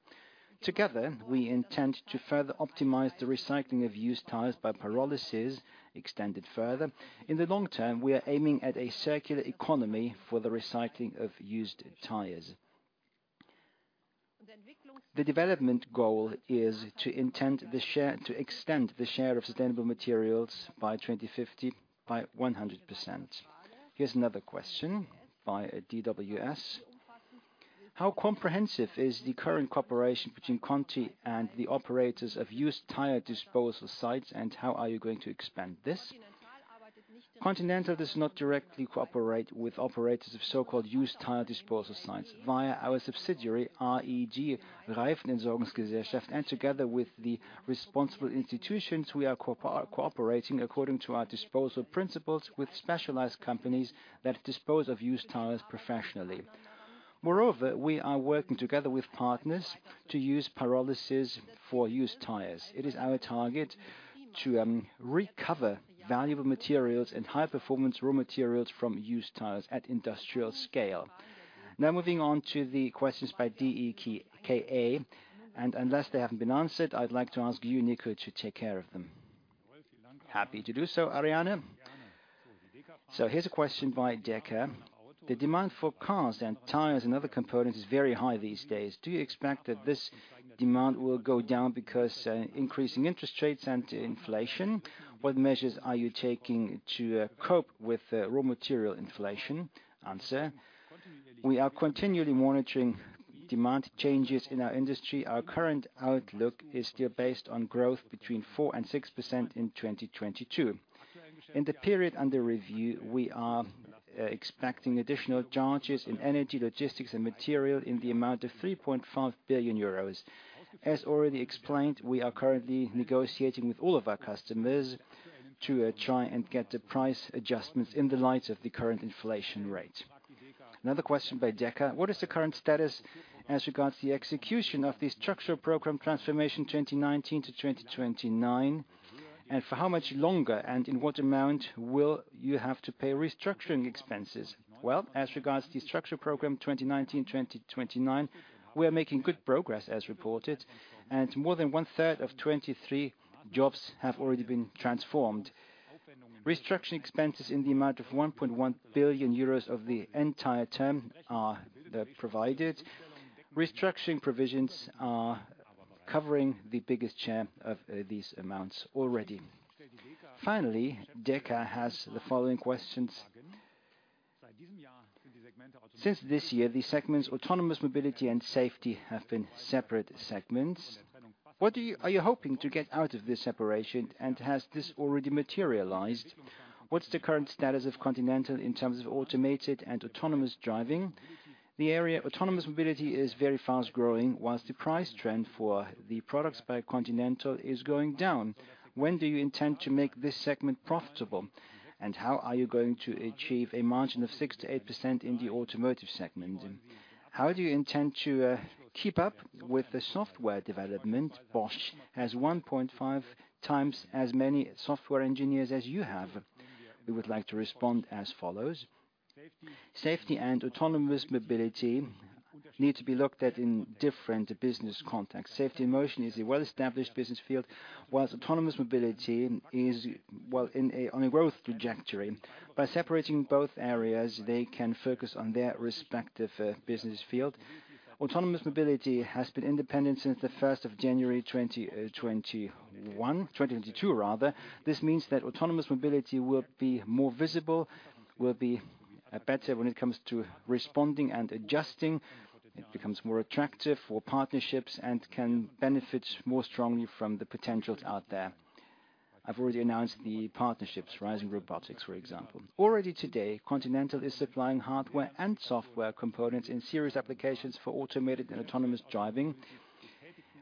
Together, we intend to further optimize the recycling of used tires by pyrolysis extended further. In the long term, we are aiming at a circular economy for the recycling of used tires. The development goal is to extend the share of sustainable materials by 2050 by 100%. Here's another question by DWS. How comprehensive is the current cooperation between Conti and the operators of used tire disposal sites, and how are you going to expand this? Continental does not directly cooperate with operators of so-called used tire disposal sites. Via our subsidiary, Reifen-Entsorgungsgesellschaft mbH, and together with the responsible institutions, we are cooperating according to our disposal principles with specialized companies that dispose of used tires professionally. Moreover, we are working together with partners to use pyrolysis for used tires. It is our target to recover valuable materials and high-performance raw materials from used tires at industrial scale. Now moving on to the questions by Deka. Unless they haven't been answered, I'd like to ask you, Nico, to take care of them. Happy to do so, Ariane. Here's a question by Deka. The demand for cars and tires and other components is very high these days. Do you expect that this demand will go down because of increasing interest rates and inflation? What measures are you taking to cope with raw material inflation? We are continually monitoring demand changes in our industry. Our current outlook is still based on 4%-6% growth in 2022. In the period under review, we are expecting additional charges in energy, logistics, and material in the amount of 3.5 billion euros. As already explained, we are currently negotiating with all of our customers to try and get the price adjustments in the light of the current inflation rate. Another question by Deka. What is the current status as regards the execution of the structural program Transformation 2019-2029? And for how much longer, and in what amount will you have to pay restructuring expenses? Well, as regards the structural program, 2019-2029, we are making good progress, as reported. More than one-third of 23 jobs have already been transformed. Restructuring expenses in the amount of 1.1 billion euros of the entire term are provided. Restructuring provisions are covering the biggest share of these amounts already. Finally, Deka has the following questions. Since this year, the segments Autonomous Mobility and Safety have been separate segments. What are you hoping to get out of this separation, and has this already materialized? What's the current status of Continental in terms of automated and autonomous driving? The area Autonomous Mobility is very fast-growing, while the price trend for the products by Continental is going down. When do you intend to make this segment profitable, and how are you going to achieve a margin of 6%-8% in the Automotive segment? How do you intend to keep up with the software development? Bosch has 1.5x as many software engineers as you have. We would like to respond as follows. Safety and Autonomous Mobility need to be looked at in different business contexts. Safety and Motion is a well-established business field, while Autonomous Mobility is on a growth trajectory. By separating both areas, they can focus on their respective, business field. Autonomous mobility has been independent since the first of January, 2022 rather. This means that autonomous mobility will be more visible, will be, better when it comes to responding and adjusting. It becomes more attractive for partnerships and can benefit more strongly from the potentials out there. I've already announced the partnerships, Horizon Robotics, for example. Already today, Continental is supplying hardware and software components in series applications for automated and autonomous driving.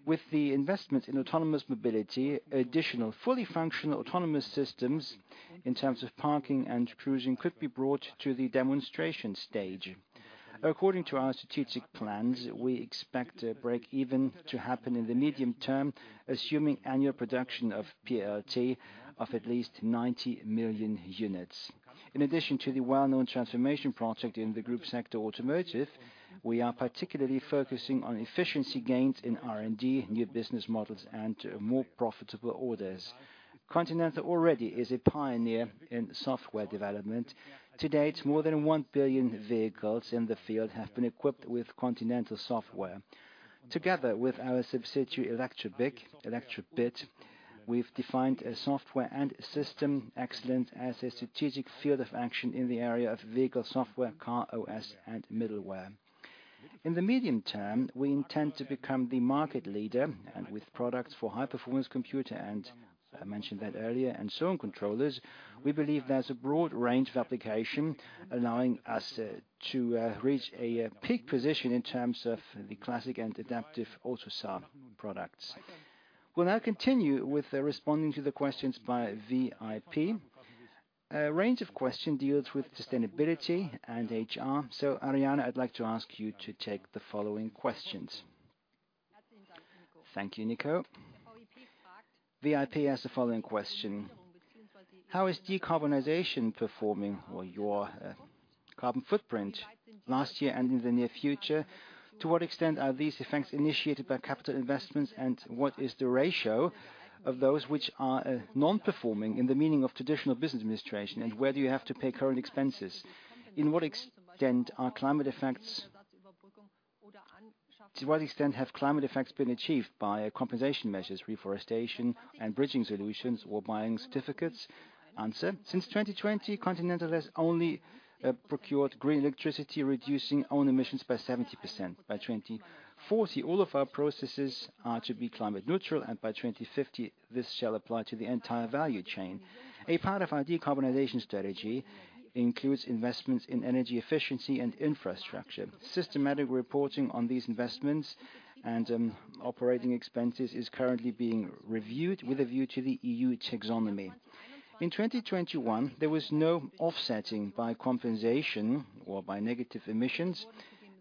With the investment in autonomous mobility, additional fully functional autonomous systems in terms of parking and cruising could be brought to the demonstration stage. According to our strategic plans, we expect a break even to happen in the medium term, assuming annual production of PLT of at least 90 million units. In addition to the well-known transformation project in the group sector Automotive, we are particularly focusing on efficiency gains in R&D, new business models, and more profitable orders. Continental already is a pioneer in software development. To date, more than 1 billion vehicles in the field have been equipped with Continental software. Together with our subsidiary, Elektrobit, we've defined a software and system excellence as a strategic field of action in the area of vehicle software, car OS, and middleware. In the medium term, we intend to become the market leader and with products for high-performance computer, and I mentioned that earlier, and sound controllers. We believe there's a broad range of application allowing us to reach a peak position in terms of the classic and adaptive AUTOSAR products. We'll now continue with responding to the questions by VIP. A range of questions deals with sustainability and HR. Ariane, I'd like to ask you to take the following questions. Thank you, Nico. VIP has the following question: How is decarbonization performing or your carbon footprint last year and in the near future? To what extent are these effects initiated by capital investments, and what is the ratio of those which are non-performing in the meaning of traditional business administration? And where do you have to pay current expenses? To what extent have climate effects been achieved by compensation measures, reforestation and bridging solutions or buying certificates? Answer: Since 2020, Continental has only procured green electricity, reducing own emissions by 70%. By 2040, all of our processes are to be climate neutral, and by 2050, this shall apply to the entire value chain. A part of our decarbonization strategy includes investments in energy efficiency and infrastructure. Systematic reporting on these investments and operating expenses is currently being reviewed with a view to the EU Taxonomy. In 2021, there was no offsetting by compensation or by negative emissions.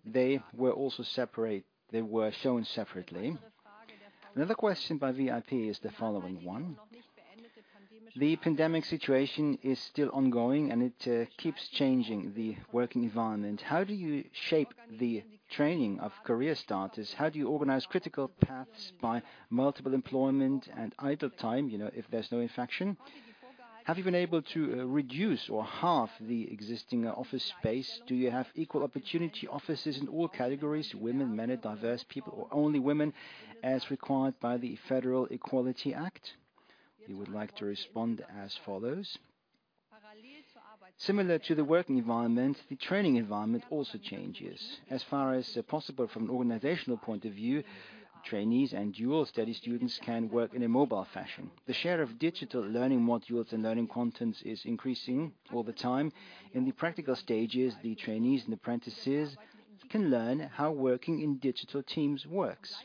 They were shown separately. Another question by VIP is the following one: The pandemic situation is still ongoing, and it keeps changing the working environment. How do you shape the training of career starters? How do you organize critical paths by multiple employment and idle time, you know, if there's no infection? Have you been able to reduce or halve the existing office space? Do you have equal opportunity offices in all categories, women, men, diverse people, or only women, as required by the Federal Equality Act? We would like to respond as follows. Similar to the working environment, the training environment also changes. As far as possible from an organizational point of view, trainees and dual study students can work in a mobile fashion. The share of digital learning modules and learning contents is increasing all the time. In the practical stages, the trainees and apprentices can learn how working in digital teams works.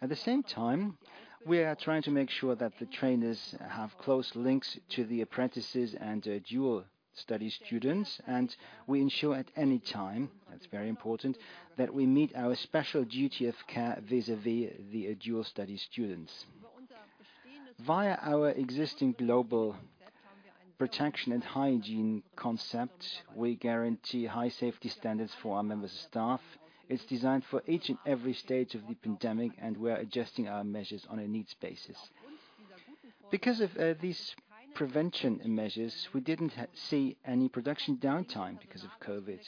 At the same time, we are trying to make sure that the trainers have close links to the apprentices and dual study students, and we ensure at any time, that's very important, that we meet our special duty of care vis-à-vis the dual study students. Via our existing global protection and hygiene concept, we guarantee high safety standards for our members of staff. It's designed for each and every stage of the pandemic, and we are adjusting our measures on a needs basis. Because of these prevention measures, we didn't see any production downtime because of COVID.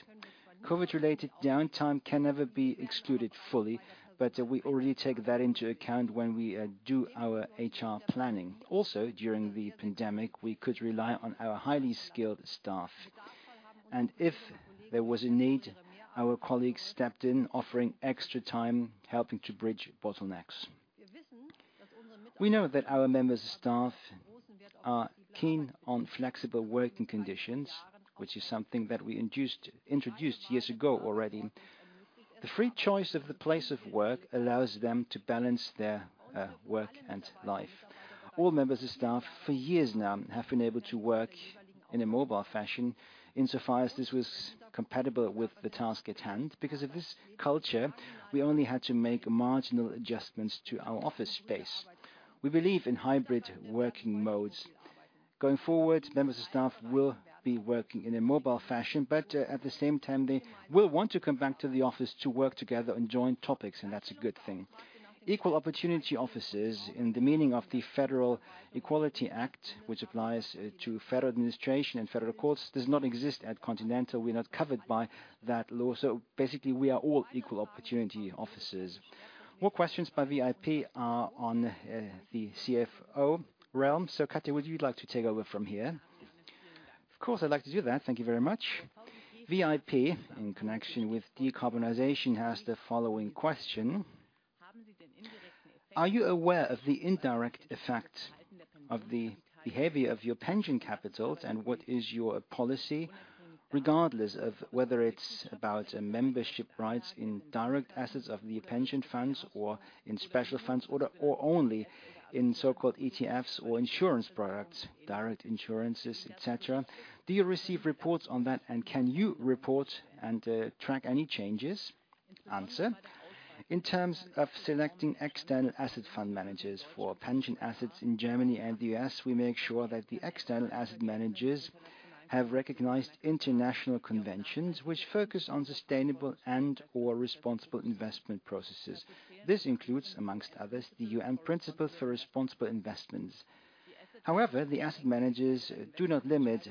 COVID-related downtime can never be excluded fully, but we already take that into account when we do our HR planning. Also, during the pandemic, we could rely on our highly skilled staff. If there was a need, our colleagues stepped in, offering extra time, helping to bridge bottlenecks. We know that our members of staff are keen on flexible working conditions, which is something that we introduced years ago already. The free choice of the place of work allows them to balance their work and life. All members of staff, for years now, have been able to work in a mobile fashion insofar as this was compatible with the task at hand. Because of this culture, we only had to make marginal adjustments to our office space. We believe in hybrid working modes. Going forward, members of staff will be working in a mobile fashion, but at the same time, they will want to come back to the office to work together on joint topics, and that's a good thing. Equal opportunity offices in the meaning of the Federal Equality Act, which applies to federal administration and federal courts, does not exist at Continental. We're not covered by that law, so basically, we are all equal opportunity offices. More questions by VIP are on, the CFO realm. Katja Dürrfeld, would you like to take over from here? Of course, I'd like to do that. Thank you very much. VIP, in connection with decarbonization, has the following question: Are you aware of the indirect effect of the behavior of your pension capitals, and what is your policy, regardless of whether it's about membership rights in direct assets of the pension funds or in special funds or only in so-called ETFs or insurance products, direct insurances, et cetera? Do you receive reports on that, and can you report and track any changes? Answer: In terms of selecting external asset fund managers for pension assets in Germany and the U.S., we make sure that the external asset managers have recognized international conventions which focus on sustainable and/or responsible investment processes. This includes, among others, the UN Principles for Responsible Investment. However, the asset managers do not limit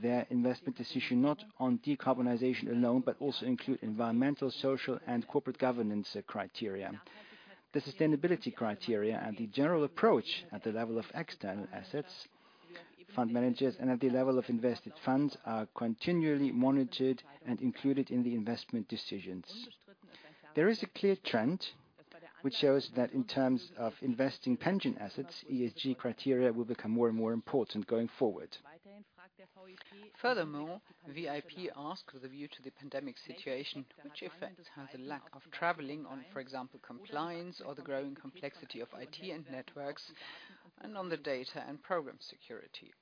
their investment decisions to decarbonization alone, but also include environmental, social, and corporate governance criteria. The sustainability criteria and the general approach at the level of external assets, fund managers, and at the level of invested funds are continually monitored and included in the investment decisions. There is a clear trend which shows that in terms of investing pension assets, ESG criteria will become more and more important going forward. Furthermore, VIP asked with a view to the pandemic situation which effects have the lack of traveling on, for example, compliance or the growing complexity of IT and networks and on the data and program security.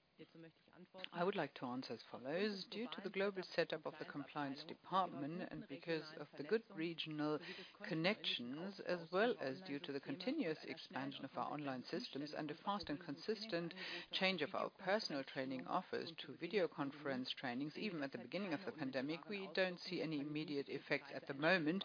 I would like to answer as follows. Due to the global setup of the compliance department and because of the good regional connections as well as due to the continuous expansion of our online systems and a fast and consistent Change of our personal training offers to video conference trainings, even at the beginning of the pandemic. We don't see any immediate effect at the moment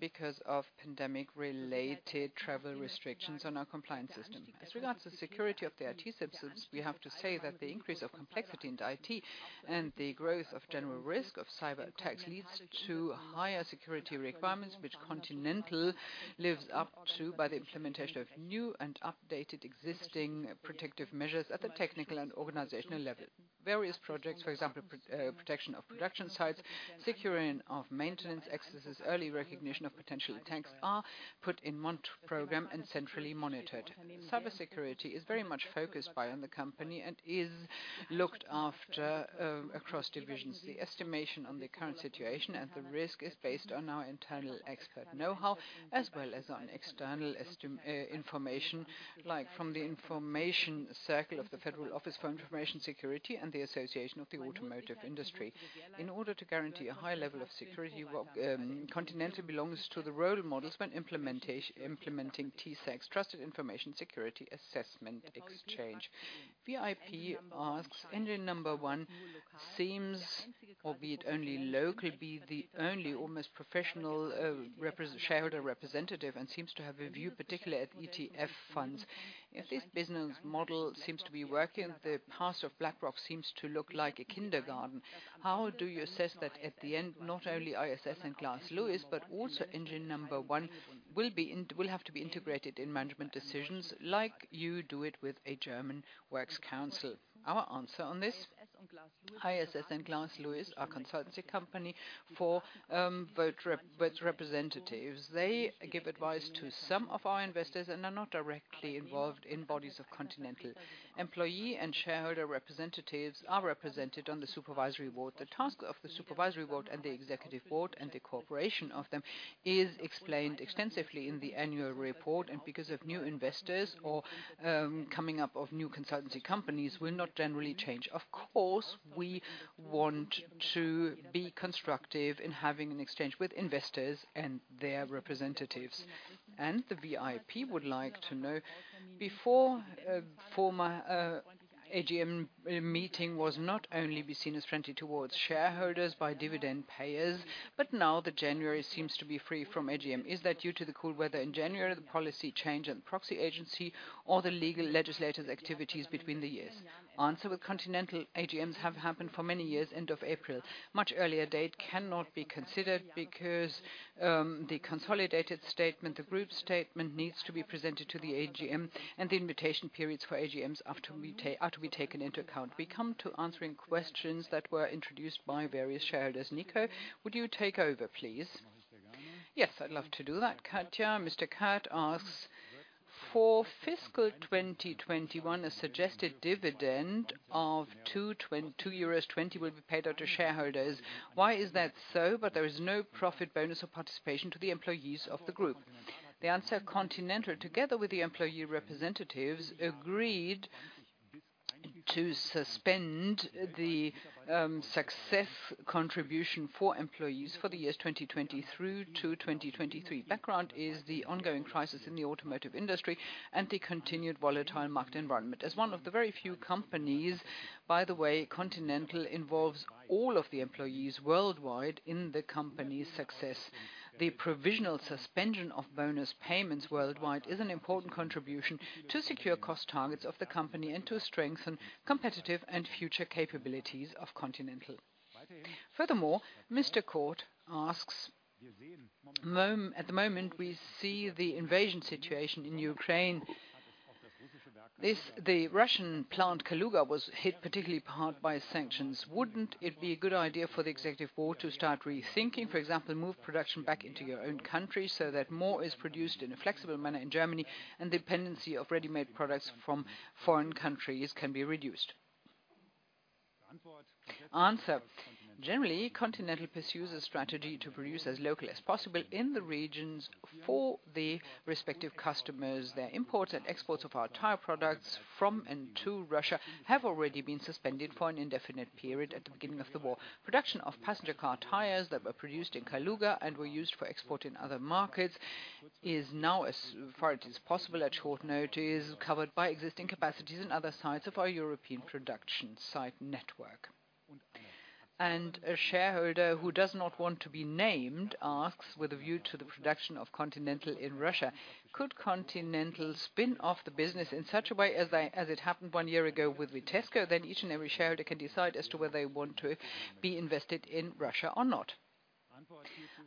because of pandemic-related travel restrictions on our compliance system. As regards to security of the IT systems, we have to say that the increase of complexity in the IT and the growth of general risk of cyberattacks leads to higher security requirements, which Continental lives up to by the implementation of new and updated existing protective measures at the technical and organizational level. Various projects, for example, protection of production sites, securing of maintenance accesses, early recognition of potential attacks, are put in one program and centrally monitored. Cybersecurity is very much focused on by the company and is looked after across divisions. The estimation on the current situation and the risk is based on our internal expert know-how, as well as on external information, like from the information circle of the Federal Office for Information Security and the German Association of the Automotive Industry. In order to guarantee a high level of security, Continental belongs to the role models when implementing TISAX, Trusted Information Security Assessment Exchange. VIP asks, "Engine No. 1 seems, albeit only locally, be the only almost professional shareholder representative and seems to have a view, particularly at ETF funds. If this business model seems to be working, the path of BlackRock seems to look like a kindergarten. How do you assess that at the end, not only ISS and Glass Lewis, but also Engine No. 1 will have to be integrated in management decisions like you do it with a German works council? Our answer on this, ISS and Glass Lewis are consultancy company for votes representatives. They give advice to some of our investors and are not directly involved in bodies of Continental. Employee and shareholder representatives are represented on the Supervisory Board. The task of the Supervisory Board and the Executive Board and the cooperation of them is explained extensively in the annual report and because of new investors or coming up of new consultancy companies will not generally change. Of course, we want to be constructive in having an exchange with investors and their representatives. The VIP would like to know, "Before, former, AGM meeting was not only be seen as friendly towards shareholders by dividend payers, but now the January seems to be free from AGM. Is that due to the cold weather in January, the policy change and proxy agency or the legal legislative activities between the years?" Answer: With Continental, AGMs have happened for many years end of April. Much earlier date cannot be considered because, the consolidated statement, the group statement needs to be presented to the AGM and the invitation periods for AGMs are to be taken into account. We come to answering questions that were introduced by various shareholders. Nikolai Setzer, would you take over, please? Yes, I'd love to do that, Katja Dürrfeld. Mr. Kurt asks, "For fiscal 2021, a suggested dividend of 2.20 euros will be paid out to shareholders. Why is that so? But there is no profit bonus or participation to the employees of the group." The answer: Continental, together with the employee representatives, agreed to suspend the success contribution for employees for the years 2020 through to 2023. Background is the ongoing crisis in the automotive industry and the continued volatile market environment. As one of the very few companies, by the way, Continental involves all of the employees worldwide in the company's success. The provisional suspension of bonus payments worldwide is an important contribution to secure cost targets of the company and to strengthen competitive and future capabilities of Continental. Furthermore, Mr. Kurt asks, "At the moment, we see the invasion situation in Ukraine. This, the Russian plant Kaluga was hit particularly hard by sanctions. Wouldn't it be a good idea for the executive board to start rethinking, for example, move production back into your own country so that more is produced in a flexible manner in Germany and dependency of ready-made products from foreign countries can be reduced? Answer: Generally, Continental pursues a strategy to produce as locally as possible in the regions for the respective customers. The imports and exports of our tire products from and to Russia have already been suspended for an indefinite period at the beginning of the war. Production of passenger car tires that were produced in Kaluga and were used for export in other markets is now, as far as it is possible, covered by existing capacities in other sites of our European production site network. A shareholder who does not want to be named asks, with a view to the production of Continental in Russia, "Could Continental spin off the business in such a way as it happened one year ago with Vitesco, then each and every shareholder can decide as to whether they want to be invested in Russia or not?"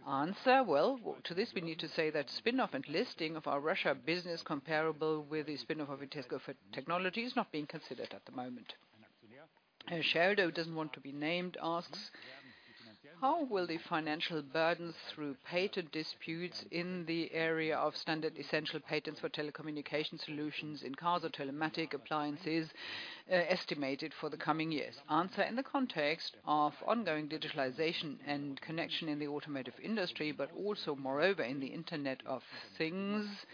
Answer: Well, to this, we need to say that spin-off and listing of our Russia business comparable with the spin-off of Vitesco for Technology is not being considered at the moment. A shareholder who doesn't want to be named asks, "How will the financial burdens through patent disputes in the area of standard essential patents for telecommunication solutions in cars or telematic appliances estimated for the coming years?" Answer: In the context of ongoing digitalization and connection in the automotive industry, but also moreover, in the Internet of Things,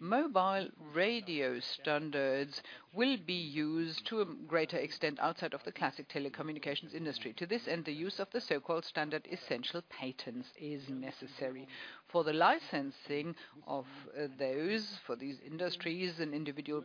mobile radio standards will be used to a greater extent outside of the classic telecommunications industry. To this end, the use of the so-called standard essential patents is necessary. For the licensing of those, for these industries,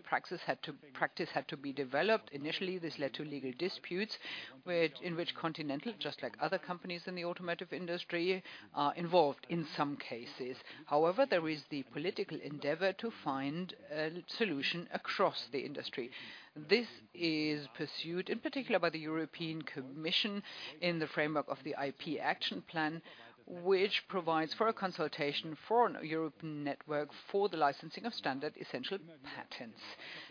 practice had to be developed. Initially, this led to legal disputes, in which Continental, just like other companies in the automotive industry, are involved in some cases. However, there is the political endeavor to find a solution across the industry. This is pursued in particular by the European Commission in the framework of the IP Action Plan, which provides for a consultation for an European network for the licensing of standard essential patents.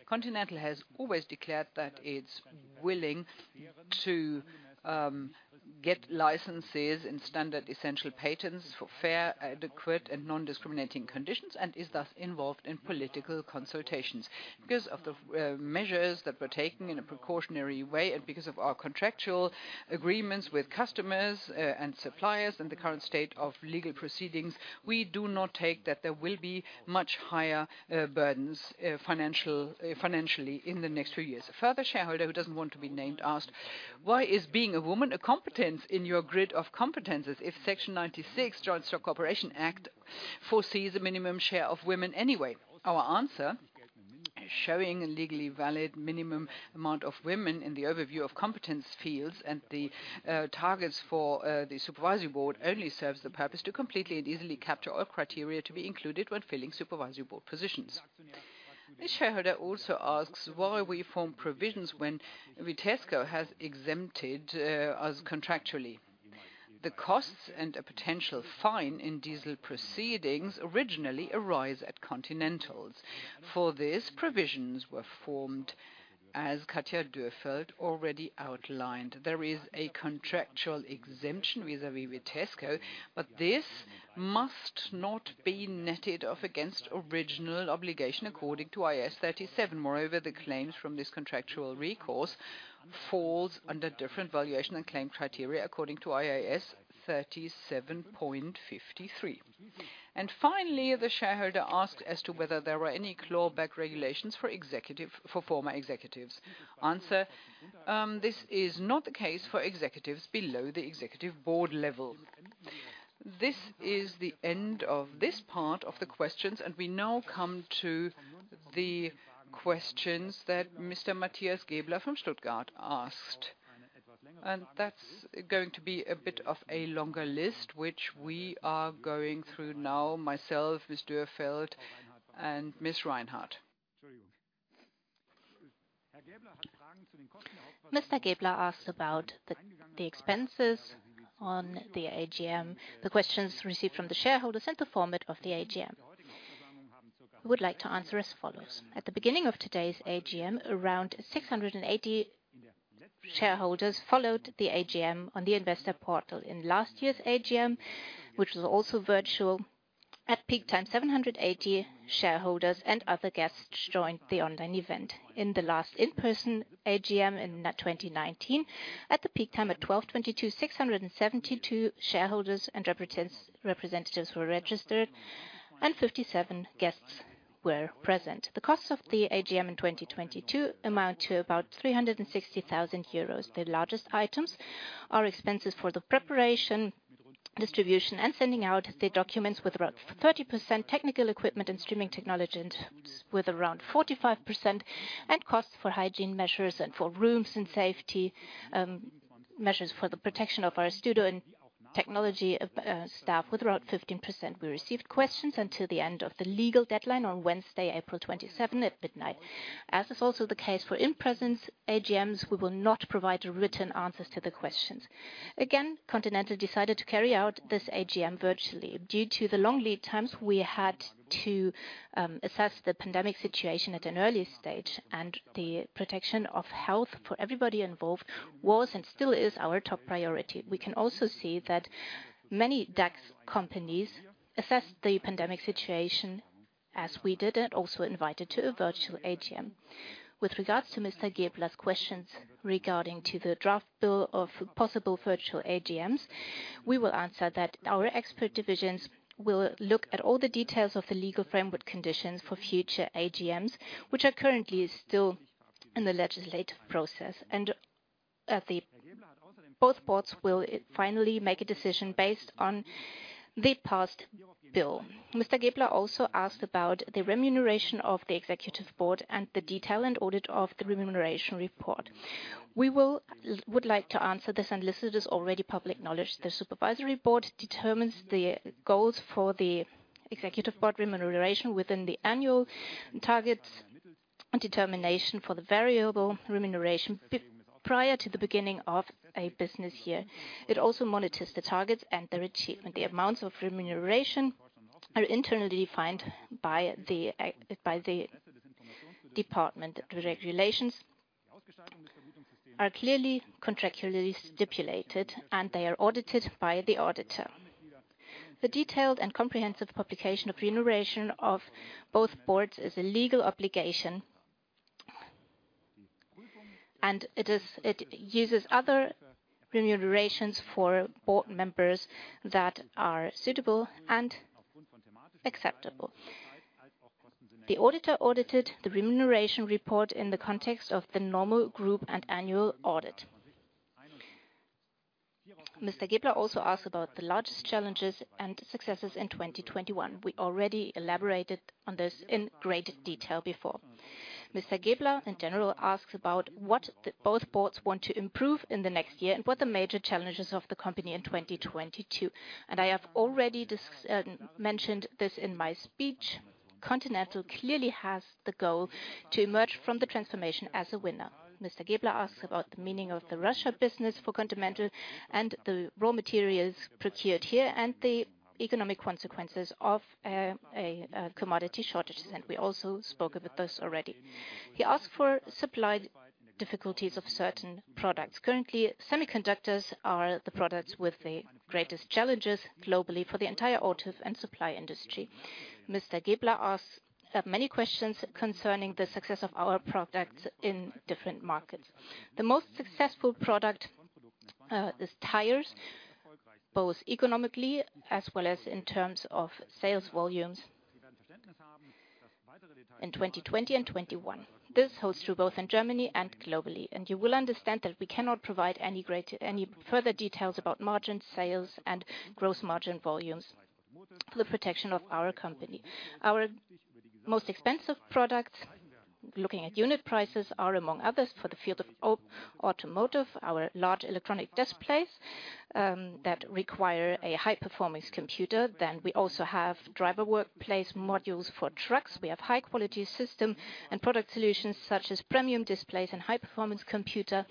Continental has always declared that it's willing to get licenses in standard essential patents for fair, adequate, and non-discriminating conditions, and is thus involved in political consultations. Because of the measures that were taken in a precautionary way and because of our contractual agreements with customers and suppliers in the current state of legal proceedings, we do not take that there will be much higher burdens financially in the next few years. A further shareholder who doesn't want to be named asked, "Why is being a woman a competence in your grid of competencies if Section 96, German Stock Corporation Act, foresees a minimum share of women anyway?" Our answer, showing a legally valid minimum amount of women in the overview of competence fields and the targets for the supervisory board only serves the purpose to completely and easily capture all criteria to be included when filling supervisory board positions. This shareholder also asks why we form provisions when Vitesco has exempted us contractually. The costs and a potential fine in diesel proceedings originally arise at Continental's. For this, provisions were formed, as Katja Dürrfeld already outlined. There is a contractual exemption vis-à-vis Vitesco, but this must not be netted off against original obligation according to IAS 37. Moreover, the claims from this contractual recourse falls under different valuation and claim criteria according to IAS 37.53. Finally, the shareholder asked as to whether there were any claw back regulations for executive, for former executives. Answer, this is not the case for executives below the executive board level. This is the end of this part of the questions, and we now come to the questions that Mr. Matthias Gäbler from Stuttgart asked. That's going to be a bit of a longer list, which we are going through now, myself, Ms. Dürrfeld, and Ms. Reinhart. Mr. Gäbler asked about the expenses on the AGM, the questions received from the shareholders and the format of the AGM. We would like to answer as follows. At the beginning of today's AGM, around 680 shareholders followed the AGM on the InvestorPortal. In last year's AGM, which was also virtual, at peak time, 780 shareholders and other guests joined the online event. In the last in-person AGM in 2019, at the peak time, at 12:22, 672 shareholders and representatives were registered and 57 guests were present. The cost of the AGM in 2022 amount to about 360,000 euros. The largest items are expenses for the preparation, distribution, and sending out the documents with around 30% technical equipment and streaming technology items with around 45%, and costs for hygiene measures and for rooms and safety, measures for the protection of our studio and technology staff with around 15%. We received questions until the end of the legal deadline on Wednesday, April 27 at midnight. As is also the case for in-presence AGMs, we will not provide written answers to the questions. Again, Continental decided to carry out this AGM virtually. Due to the long lead times, we had to assess the pandemic situation at an early stage, and the protection of health for everybody involved was and still is our top priority. We can also see that many DAX companies assessed the pandemic situation as we did and also invited to a virtual AGM. With regards to Mr. Gäbler's questions regarding to the draft bill of possible virtual AGMs, we will answer that our expert divisions will look at all the details of the legal framework conditions for future AGMs, which are currently still in the legislative process. Both boards will finally make a decision based on the passed bill. Mr. Gäbler also asked about the remuneration of the executive board and the detail and audit of the remuneration report. We would like to answer this, and listed as already public knowledge. The Supervisory Board determines the goals for the Executive Board remuneration within the annual targets and determination for the variable remuneration prior to the beginning of a business year. It also monitors the targets and their achievement. The amounts of remuneration are internally defined by the department. The regulations are clearly contractually stipulated, and they are audited by the auditor. The detailed and comprehensive publication of remuneration of both boards is a legal obligation, and it uses other remunerations for board members that are suitable and acceptable. The auditor audited the remuneration report in the context of the normal group and annual audit. Mr. Gäbler also asked about the largest challenges and successes in 2021. We already elaborated on this in great detail before. Mr. Gäbler, in general, asks about what both boards want to improve in the next year and what the major challenges of the company in 2022. I have already mentioned this in my speech. Continental clearly has the goal to emerge from the transformation as a winner. Mr. Gäbler asks about the meaning of the Russia business for Continental and the raw materials procured here and the economic consequences of a commodity shortages, and we also spoke of this already. He asked for supply difficulties of certain products. Currently, semiconductors are the products with the greatest challenges globally for the entire auto and supply industry. Mr. Gäbler asked many questions concerning the success of our products in different markets. The most successful product is tires, both economically as well as in terms of sales volumes in 2020 and 2021. This holds true both in Germany and globally. You will understand that we cannot provide any further details about margin sales and gross margin volumes for the protection of our company. Our most expensive products, looking at unit prices, are, among others, for the field of Automotive, our large electronic displays, that require a high-performance computer. We also have driver workplace modules for trucks. We have high-quality system and product solutions such as premium displays and high-performance computer.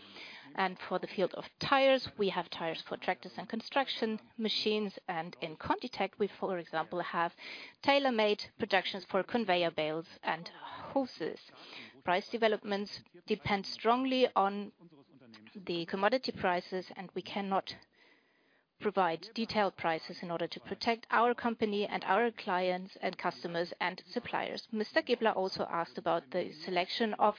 For the field of Tires, we have tires for tractors and construction machines. In ContiTech, we, for example, have tailor-made productions for conveyor belts and hoses. Price developments depend strongly on the commodity prices, and we cannot provide detailed prices in order to protect our company and our clients and customers and suppliers. Mr. Gäbler also asked about the selection of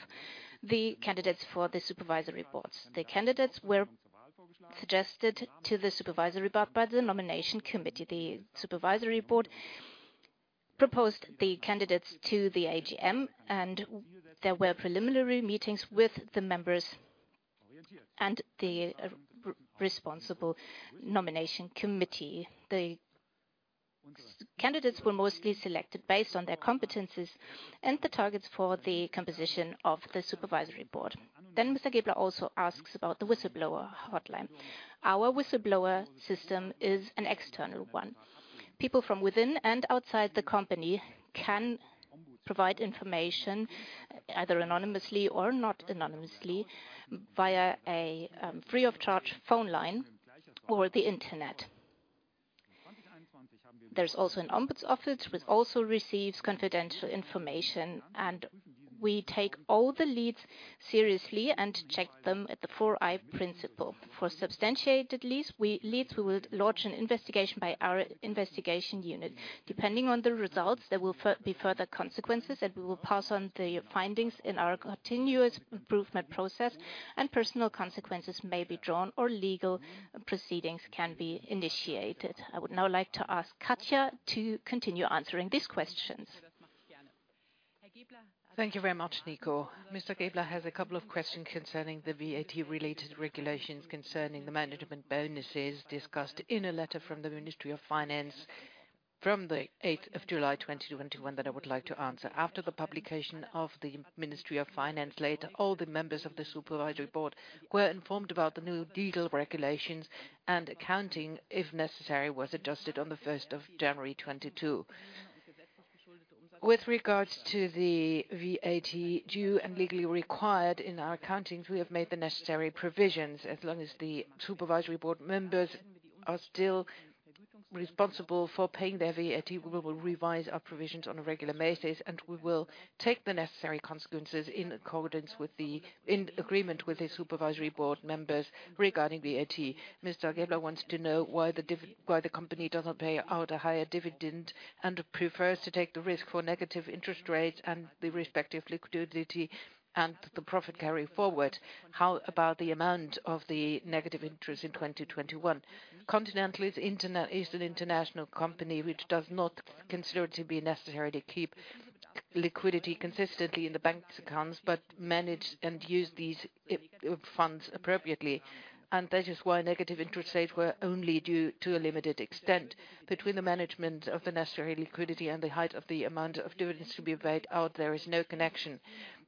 the candidates for the supervisory boards. The candidates were suggested to the supervisory board by the nomination committee. The Supervisory Board proposed the candidates to the AGM, and there were preliminary meetings with the members and the responsible nomination committee. The candidates were mostly selected based on their competencies and the targets for the composition of the Supervisory Board. Mr. Gäbler also asks about the whistleblower hotline. Our whistleblower system is an external one. People from within and outside the company can provide information, either anonymously or not anonymously, via a free-of-charge phone line or the Internet. There's also an ombuds office which also receives confidential information, and we take all the leads seriously and check them at the four-eyes principle. For substantiated leads, we will launch an investigation by our investigation unit. Depending on the results, there will be further consequences, and we will pass on the findings in our continuous improvement process, and personal consequences may be drawn or legal proceedings can be initiated. I would now like to ask Katja to continue answering these questions. Thank you very much, Nikolai. Mr. Gäbler has a couple of questions concerning the VAT-related regulations concerning the management bonuses discussed in a letter from the Ministry of Finance from the eighth of July 2021 that I would like to answer. After the publication of the Ministry of Finance letter, all the members of the Supervisory Board were informed about the new legal regulations and accounting, if necessary, was adjusted on the first of January 2022. With regards to the VAT due and legally required in our accounting, we have made the necessary provisions. As long as the Supervisory Board members are still responsible for paying their VAT, we will revise our provisions on a regular basis, and we will take the necessary consequences in accordance with the, in agreement with the Supervisory Board members regarding VAT. Mr. Matthias Gäbler wants to know why the company doesn't pay out a higher dividend and prefers to take the risk for negative interest rates and the respective liquidity and the profit carry forward. How about the amount of the negative interest in 2021? Continental is an international company which does not consider it to be necessary to keep liquidity consistently in the bank's accounts, but manage and use these funds appropriately. That is why negative interest rates were only due to a limited extent. Between the management of the necessary liquidity and the height of the amount of dividends to be paid out, there is no connection.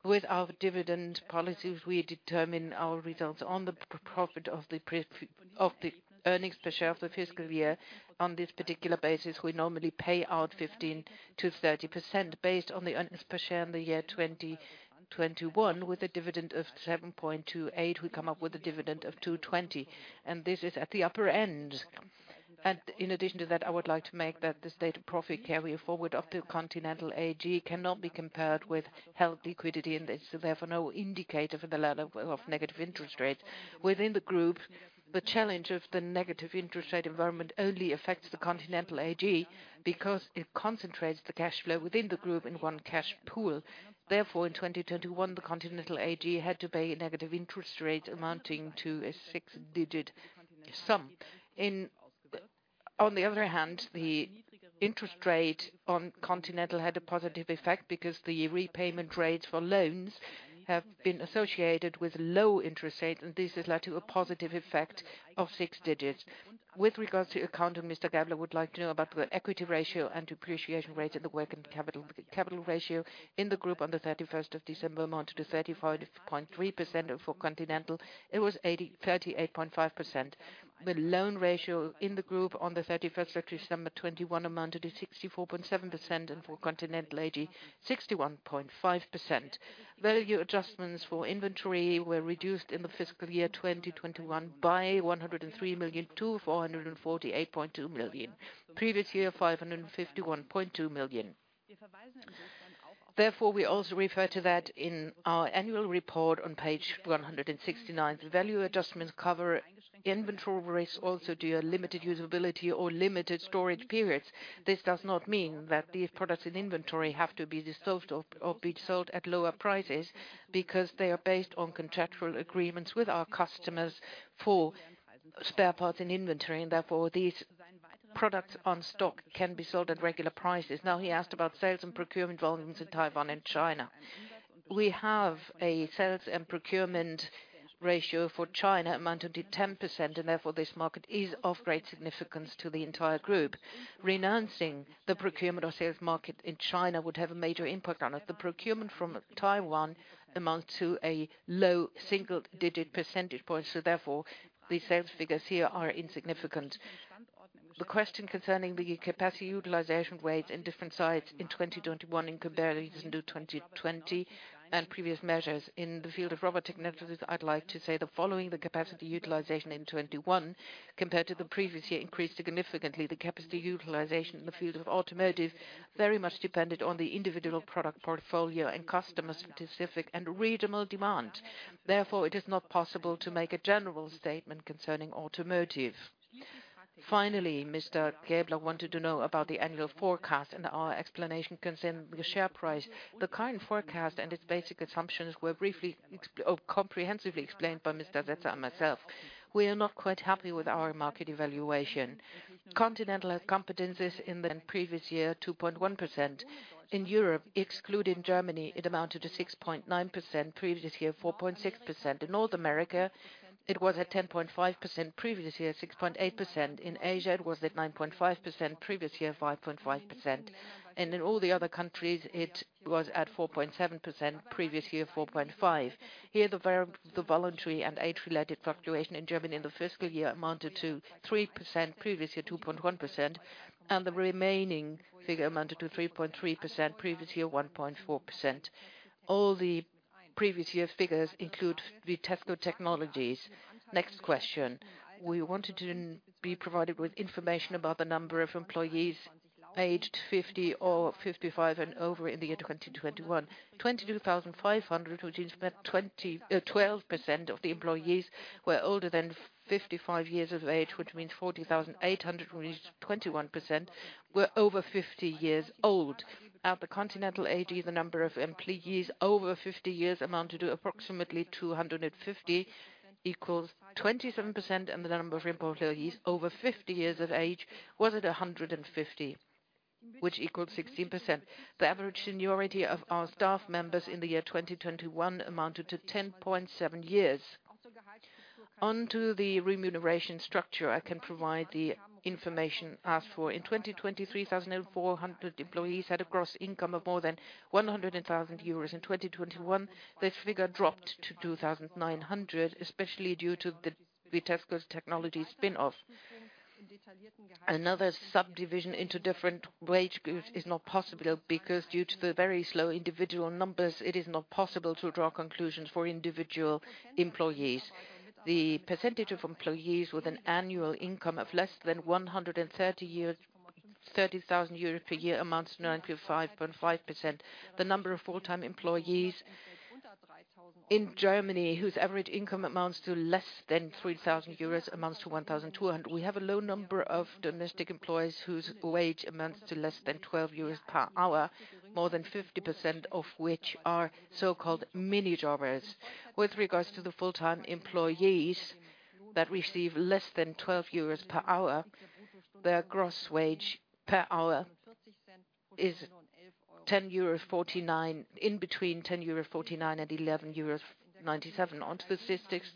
With our dividend policies, we determine our results on the profit of the earnings per share of the fiscal year. On this particular basis, we normally pay out 15%-30%. Based on the earnings per share in the year 2021, with a dividend of 7.28, we come up with a dividend of 2.20, and this is at the upper end. In addition to that, I would like to make that the state of profit carry forward of the Continental AG cannot be compared with held liquidity, and it's therefore no indicator for the level of negative interest rates. Within the group, the challenge of the negative interest rate environment only affects the Continental AG because it concentrates the cash flow within the group in one cash pool. Therefore, in 2021, the Continental AG had to pay negative interest rates amounting to a six-digit sum. On the other hand, the interest rate on Continental had a positive effect because the repayment rates for loans have been associated with low interest rates, and this has led to a positive effect of six digits. With regards to accounting, Mr. Gäbler would like to know about the equity ratio and depreciation rate of the working capital. Capital ratio in the group on the 31st of December amounted to 35.3%, and for Continental, it was 38.5%. The loan ratio in the group on the 31st of December 2021 amounted to 64.7%, and for Continental AG, 61.5%. Value adjustments for inventory were reduced in the fiscal year 2021 by 103 million to 448.2 million. Previous year, 551.2 million. Therefore, we also refer to that in our annual report on page 169. Value adjustments cover inventory risks also due to limited usability or limited storage periods. This does not mean that these products in inventory have to be disposed or be sold at lower prices because they are based on contractual agreements with our customers for spare parts in inventory. Therefore, these products in stock can be sold at regular prices. Now, he asked about sales and procurement volumes in Taiwan and China. We have a sales and procurement ratio for China amounted to 10%, and therefore, this market is of great significance to the entire group. Renouncing the procurement or sales market in China would have a major impact on it. The procurement from Taiwan amounts to a low single-digit percentage point. Therefore, the sales figures here are insignificant. The question concerning the capacity utilization rates in different sites in 2021 in comparison to 2020 and previous measures. In the field of robotic networks, I'd like to say the following: The capacity utilization in 2021 compared to the previous year increased significantly. The capacity utilization in the field of Automotive very much depended on the individual product portfolio and customer-specific and regional demand. Therefore, it is not possible to make a general statement concerning Automotive. Finally, Mr. Gäbler wanted to know about the annual forecast and our explanation concerning the share price. The current forecast and its basic assumptions were comprehensively explained by Mr. Setzer and myself. We are not quite happy with our market evaluation. Continental has competencies in the previous year, 2.1%. In Europe, excluding Germany, it amounted to 6.9%, previous year, 4.6%. In North America, it was at 10.5%, previous year, 6.8%. In Asia, it was at 9.5%, previous year, 5.5%. In all the other countries, it was at 4.7%, previous year, 4.5. Here, the voluntary and age-related fluctuation in Germany in the fiscal year amounted to 3%, previous year, 2.1%, and the remaining figure amounted to 3.3%, previous year, 1.4%. All the previous year's figures include Vitesco Technologies. Next question. We wanted to be provided with information about the number of employees aged 50 or 55 and over in the year 2021. 22,500, which means that 12% of the employees were older than 55 years of age, which means 40,800, which is 21%, were over 50 years old. At the Continental AG, the number of employees over 50 years amounted to approximately 250, equals 27%, and the number of employees over 50 years of age was at 150, which equals 16%. The average seniority of our staff members in the year 2021 amounted to 10.7 years. Onto the remuneration structure, I can provide the information asked for. In 2020, 3,400 employees had a gross income of more than 100,000 euros. In 2021, this figure dropped to 2,900, especially due to the Vitesco Technologies spin-off. Another subdivision into different wage groups is not possible because due to the very low individual numbers, it is not possible to draw conclusions for individual employees. The percentage of employees with an annual income of less than 30,000 euros per year amounts to 95.5%. The number of full-time employees in Germany whose average income amounts to less than 3,000 euros amounts to 1,200. We have a low number of domestic employees whose wage amounts to less than 12 euros per hour, more than 50% of which are so-called mini-jobbers. With regards to the full-time employees that receive less than 12 euros per hour, their gross wage per hour is in between 10.49 euros and 11.97 euros. Onto the statistics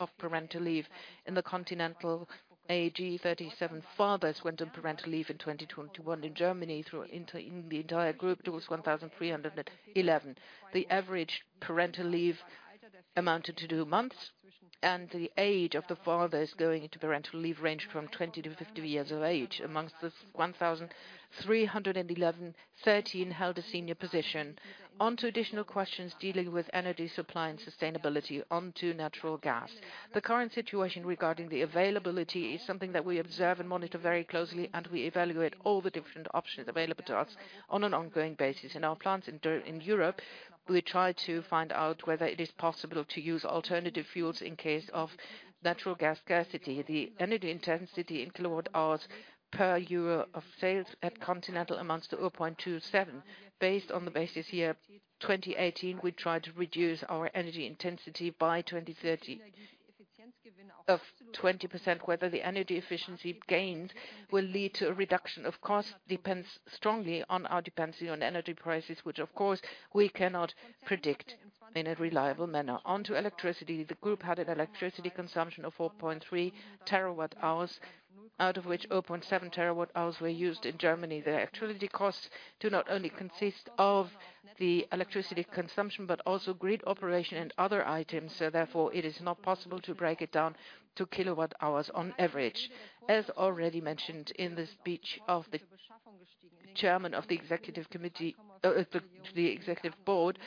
of parental leave. In the Continental AG, 37 fathers went on parental leave in 2021 in Germany. Throughout in the entire group, it was 1,311. The average parental leave amounted to two months, and the age of the fathers going into parental leave ranged from 20-50 years of age. Amongst this 1,311, 13 held a senior position. Onto additional questions dealing with energy supply and sustainability, onto natural gas. The current situation regarding the availability is something that we observe and monitor very closely, and we evaluate all the different options available to us on an ongoing basis. In our plants in Europe, we try to find out whether it is possible to use alternative fuels in case of natural gas scarcity. The energy intensity in kWh per of sales at Continental amounts to 0.27. Based on the base year 2018, we try to reduce our energy intensity by 2030 of 20%. Whether the energy efficiency gains will lead to a reduction of cost depends strongly on our dependency on energy prices, which of course we cannot predict in a reliable manner. On to electricity. The group had an electricity consumption of 4.3 TWh, out of which 0.7 TWh were used in Germany. The electricity costs do not only consist of the electricity consumption, but also grid operation and other items. Therefore, it is not possible to break it down to kWh on average. As already mentioned in the speech of the Chairman of the Executive Board,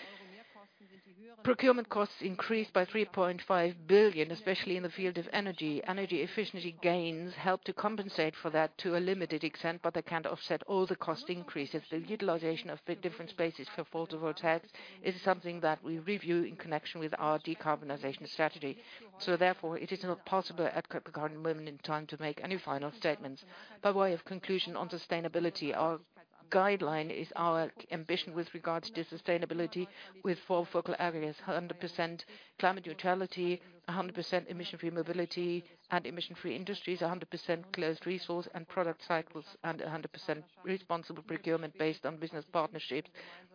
procurement costs increased by 3.5 billion, especially in the field of energy. Energy efficiency gains help to compensate for that to a limited extent, but they can't offset all the cost increases. The utilization of the different spaces for photovoltaics is something that we review in connection with our decarbonization strategy. Therefore, it is not possible at current moment in time to make any final statements. By way of conclusion on sustainability, our guideline is our ambition with regards to sustainability with four focal areas, 100% climate neutrality, 100% emission-free mobility and emission-free industries, 100% closed resource and product cycles, and 100% responsible procurement based on business partnerships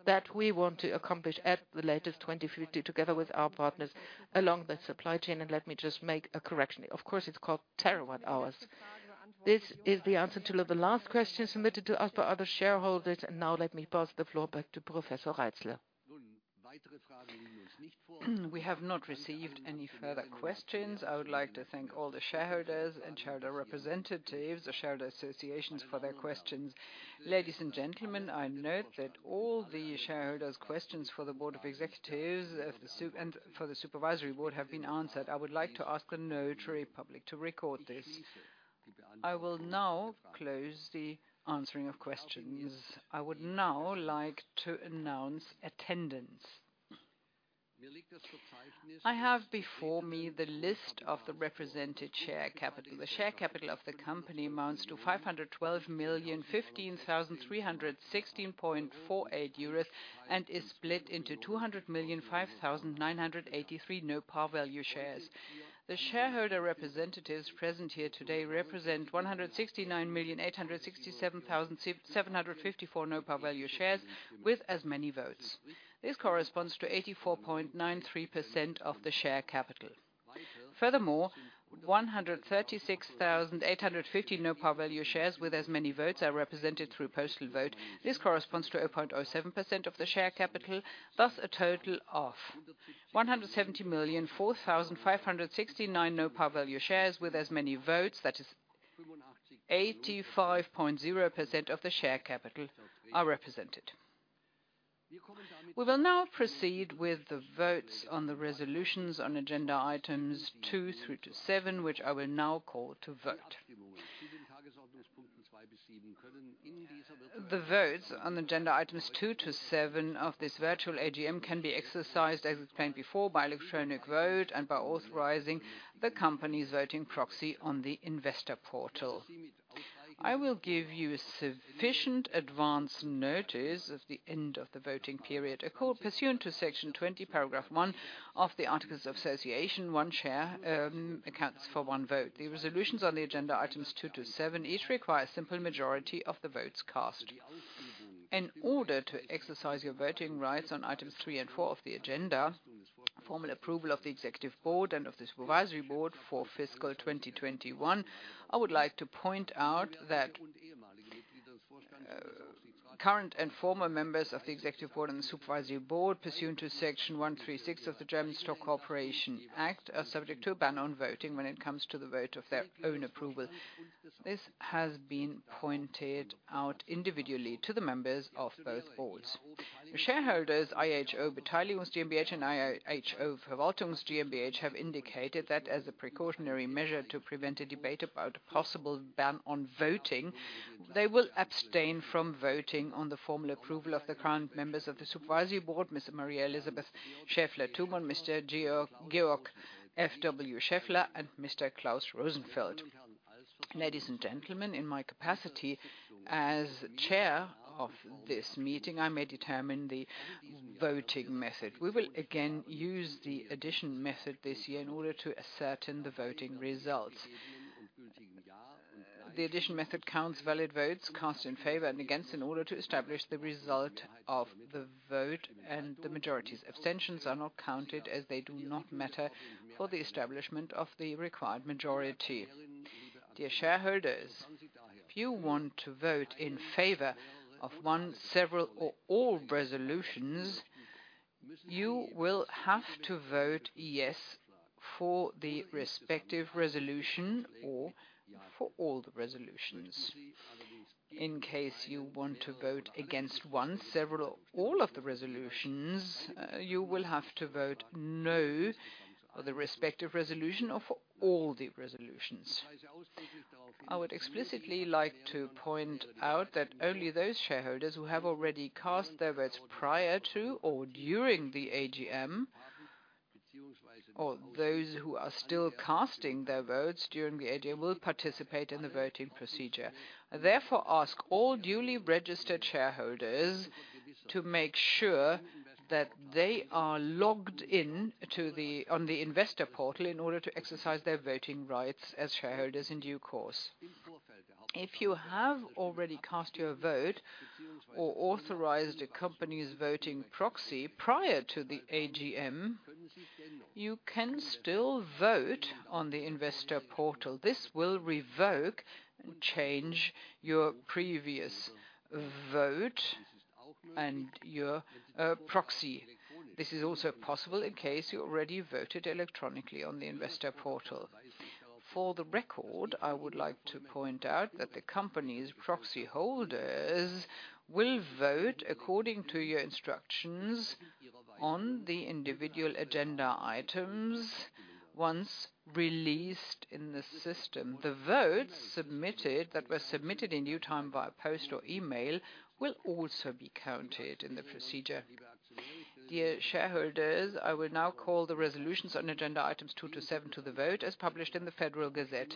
that we want to accomplish at the latest 2050, together with our partners along the supply chain. Let me just make a correction. Of course, it's called terawatt hours. This is the answer to the last question submitted to us by other shareholders. Now let me pass the floor back to Professor Reitzle. We have not received any further questions. I would like to thank all the shareholders and shareholder representatives, the shareholder associations for their questions. Ladies and gentlemen, I note that all the shareholders' questions for the Executive Board and for the Supervisory Board have been answered. I would like to ask the notary public to record this. I will now close the answering of questions. I would now like to announce attendance. I have before me the list of the represented share capital. The share capital of the company amounts to 512,015,316.48 euros and is split into 200,005,983 no par value shares. The shareholder representatives present here today represent 169,867,754 no par value shares with as many votes. This corresponds to 84.93% of the share capital. Furthermore, 136,850 no par value shares with as many votes are represented through postal vote. This corresponds to 0.07% of the share capital, thus a total of 170,004,569 no par value shares with as many votes. That is 85.0% of the share capital are represented. We will now proceed with the votes on the resolutions on agenda items two through to seven, which I will now call to vote. The votes on agenda items two to seven of this virtual AGM can be exercised, as explained before, by electronic vote and by authorizing the company's voting proxy on the InvestorPortal. I will give you sufficient advance notice of the end of the voting period. A call pursuant to Section 20, Paragraph 1 of the Articles of Association, one share accounts for one vote. The resolutions on the agenda Items 2-7 each require a simple majority of the votes cast. In order to exercise your voting rights on Items 3 and 4 of the agenda, formal approval of the executive board and of the supervisory board for fiscal 2021, I would like to point out that current and former members of the executive board and the supervisory board, pursuant to Section 136 of the German Stock Corporation Act, are subject to a ban on voting when it comes to the vote of their own approval. This has been pointed out individually to the members of both boards. The shareholders IHO Beteiligungs GmbH and IHO Verwaltungs GmbH have indicated that as a precautionary measure to prevent a debate about a possible ban on voting, they will abstain from voting on the formal approval of the current members of the Supervisory Board, Ms. Maria-Elisabeth Schaeffler-Thumann, Mr. Georg F. W. Schaeffler, and Mr. Klaus Rosenfeld. Ladies and gentlemen, in my capacity as Chair of this meeting, I may determine the voting method. We will again use the addition method this year in order to ascertain the voting results. The addition method counts valid votes cast in favor and against in order to establish the result of the vote and the majorities. Abstentions are not counted as they do not matter for the establishment of the required majority. Dear shareholders, if you want to vote in favor of one, several, or all resolutions, you will have to vote yes for the respective resolution or for all the resolutions. In case you want to vote against one, several, or all of the resolutions, you will have to vote no on the respective resolution or all the resolutions. I would explicitly like to point out that only those shareholders who have already cast their votes prior to or during the AGM, or those who are still casting their votes during the AGM, will participate in the voting procedure. I therefore ask all duly registered shareholders to make sure that they are logged in on the InvestorPortal in order to exercise their voting rights as shareholders in due course. If you have already cast your vote or authorized a company's voting proxy prior to the AGM, you can still vote on the InvestorPortal. This will revoke and change your previous vote and your proxy. This is also possible in case you already voted electronically on the InvestorPortal. For the record, I would like to point out that the company's proxy holders will vote according to your instructions on the individual agenda items once released in the system. The votes that were submitted in due time via post or email will also be counted in the procedure. Dear shareholders, I will now call the resolutions on agenda Items 2-7 to the vote as published in the Federal Gazette.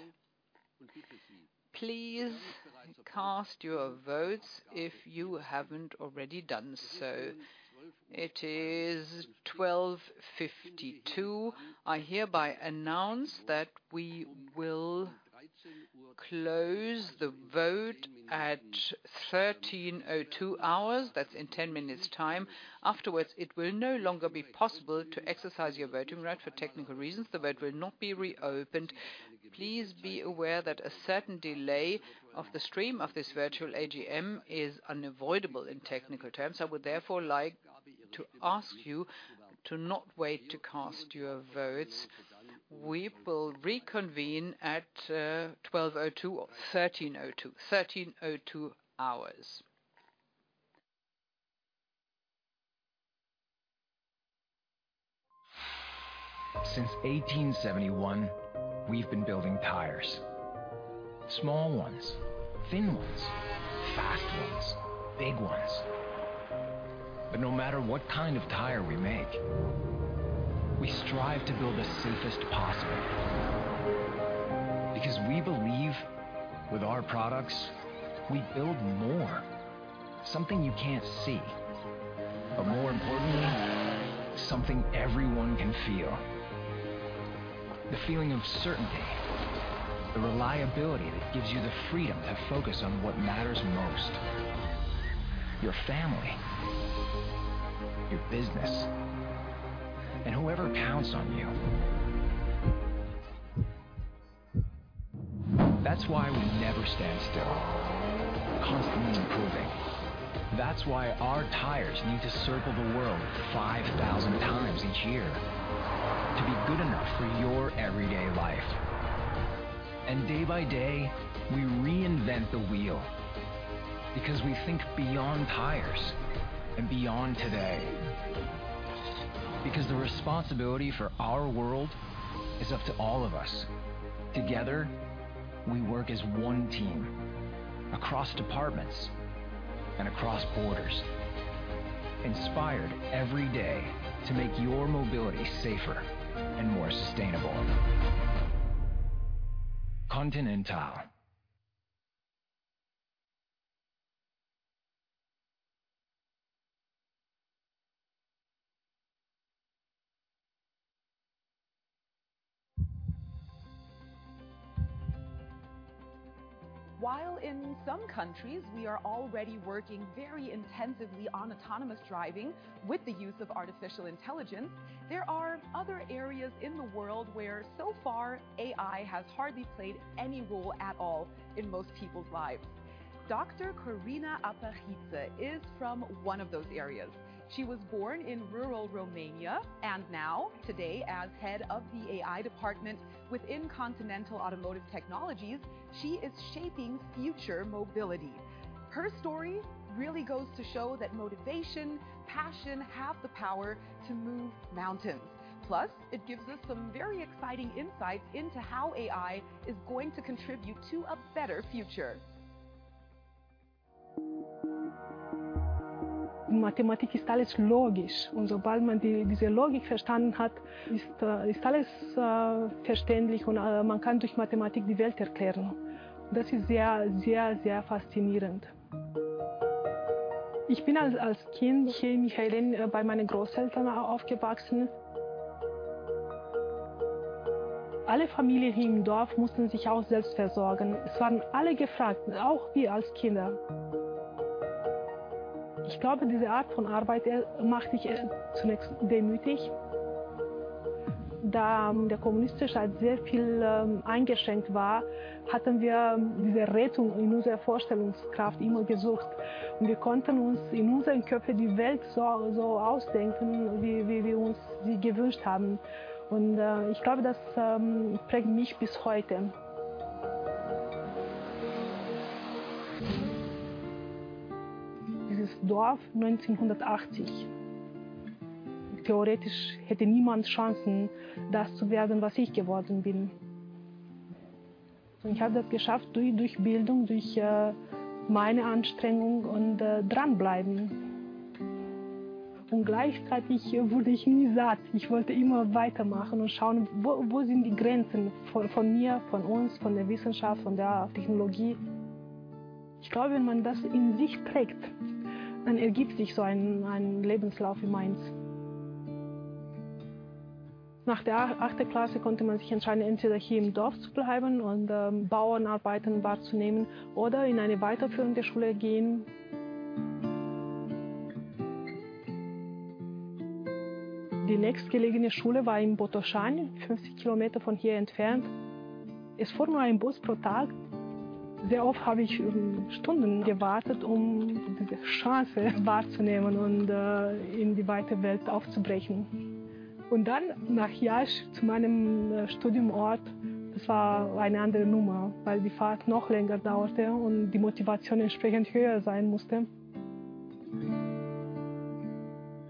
Please cast your votes if you haven't already done so. It is 12:52 P.M. I hereby announce that we will close the vote at 1:02 P.M. That's in 10 minutes' time. Afterwards, it will no longer be possible to exercise your voting right for technical reasons. The vote will not be reopened. Please be aware that a certain delay of the stream of this virtual AGM is unavoidable in technical terms. I would therefore like to ask you to not wait to cast your votes. We will reconvene at 12:02 P.M. or 1:02 P.M. 1:02 P.M.
Since 1871, we've been building tires. Small ones, thin ones, fast ones, big ones. But no matter what kind of tire we make, we strive to build the safest possible. Because we believe with our products we build more, something you can't see. But more importantly, something everyone can feel. The feeling of certainty, the reliability that gives you the freedom to focus on what matters most. Your family, your business, and whoever counts on you. That's why we never stand still. Constantly improving. That's why our tires need to circle the world 5,000 times each year to be good enough for your everyday life. Day by day, we reinvent the wheel because we think beyond tires and beyond today. Because the responsibility for our world is up to all of us. Together, we work as one team across departments and across borders, inspired every day to make your mobility safer and more sustainable. Continental. While in some countries we are already working very intensively on autonomous driving with the use of artificial intelligence, there are other areas in the world where so far AI has hardly played any role at all in most people's lives. Dr. Corina Apachiţe is from one of those areas. She was born in rural Romania, and now today, as head of the AI department within Continental Automotive Technologies, she is shaping future mobility. Her story really goes to show that motivation, passion have the power to move mountains. Plus, it gives us some very exciting insights into how AI is going to contribute to a better future.
Nach der achten Klasse konnte man sich entscheiden, entweder hier im Dorf zu bleiben und Bauernarbeiten wahrzunehmen oder in eine weiterführende Schule gehen. Die nächstgelegene Schule war in Botoşani, 50 Kilometer von hier entfernt. Es fuhr nur ein Bus pro Tag. Sehr oft habe ich Stunden gewartet, um diese Chance wahrzunehmen und in die weite Welt aufzubrechen. Nach Iaşi zu meinem Studiumort. Das war eine andere Nummer, weil die Fahrt noch länger dauerte und die Motivation entsprechend höher sein musste.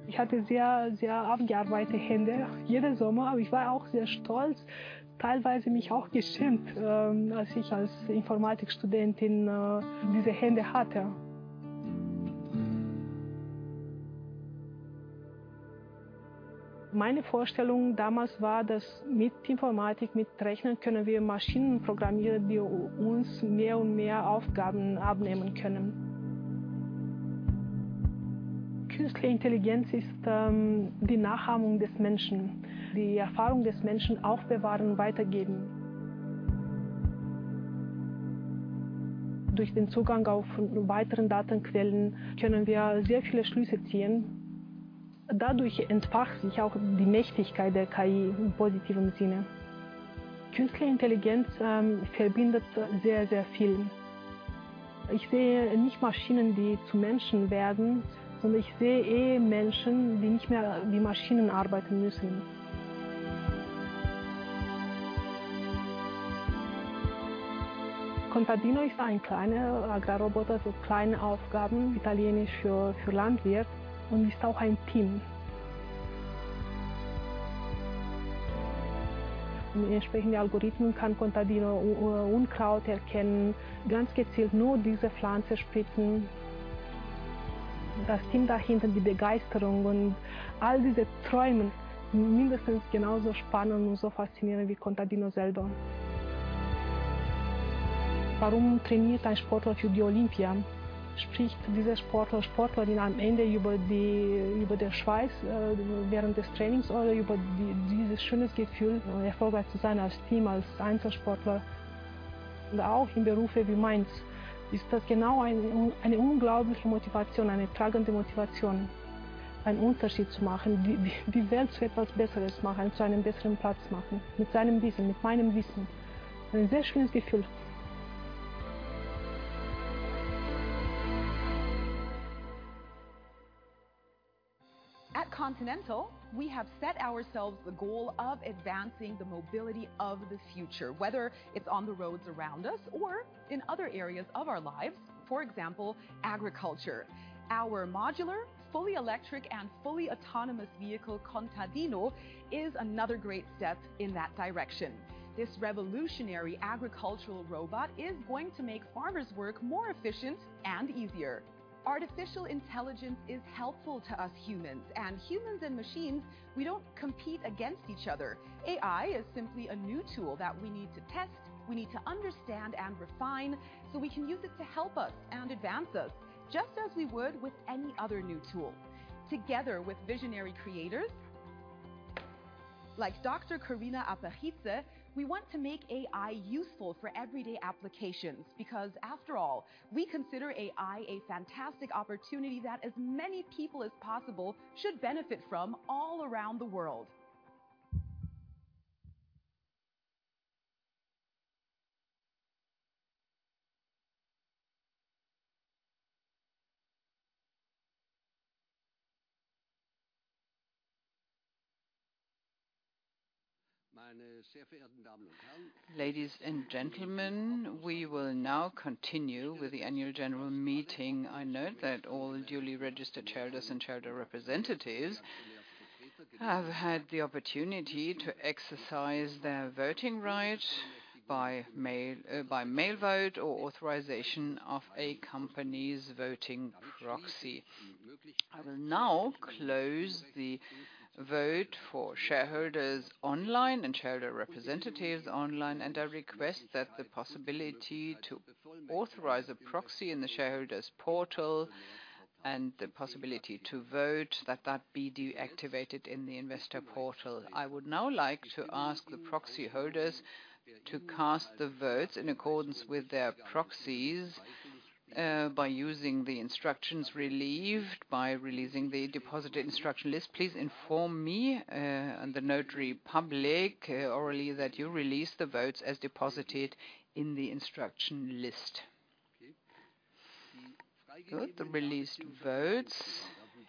Ich hatte sehr abgearbeitete Hände jeden Sommer. Ich war auch sehr stolz, teilweise mich auch geschämt, als ich als Informatikstudentin diese Hände hatte. Meine Vorstellung damals war, dass mit Informatik, mit Rechnen können wir Maschinen programmieren, die uns mehr und mehr Aufgaben abnehmen können. Künstliche Intelligenz ist die Nachahmung des Menschen. Die Erfahrung des Menschen aufbewahren, weitergeben. Durch den Zugang auf weiteren Datenquellen können wir sehr viele Schlüsse ziehen. Dadurch entfacht sich auch die Mächtigkeit der KI im positiven Sinne. Künstliche Intelligenz verbindet sehr viel. Ich sehe nicht Maschinen, die zu Menschen werden, sondern ich sehe eher Menschen, die nicht mehr wie Maschinen arbeiten müssen. Contadino ist ein kleiner Agrarroboter für kleine Aufgaben, italienisch für Landwirt und ist auch ein Team. Mit entsprechenden Algorithmen kann Contadino Unkraut erkennen, ganz gezielt nur diese Pflanze spritzen. Das Team dahinter, die Begeisterung und all diese Träume mindestens genauso spannend und so faszinierend wie Contadino selber. Warum trainiert ein Sportler für die Olympia? Spricht dieser Sportler, Sportlerin am Ende über die, über den Schweiß während des Trainings oder über dieses schönes Gefühl, erfolgreich zu sein als Team, als Einzelsportler. Auch in Berufen wie meins ist das genau eine unglaubliche Motivation, eine tragende Motivation, einen Unterschied zu machen, die Welt zu etwas Besseren machen, zu einem besseren Platz machen, mit seinem Wissen, mit meinem Wissen. Ein sehr schönes Gefühl.
At Continental we have set ourselves the goal of advancing the mobility of the future, whether it's on the roads around us or in other areas of our lives, for example, agriculture. Our modular, fully electric and fully autonomous vehicle Contadino is another great step in that direction. This revolutionary agricultural robot is going to make farmers work more efficient and easier. Artificial intelligence is helpful to us humans and machines, we don't compete against each other. AI is simply a new tool that we need to test, we need to understand and refine so we can use it to help us and advance us, just as we would with any other new tool. Together with visionary creators like Dr. Corina Apachiţe, we want to make AI useful for everyday applications, because after all, we consider AI a fantastic opportunity that as many people as possible should benefit from all around the world.
Ladies and gentlemen, we will now continue with the annual general meeting. I note that all duly registered shareholders and shareholder representatives have had the opportunity to exercise their voting rights by mail, by mail vote or authorization of a company's voting proxy. I will now close the vote for shareholders online and shareholder representatives online and I request that the possibility to authorize a proxy in the shareholders portal and the possibility to vote that be deactivated in the InvestorPortal. I would now like to ask the proxy holders to cast the votes in accordance with their proxies, by using the instructions received by releasing the deposited instruction list. Please inform me, and the notary public orally that you release the votes as deposited in the instruction list. Good. The released votes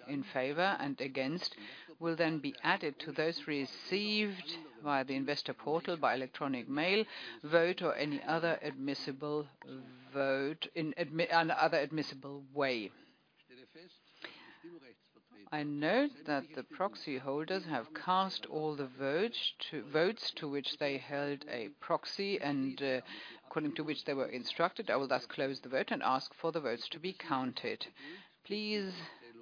in favor and against will then be added to those received via the InvestorPortal by electronic mail vote or any other admissible way. I note that the proxy holders have cast all the votes to which they held a proxy and according to which they were instructed. I will thus close the vote and ask for the votes to be counted. Please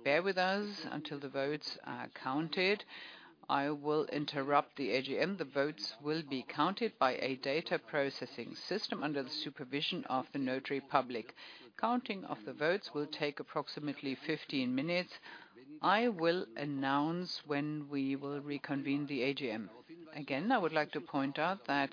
bear with us until the votes are counted. I will interrupt the AGM. The votes will be counted by a data processing system under the supervision of the notary public. Counting of the votes will take approximately 15 minutes. I will announce when we will reconvene the AGM. Again, I would like to point out that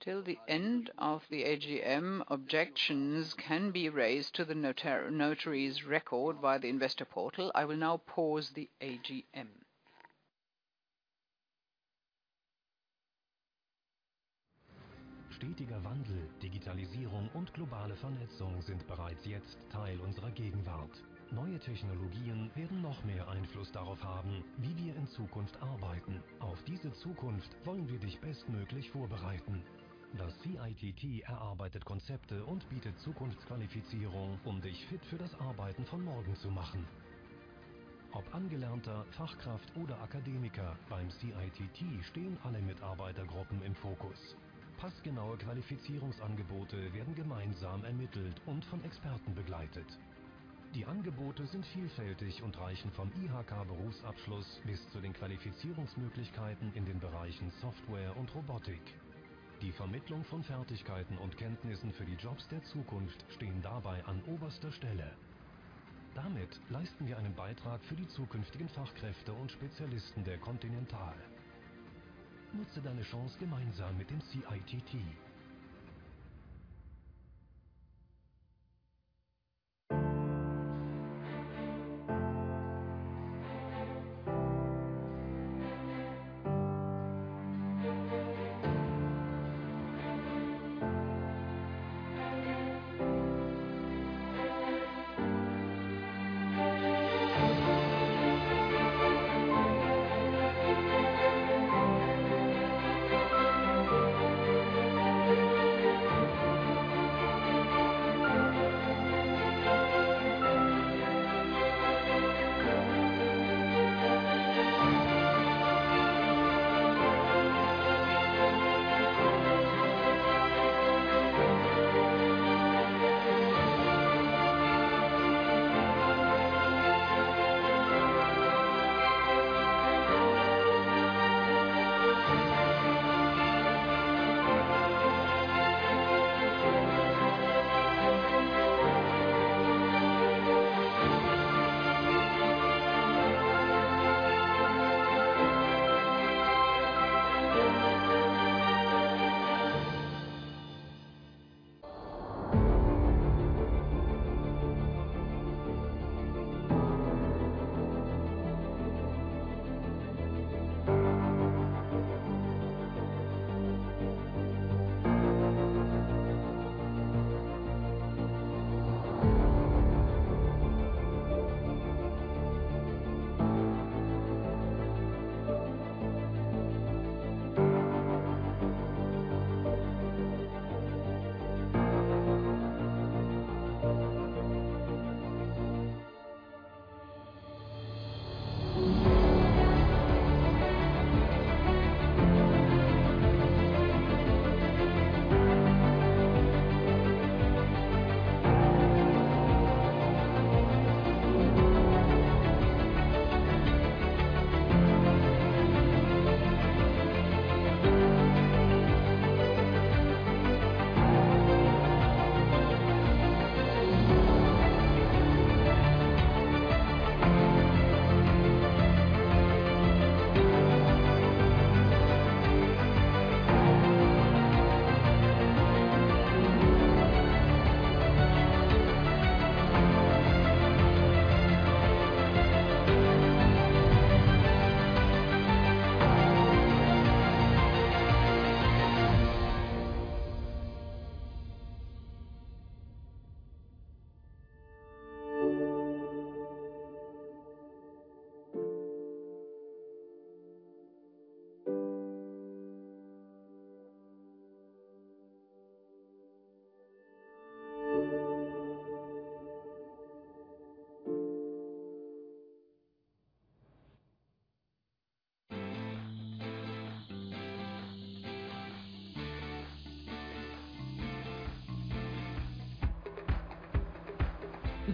till the end of the AGM, objections can be raised to the notary's record via the InvestorPortal. I will now pause the AGM.
Stetiger Wandel, Digitalisierung und globale Vernetzung sind bereits jetzt Teil unserer Gegenwart. Neue Technologien werden noch mehr Einfluss darauf haben, wie wir in Zukunft arbeiten. Auf diese Zukunft wollen wir dich bestmöglich vorbereiten. Das CITT erarbeitet Konzepte und bietet Zukunftsqualifizierung, um dich fit für das Arbeiten von morgen zu machen. Ob Angelernter, Fachkraft oder Akademiker beim CITT stehen alle Mitarbeitergruppen im Fokus. Passgenaue Qualifizierungsangebote werden gemeinsam ermittelt und von Experten begleitet. Die Angebote sind vielfältig und reichen vom IHK-Berufsabschluss bis zu den Qualifizierungsmöglichkeiten in den Bereichen Software und Robotik. Die Vermittlung von Fertigkeiten und Kenntnissen für die Jobs der Zukunft stehen dabei an oberster Stelle. Damit leisten wir einen Beitrag für die zukünftigen Fachkräfte und Spezialisten der Continental. Nutze deine Chance gemeinsam mit dem CITT.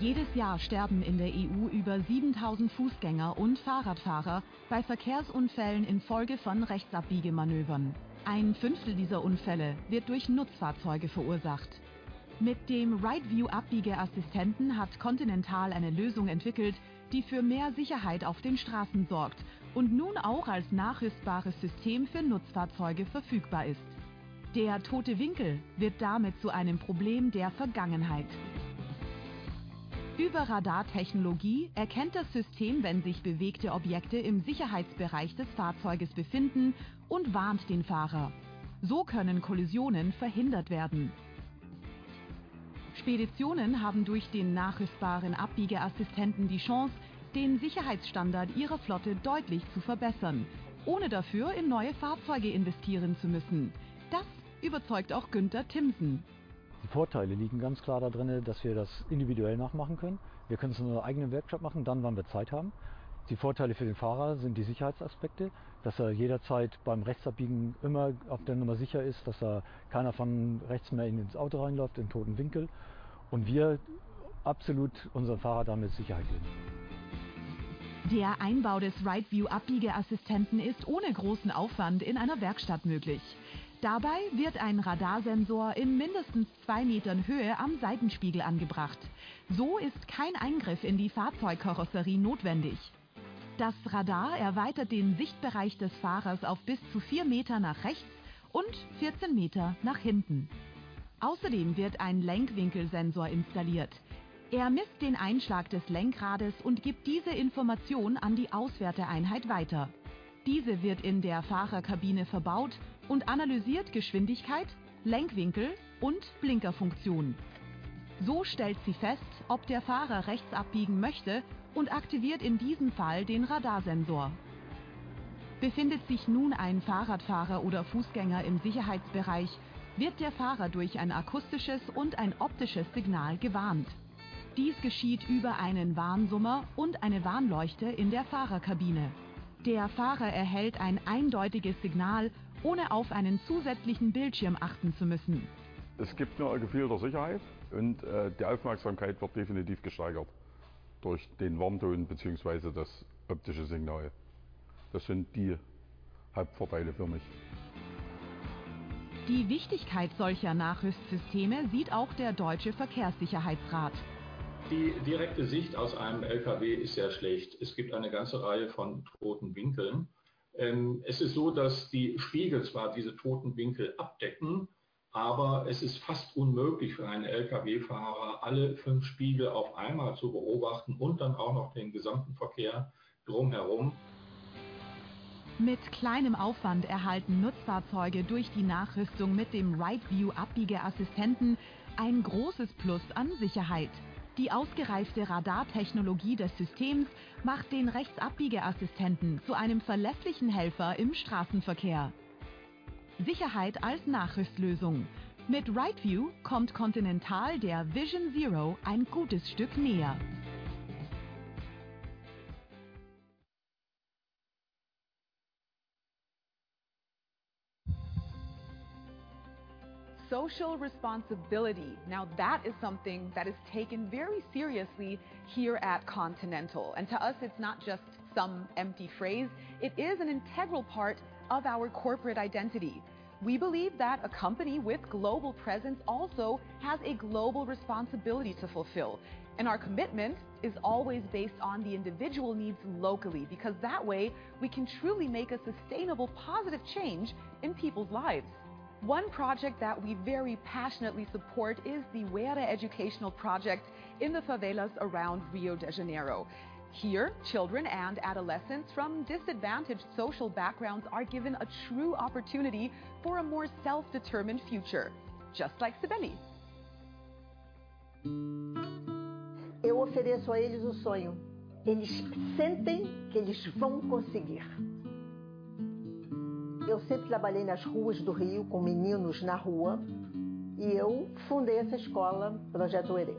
Jedes Jahr sterben in der EU über 7,000 Fußgänger und Fahrradfahrer bei Verkehrsunfällen infolge von Rechtsabbiegemanövern. Ein Fünftel dieser Unfälle wird durch Nutzfahrzeuge verursacht. Mit dem RightViu Abbiegeassistenten hat Continental eine Lösung entwickelt, die für mehr Sicherheit auf den Straßen sorgt und nun auch als nachrüstbares System für Nutzfahrzeuge verfügbar ist. Der tote Winkel wird damit zu einem Problem der Vergangenheit. Über Radartechnologie erkennt das System, wenn sich bewegte Objekte im Sicherheitsbereich des Fahrzeuges befinden und warnt den Fahrer. So können Kollisionen verhindert werden. Speditionen haben durch den nachrüstbaren Abbiegeassistenten die Chance, den Sicherheitsstandard ihrer Flotte deutlich zu verbessern, ohne dafür in neue Fahrzeuge investieren zu müssen. Das überzeugt auch Günter Timsen. Die Vorteile liegen ganz klar darin, dass wir das individuell nachmachen können. Wir können es in unserer eigenen Werkstatt machen, dann, wann wir Zeit haben. Die Vorteile für den Fahrer sind die Sicherheitsaspekte, dass er jederzeit beim Rechtsabbiegen immer auf Nummer sicher ist, dass da keiner von rechts mehr ins Auto reinläuft, in den toten Winkel und wir absolut unseren Fahrer damit Sicherheit geben. Der Einbau des RightViu Abbiegeassistenten ist ohne großen Aufwand in einer Werkstatt möglich. Dabei wird ein Radarsensor in mindestens 2 Metern Höhe am Seitenspiegel angebracht. So ist kein Eingriff in die Fahrzeugkarosserie notwendig. Das Radar erweitert den Sichtbereich des Fahrers auf bis zu 4 Meter nach rechts und 14 Meter nach hinten. Außerdem wird ein Lenkwinkelsensor installiert. Er misst den Einschlag des Lenkrades und gibt diese Information an die Auswerteeinheit weiter. Diese wird in der Fahrerkabine verbaut und analysiert Geschwindigkeit, Lenkwinkel und Blinkerfunktion. So stellt sie fest, ob der Fahrer rechts abbiegen möchte und aktiviert in diesem Fall den Radarsensor. Befindet sich nun ein Fahrradfahrer oder Fußgänger im Sicherheitsbereich, wird der Fahrer durch ein akustisches und ein optisches Signal gewarnt. Dies geschieht über einen Warnsummer und eine Warnleuchte in der Fahrerkabine. Der Fahrer erhält ein eindeutiges Signal, ohne auf einen zusätzlichen Bildschirm achten zu müssen. Es gibt nur ein Gefühl der Sicherheit und, die Aufmerksamkeit wird definitiv gesteigert durch den Warnton beziehungsweise das optische Signal. Das sind die Hauptvorteile für mich. Die Wichtigkeit solcher Nachrüstsysteme sieht auch der Deutscher Verkehrssicherheitsrat. Die direkte Sicht aus einem LKW ist sehr schlecht. Es gibt eine ganze Reihe von toten Winkeln. Es ist so, dass die Spiegel zwar diese toten Winkel abdecken, aber es ist fast unmöglich für einen LKW-Fahrer, alle fünf Spiegel auf einmal zu beobachten und dann auch noch den gesamten Verkehr drumherum. Mit kleinem Aufwand erhalten Nutzfahrzeuge durch die Nachrüstung mit dem RightViu Abbiegeassistenten ein großes Plus an Sicherheit. Die ausgereifte Radartechnologie des Systems macht den Rechtsabbiegeassistenten zu einem verlässlichen Helfer im Straßenverkehr. Sicherheit als Nachrüstlösung. Mit RightViu kommt Continental der Vision Zero ein gutes Stück näher. Social responsibility. Now that is something that is taken very seriously here at Continental. To us, it's not just some empty phrase. It is an integral part of our corporate identity. We believe that a company with global presence also has a global responsibility to fulfill. Our commitment is always based on the individual needs locally, because that way, we can truly make a sustainable, positive change in people's lives. One project that we very passionately support is the Uerê educational project in the favelas around Rio de Janeiro. Here, children and adolescents from disadvantaged social backgrounds are given a true opportunity for a more self-determined future, just like Cibele. Eu ofereço a eles um sonho. Eles sentem que eles vão conseguir. Eu sempre trabalhei nas ruas do Rio com meninos na rua e eu fundei essa escola, Projeto Uerê.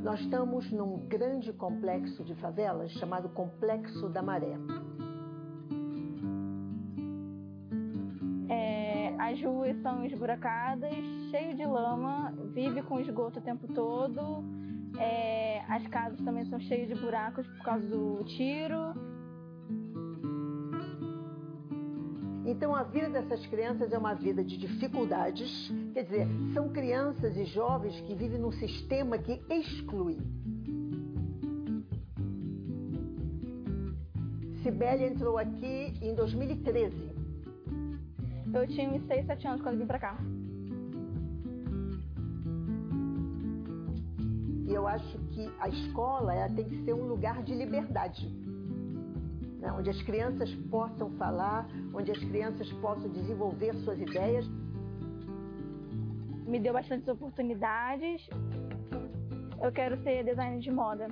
Nós estamos num grande complexo de favelas chamado Complexo da Maré. As ruas são esburacadas, cheio de lama, vive com esgoto o tempo todo. As casas também são cheias de buracos por causa do tiro. A vida dessas crianças é uma vida de dificuldades. Quer dizer, são crianças e jovens que vivem num sistema que exclui. Cibele entrou aqui em 2013. Eu tinha 6, 7 anos quando vim para cá. Eu acho que a escola, ela tem que ser um lugar de liberdade, né, onde as crianças possam falar, onde as crianças possam desenvolver suas ideias. Me deu bastante oportunidades. Eu quero ser designer de moda.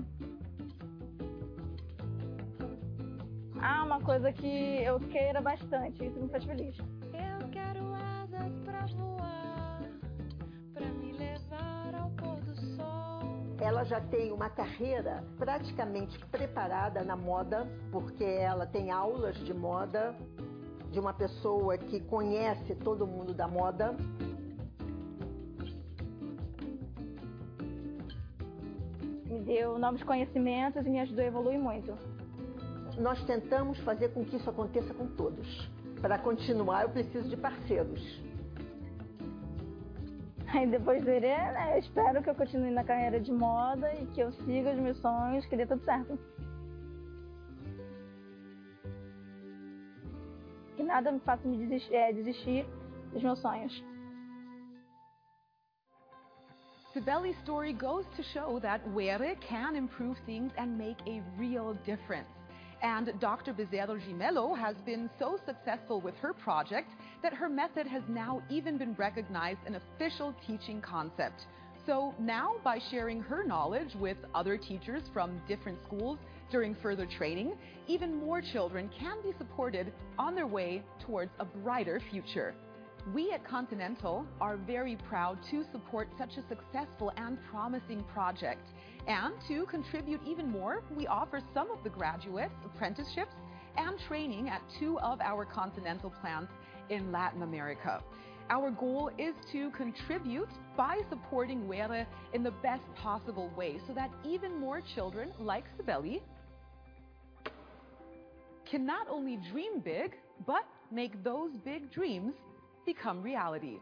Há uma coisa que eu queira bastante, isso me faz feliz. Eu quero asas pra voar, pra me levar ao pôr do sol. Ela já tem uma carreira praticamente preparada na moda, porque ela tem aulas de moda de uma pessoa que conhece todo o mundo da moda. Me deu novos conhecimentos e me ajudou a evoluir muito. Nós tentamos fazer com que isso aconteça com todos. Pra continuar, eu preciso de parceiros. Aí depois do Uerê, eu espero que eu continue na carreira de moda e que eu siga os meus sonhos, que dê tudo certo. Que nada me faça desistir dos meus sonhos. Cibele's story goes to show that Uerê can improve things and make a real difference. Dr. Bezerra Gimelo has been so successful with her project that her method has now even been recognized as an official teaching concept. Now, by sharing her knowledge with other teachers from different schools during further training, even more children can be supported on their way towards a brighter future. We at Continental are very proud to support such a successful and promising project. To contribute even more, we offer some of the graduates apprenticeships and training at two of our Continental plants in Latin America. Our goal is to contribute by supporting Uerê in the best possible way, so that even more children like Cibele can not only dream big, but make those big dreams become reality.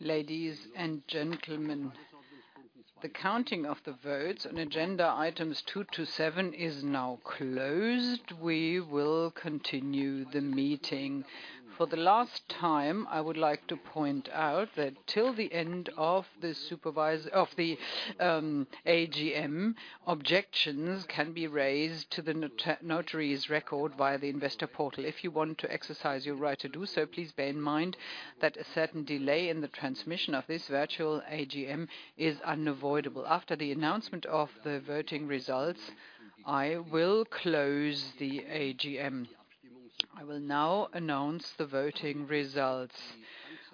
Ladies and gentlemen, the counting of the votes on agenda Items 2-7 is now closed. We will continue the meeting. For the last time, I would like to point out that till the end of the AGM, objections can be raised to the notary's record via the InvestorPortal. If you want to exercise your right to do so, please bear in mind that a certain delay in the transmission of this virtual AGM is unavoidable. After the announcement of the voting results, I will close the AGM. I will now announce the voting results.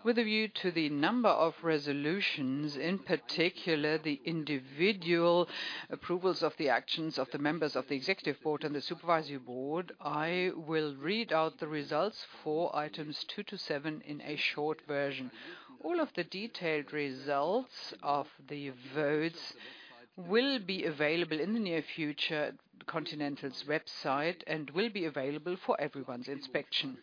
With a view to the number of resolutions, in particular, the individual approvals of the actions of the members of the executive board and the supervisory board, I will read out the results for items two to seven in a short version. All of the detailed results of the votes will be available in the near future at Continental's website and will be available for everyone's inspection.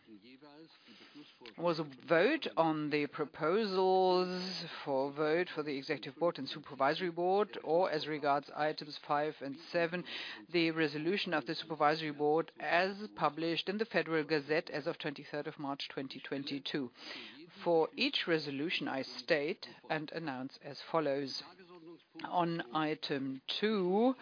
There was a vote on the proposals to vote for the executive board and supervisory board, or as regards Items 5 and 7, the resolution of the supervisory board as published in the Federal Gazette as of the 23rd of March 2022. For each resolution I state and announce as follows. On Item 2,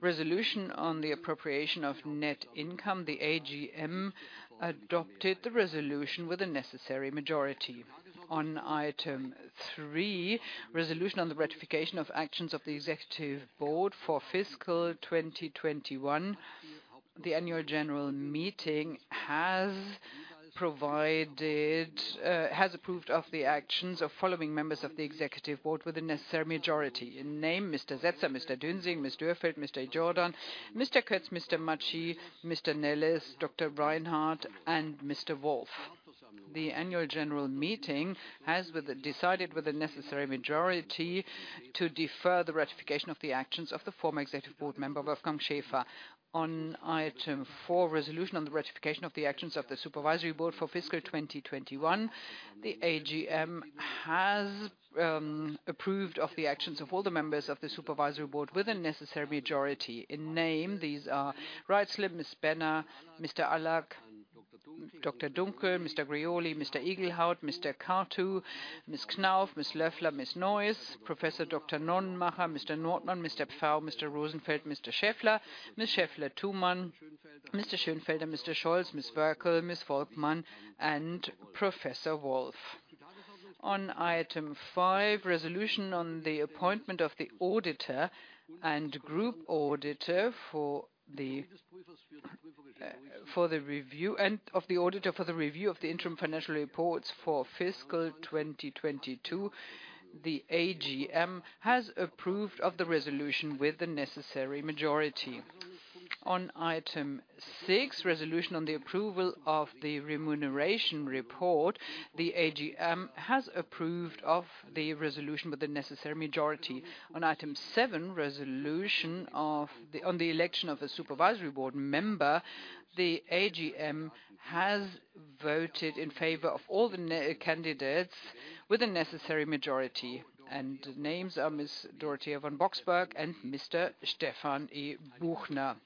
resolution on the appropriation of net income, the AGM adopted the resolution with the necessary majority. On Item 3, resolution on the ratification of actions of the executive board for fiscal 2021, the annual general meeting has approved of the actions of following members of the executive board with the necessary majority. In name, Mr. Setzer, Mr. Dürrfeld, Mr. Schick, Mr. Jordan, Mr. Kötz, Mr. Matschi, Mr. Nelles, Dr. Reinhart and Mr. Wolf. The annual general meeting has decided with the necessary majority to defer the ratification of the actions of the former executive board member, Wolfgang Schäfer. On item four, resolution on the ratification of the actions of the supervisory board for fiscal 2021, the AGM has approved of the actions of all the members of the supervisory board with the necessary majority. By name, these are Reitzle, Ms. Benner, Mr. Alak, Dr. Dunckel, Mr. Grioli, Mr. Igelhaut, Mr. Kartu, Ms. Knauf, Ms. Neuss, Professor Dr. Nonnenmacher, Mr. Nordmann, Mr. Pfau, Mr. Rosenfeld, Mr. Schaeffler, Ms. Schaeffler-Thumann, Mr. Schönfelder, Mr. Scholz, Ms. Wörgl, Ms. Volkmann and Professor Wolf. On Item 5, resolution on the appointment of the auditor and group auditor for the review and of the auditor for the review of the interim financial reports for fiscal 2022, the AGM has approved of the resolution with the necessary majority. On Item 6, resolution on the approval of the remuneration report, the AGM has approved of the resolution with the necessary majority. On Item 7, on the election of a supervisory board member, the AGM has voted in favor of all the candidates with the necessary majority. Names are Ms. Dorothea von Boxberg and Mr. Stefan E. Buchner.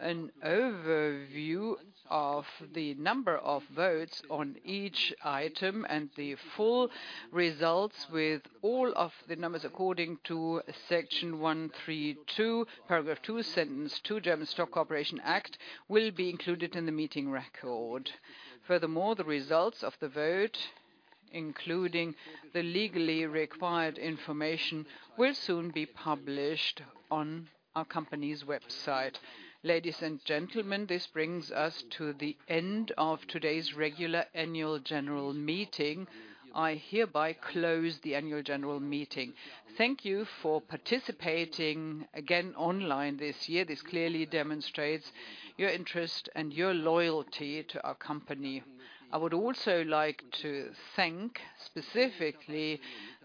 An overview of the number of votes on each item and the full results with all of the numbers according to Section 132, paragraph 2, sentence 2, German Stock Corporation Act will be included in the meeting record. Furthermore, the results of the vote, including the legally required information, will soon be published on our company's website. Ladies and gentlemen, this brings us to the end of today's regular annual general meeting. I hereby close the annual general meeting. Thank you for participating again online this year. This clearly demonstrates your interest and your loyalty to our company. I would also like to thank, specifically,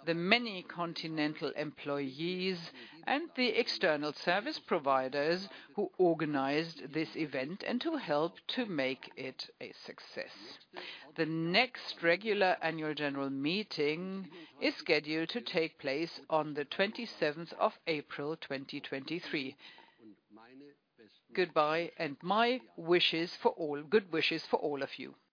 the many Continental employees and the external service providers who organized this event and who helped to make it a success. The next regular annual general meeting is scheduled to take place on the 27th of April, 2023. Goodbye, and good wishes for all of you.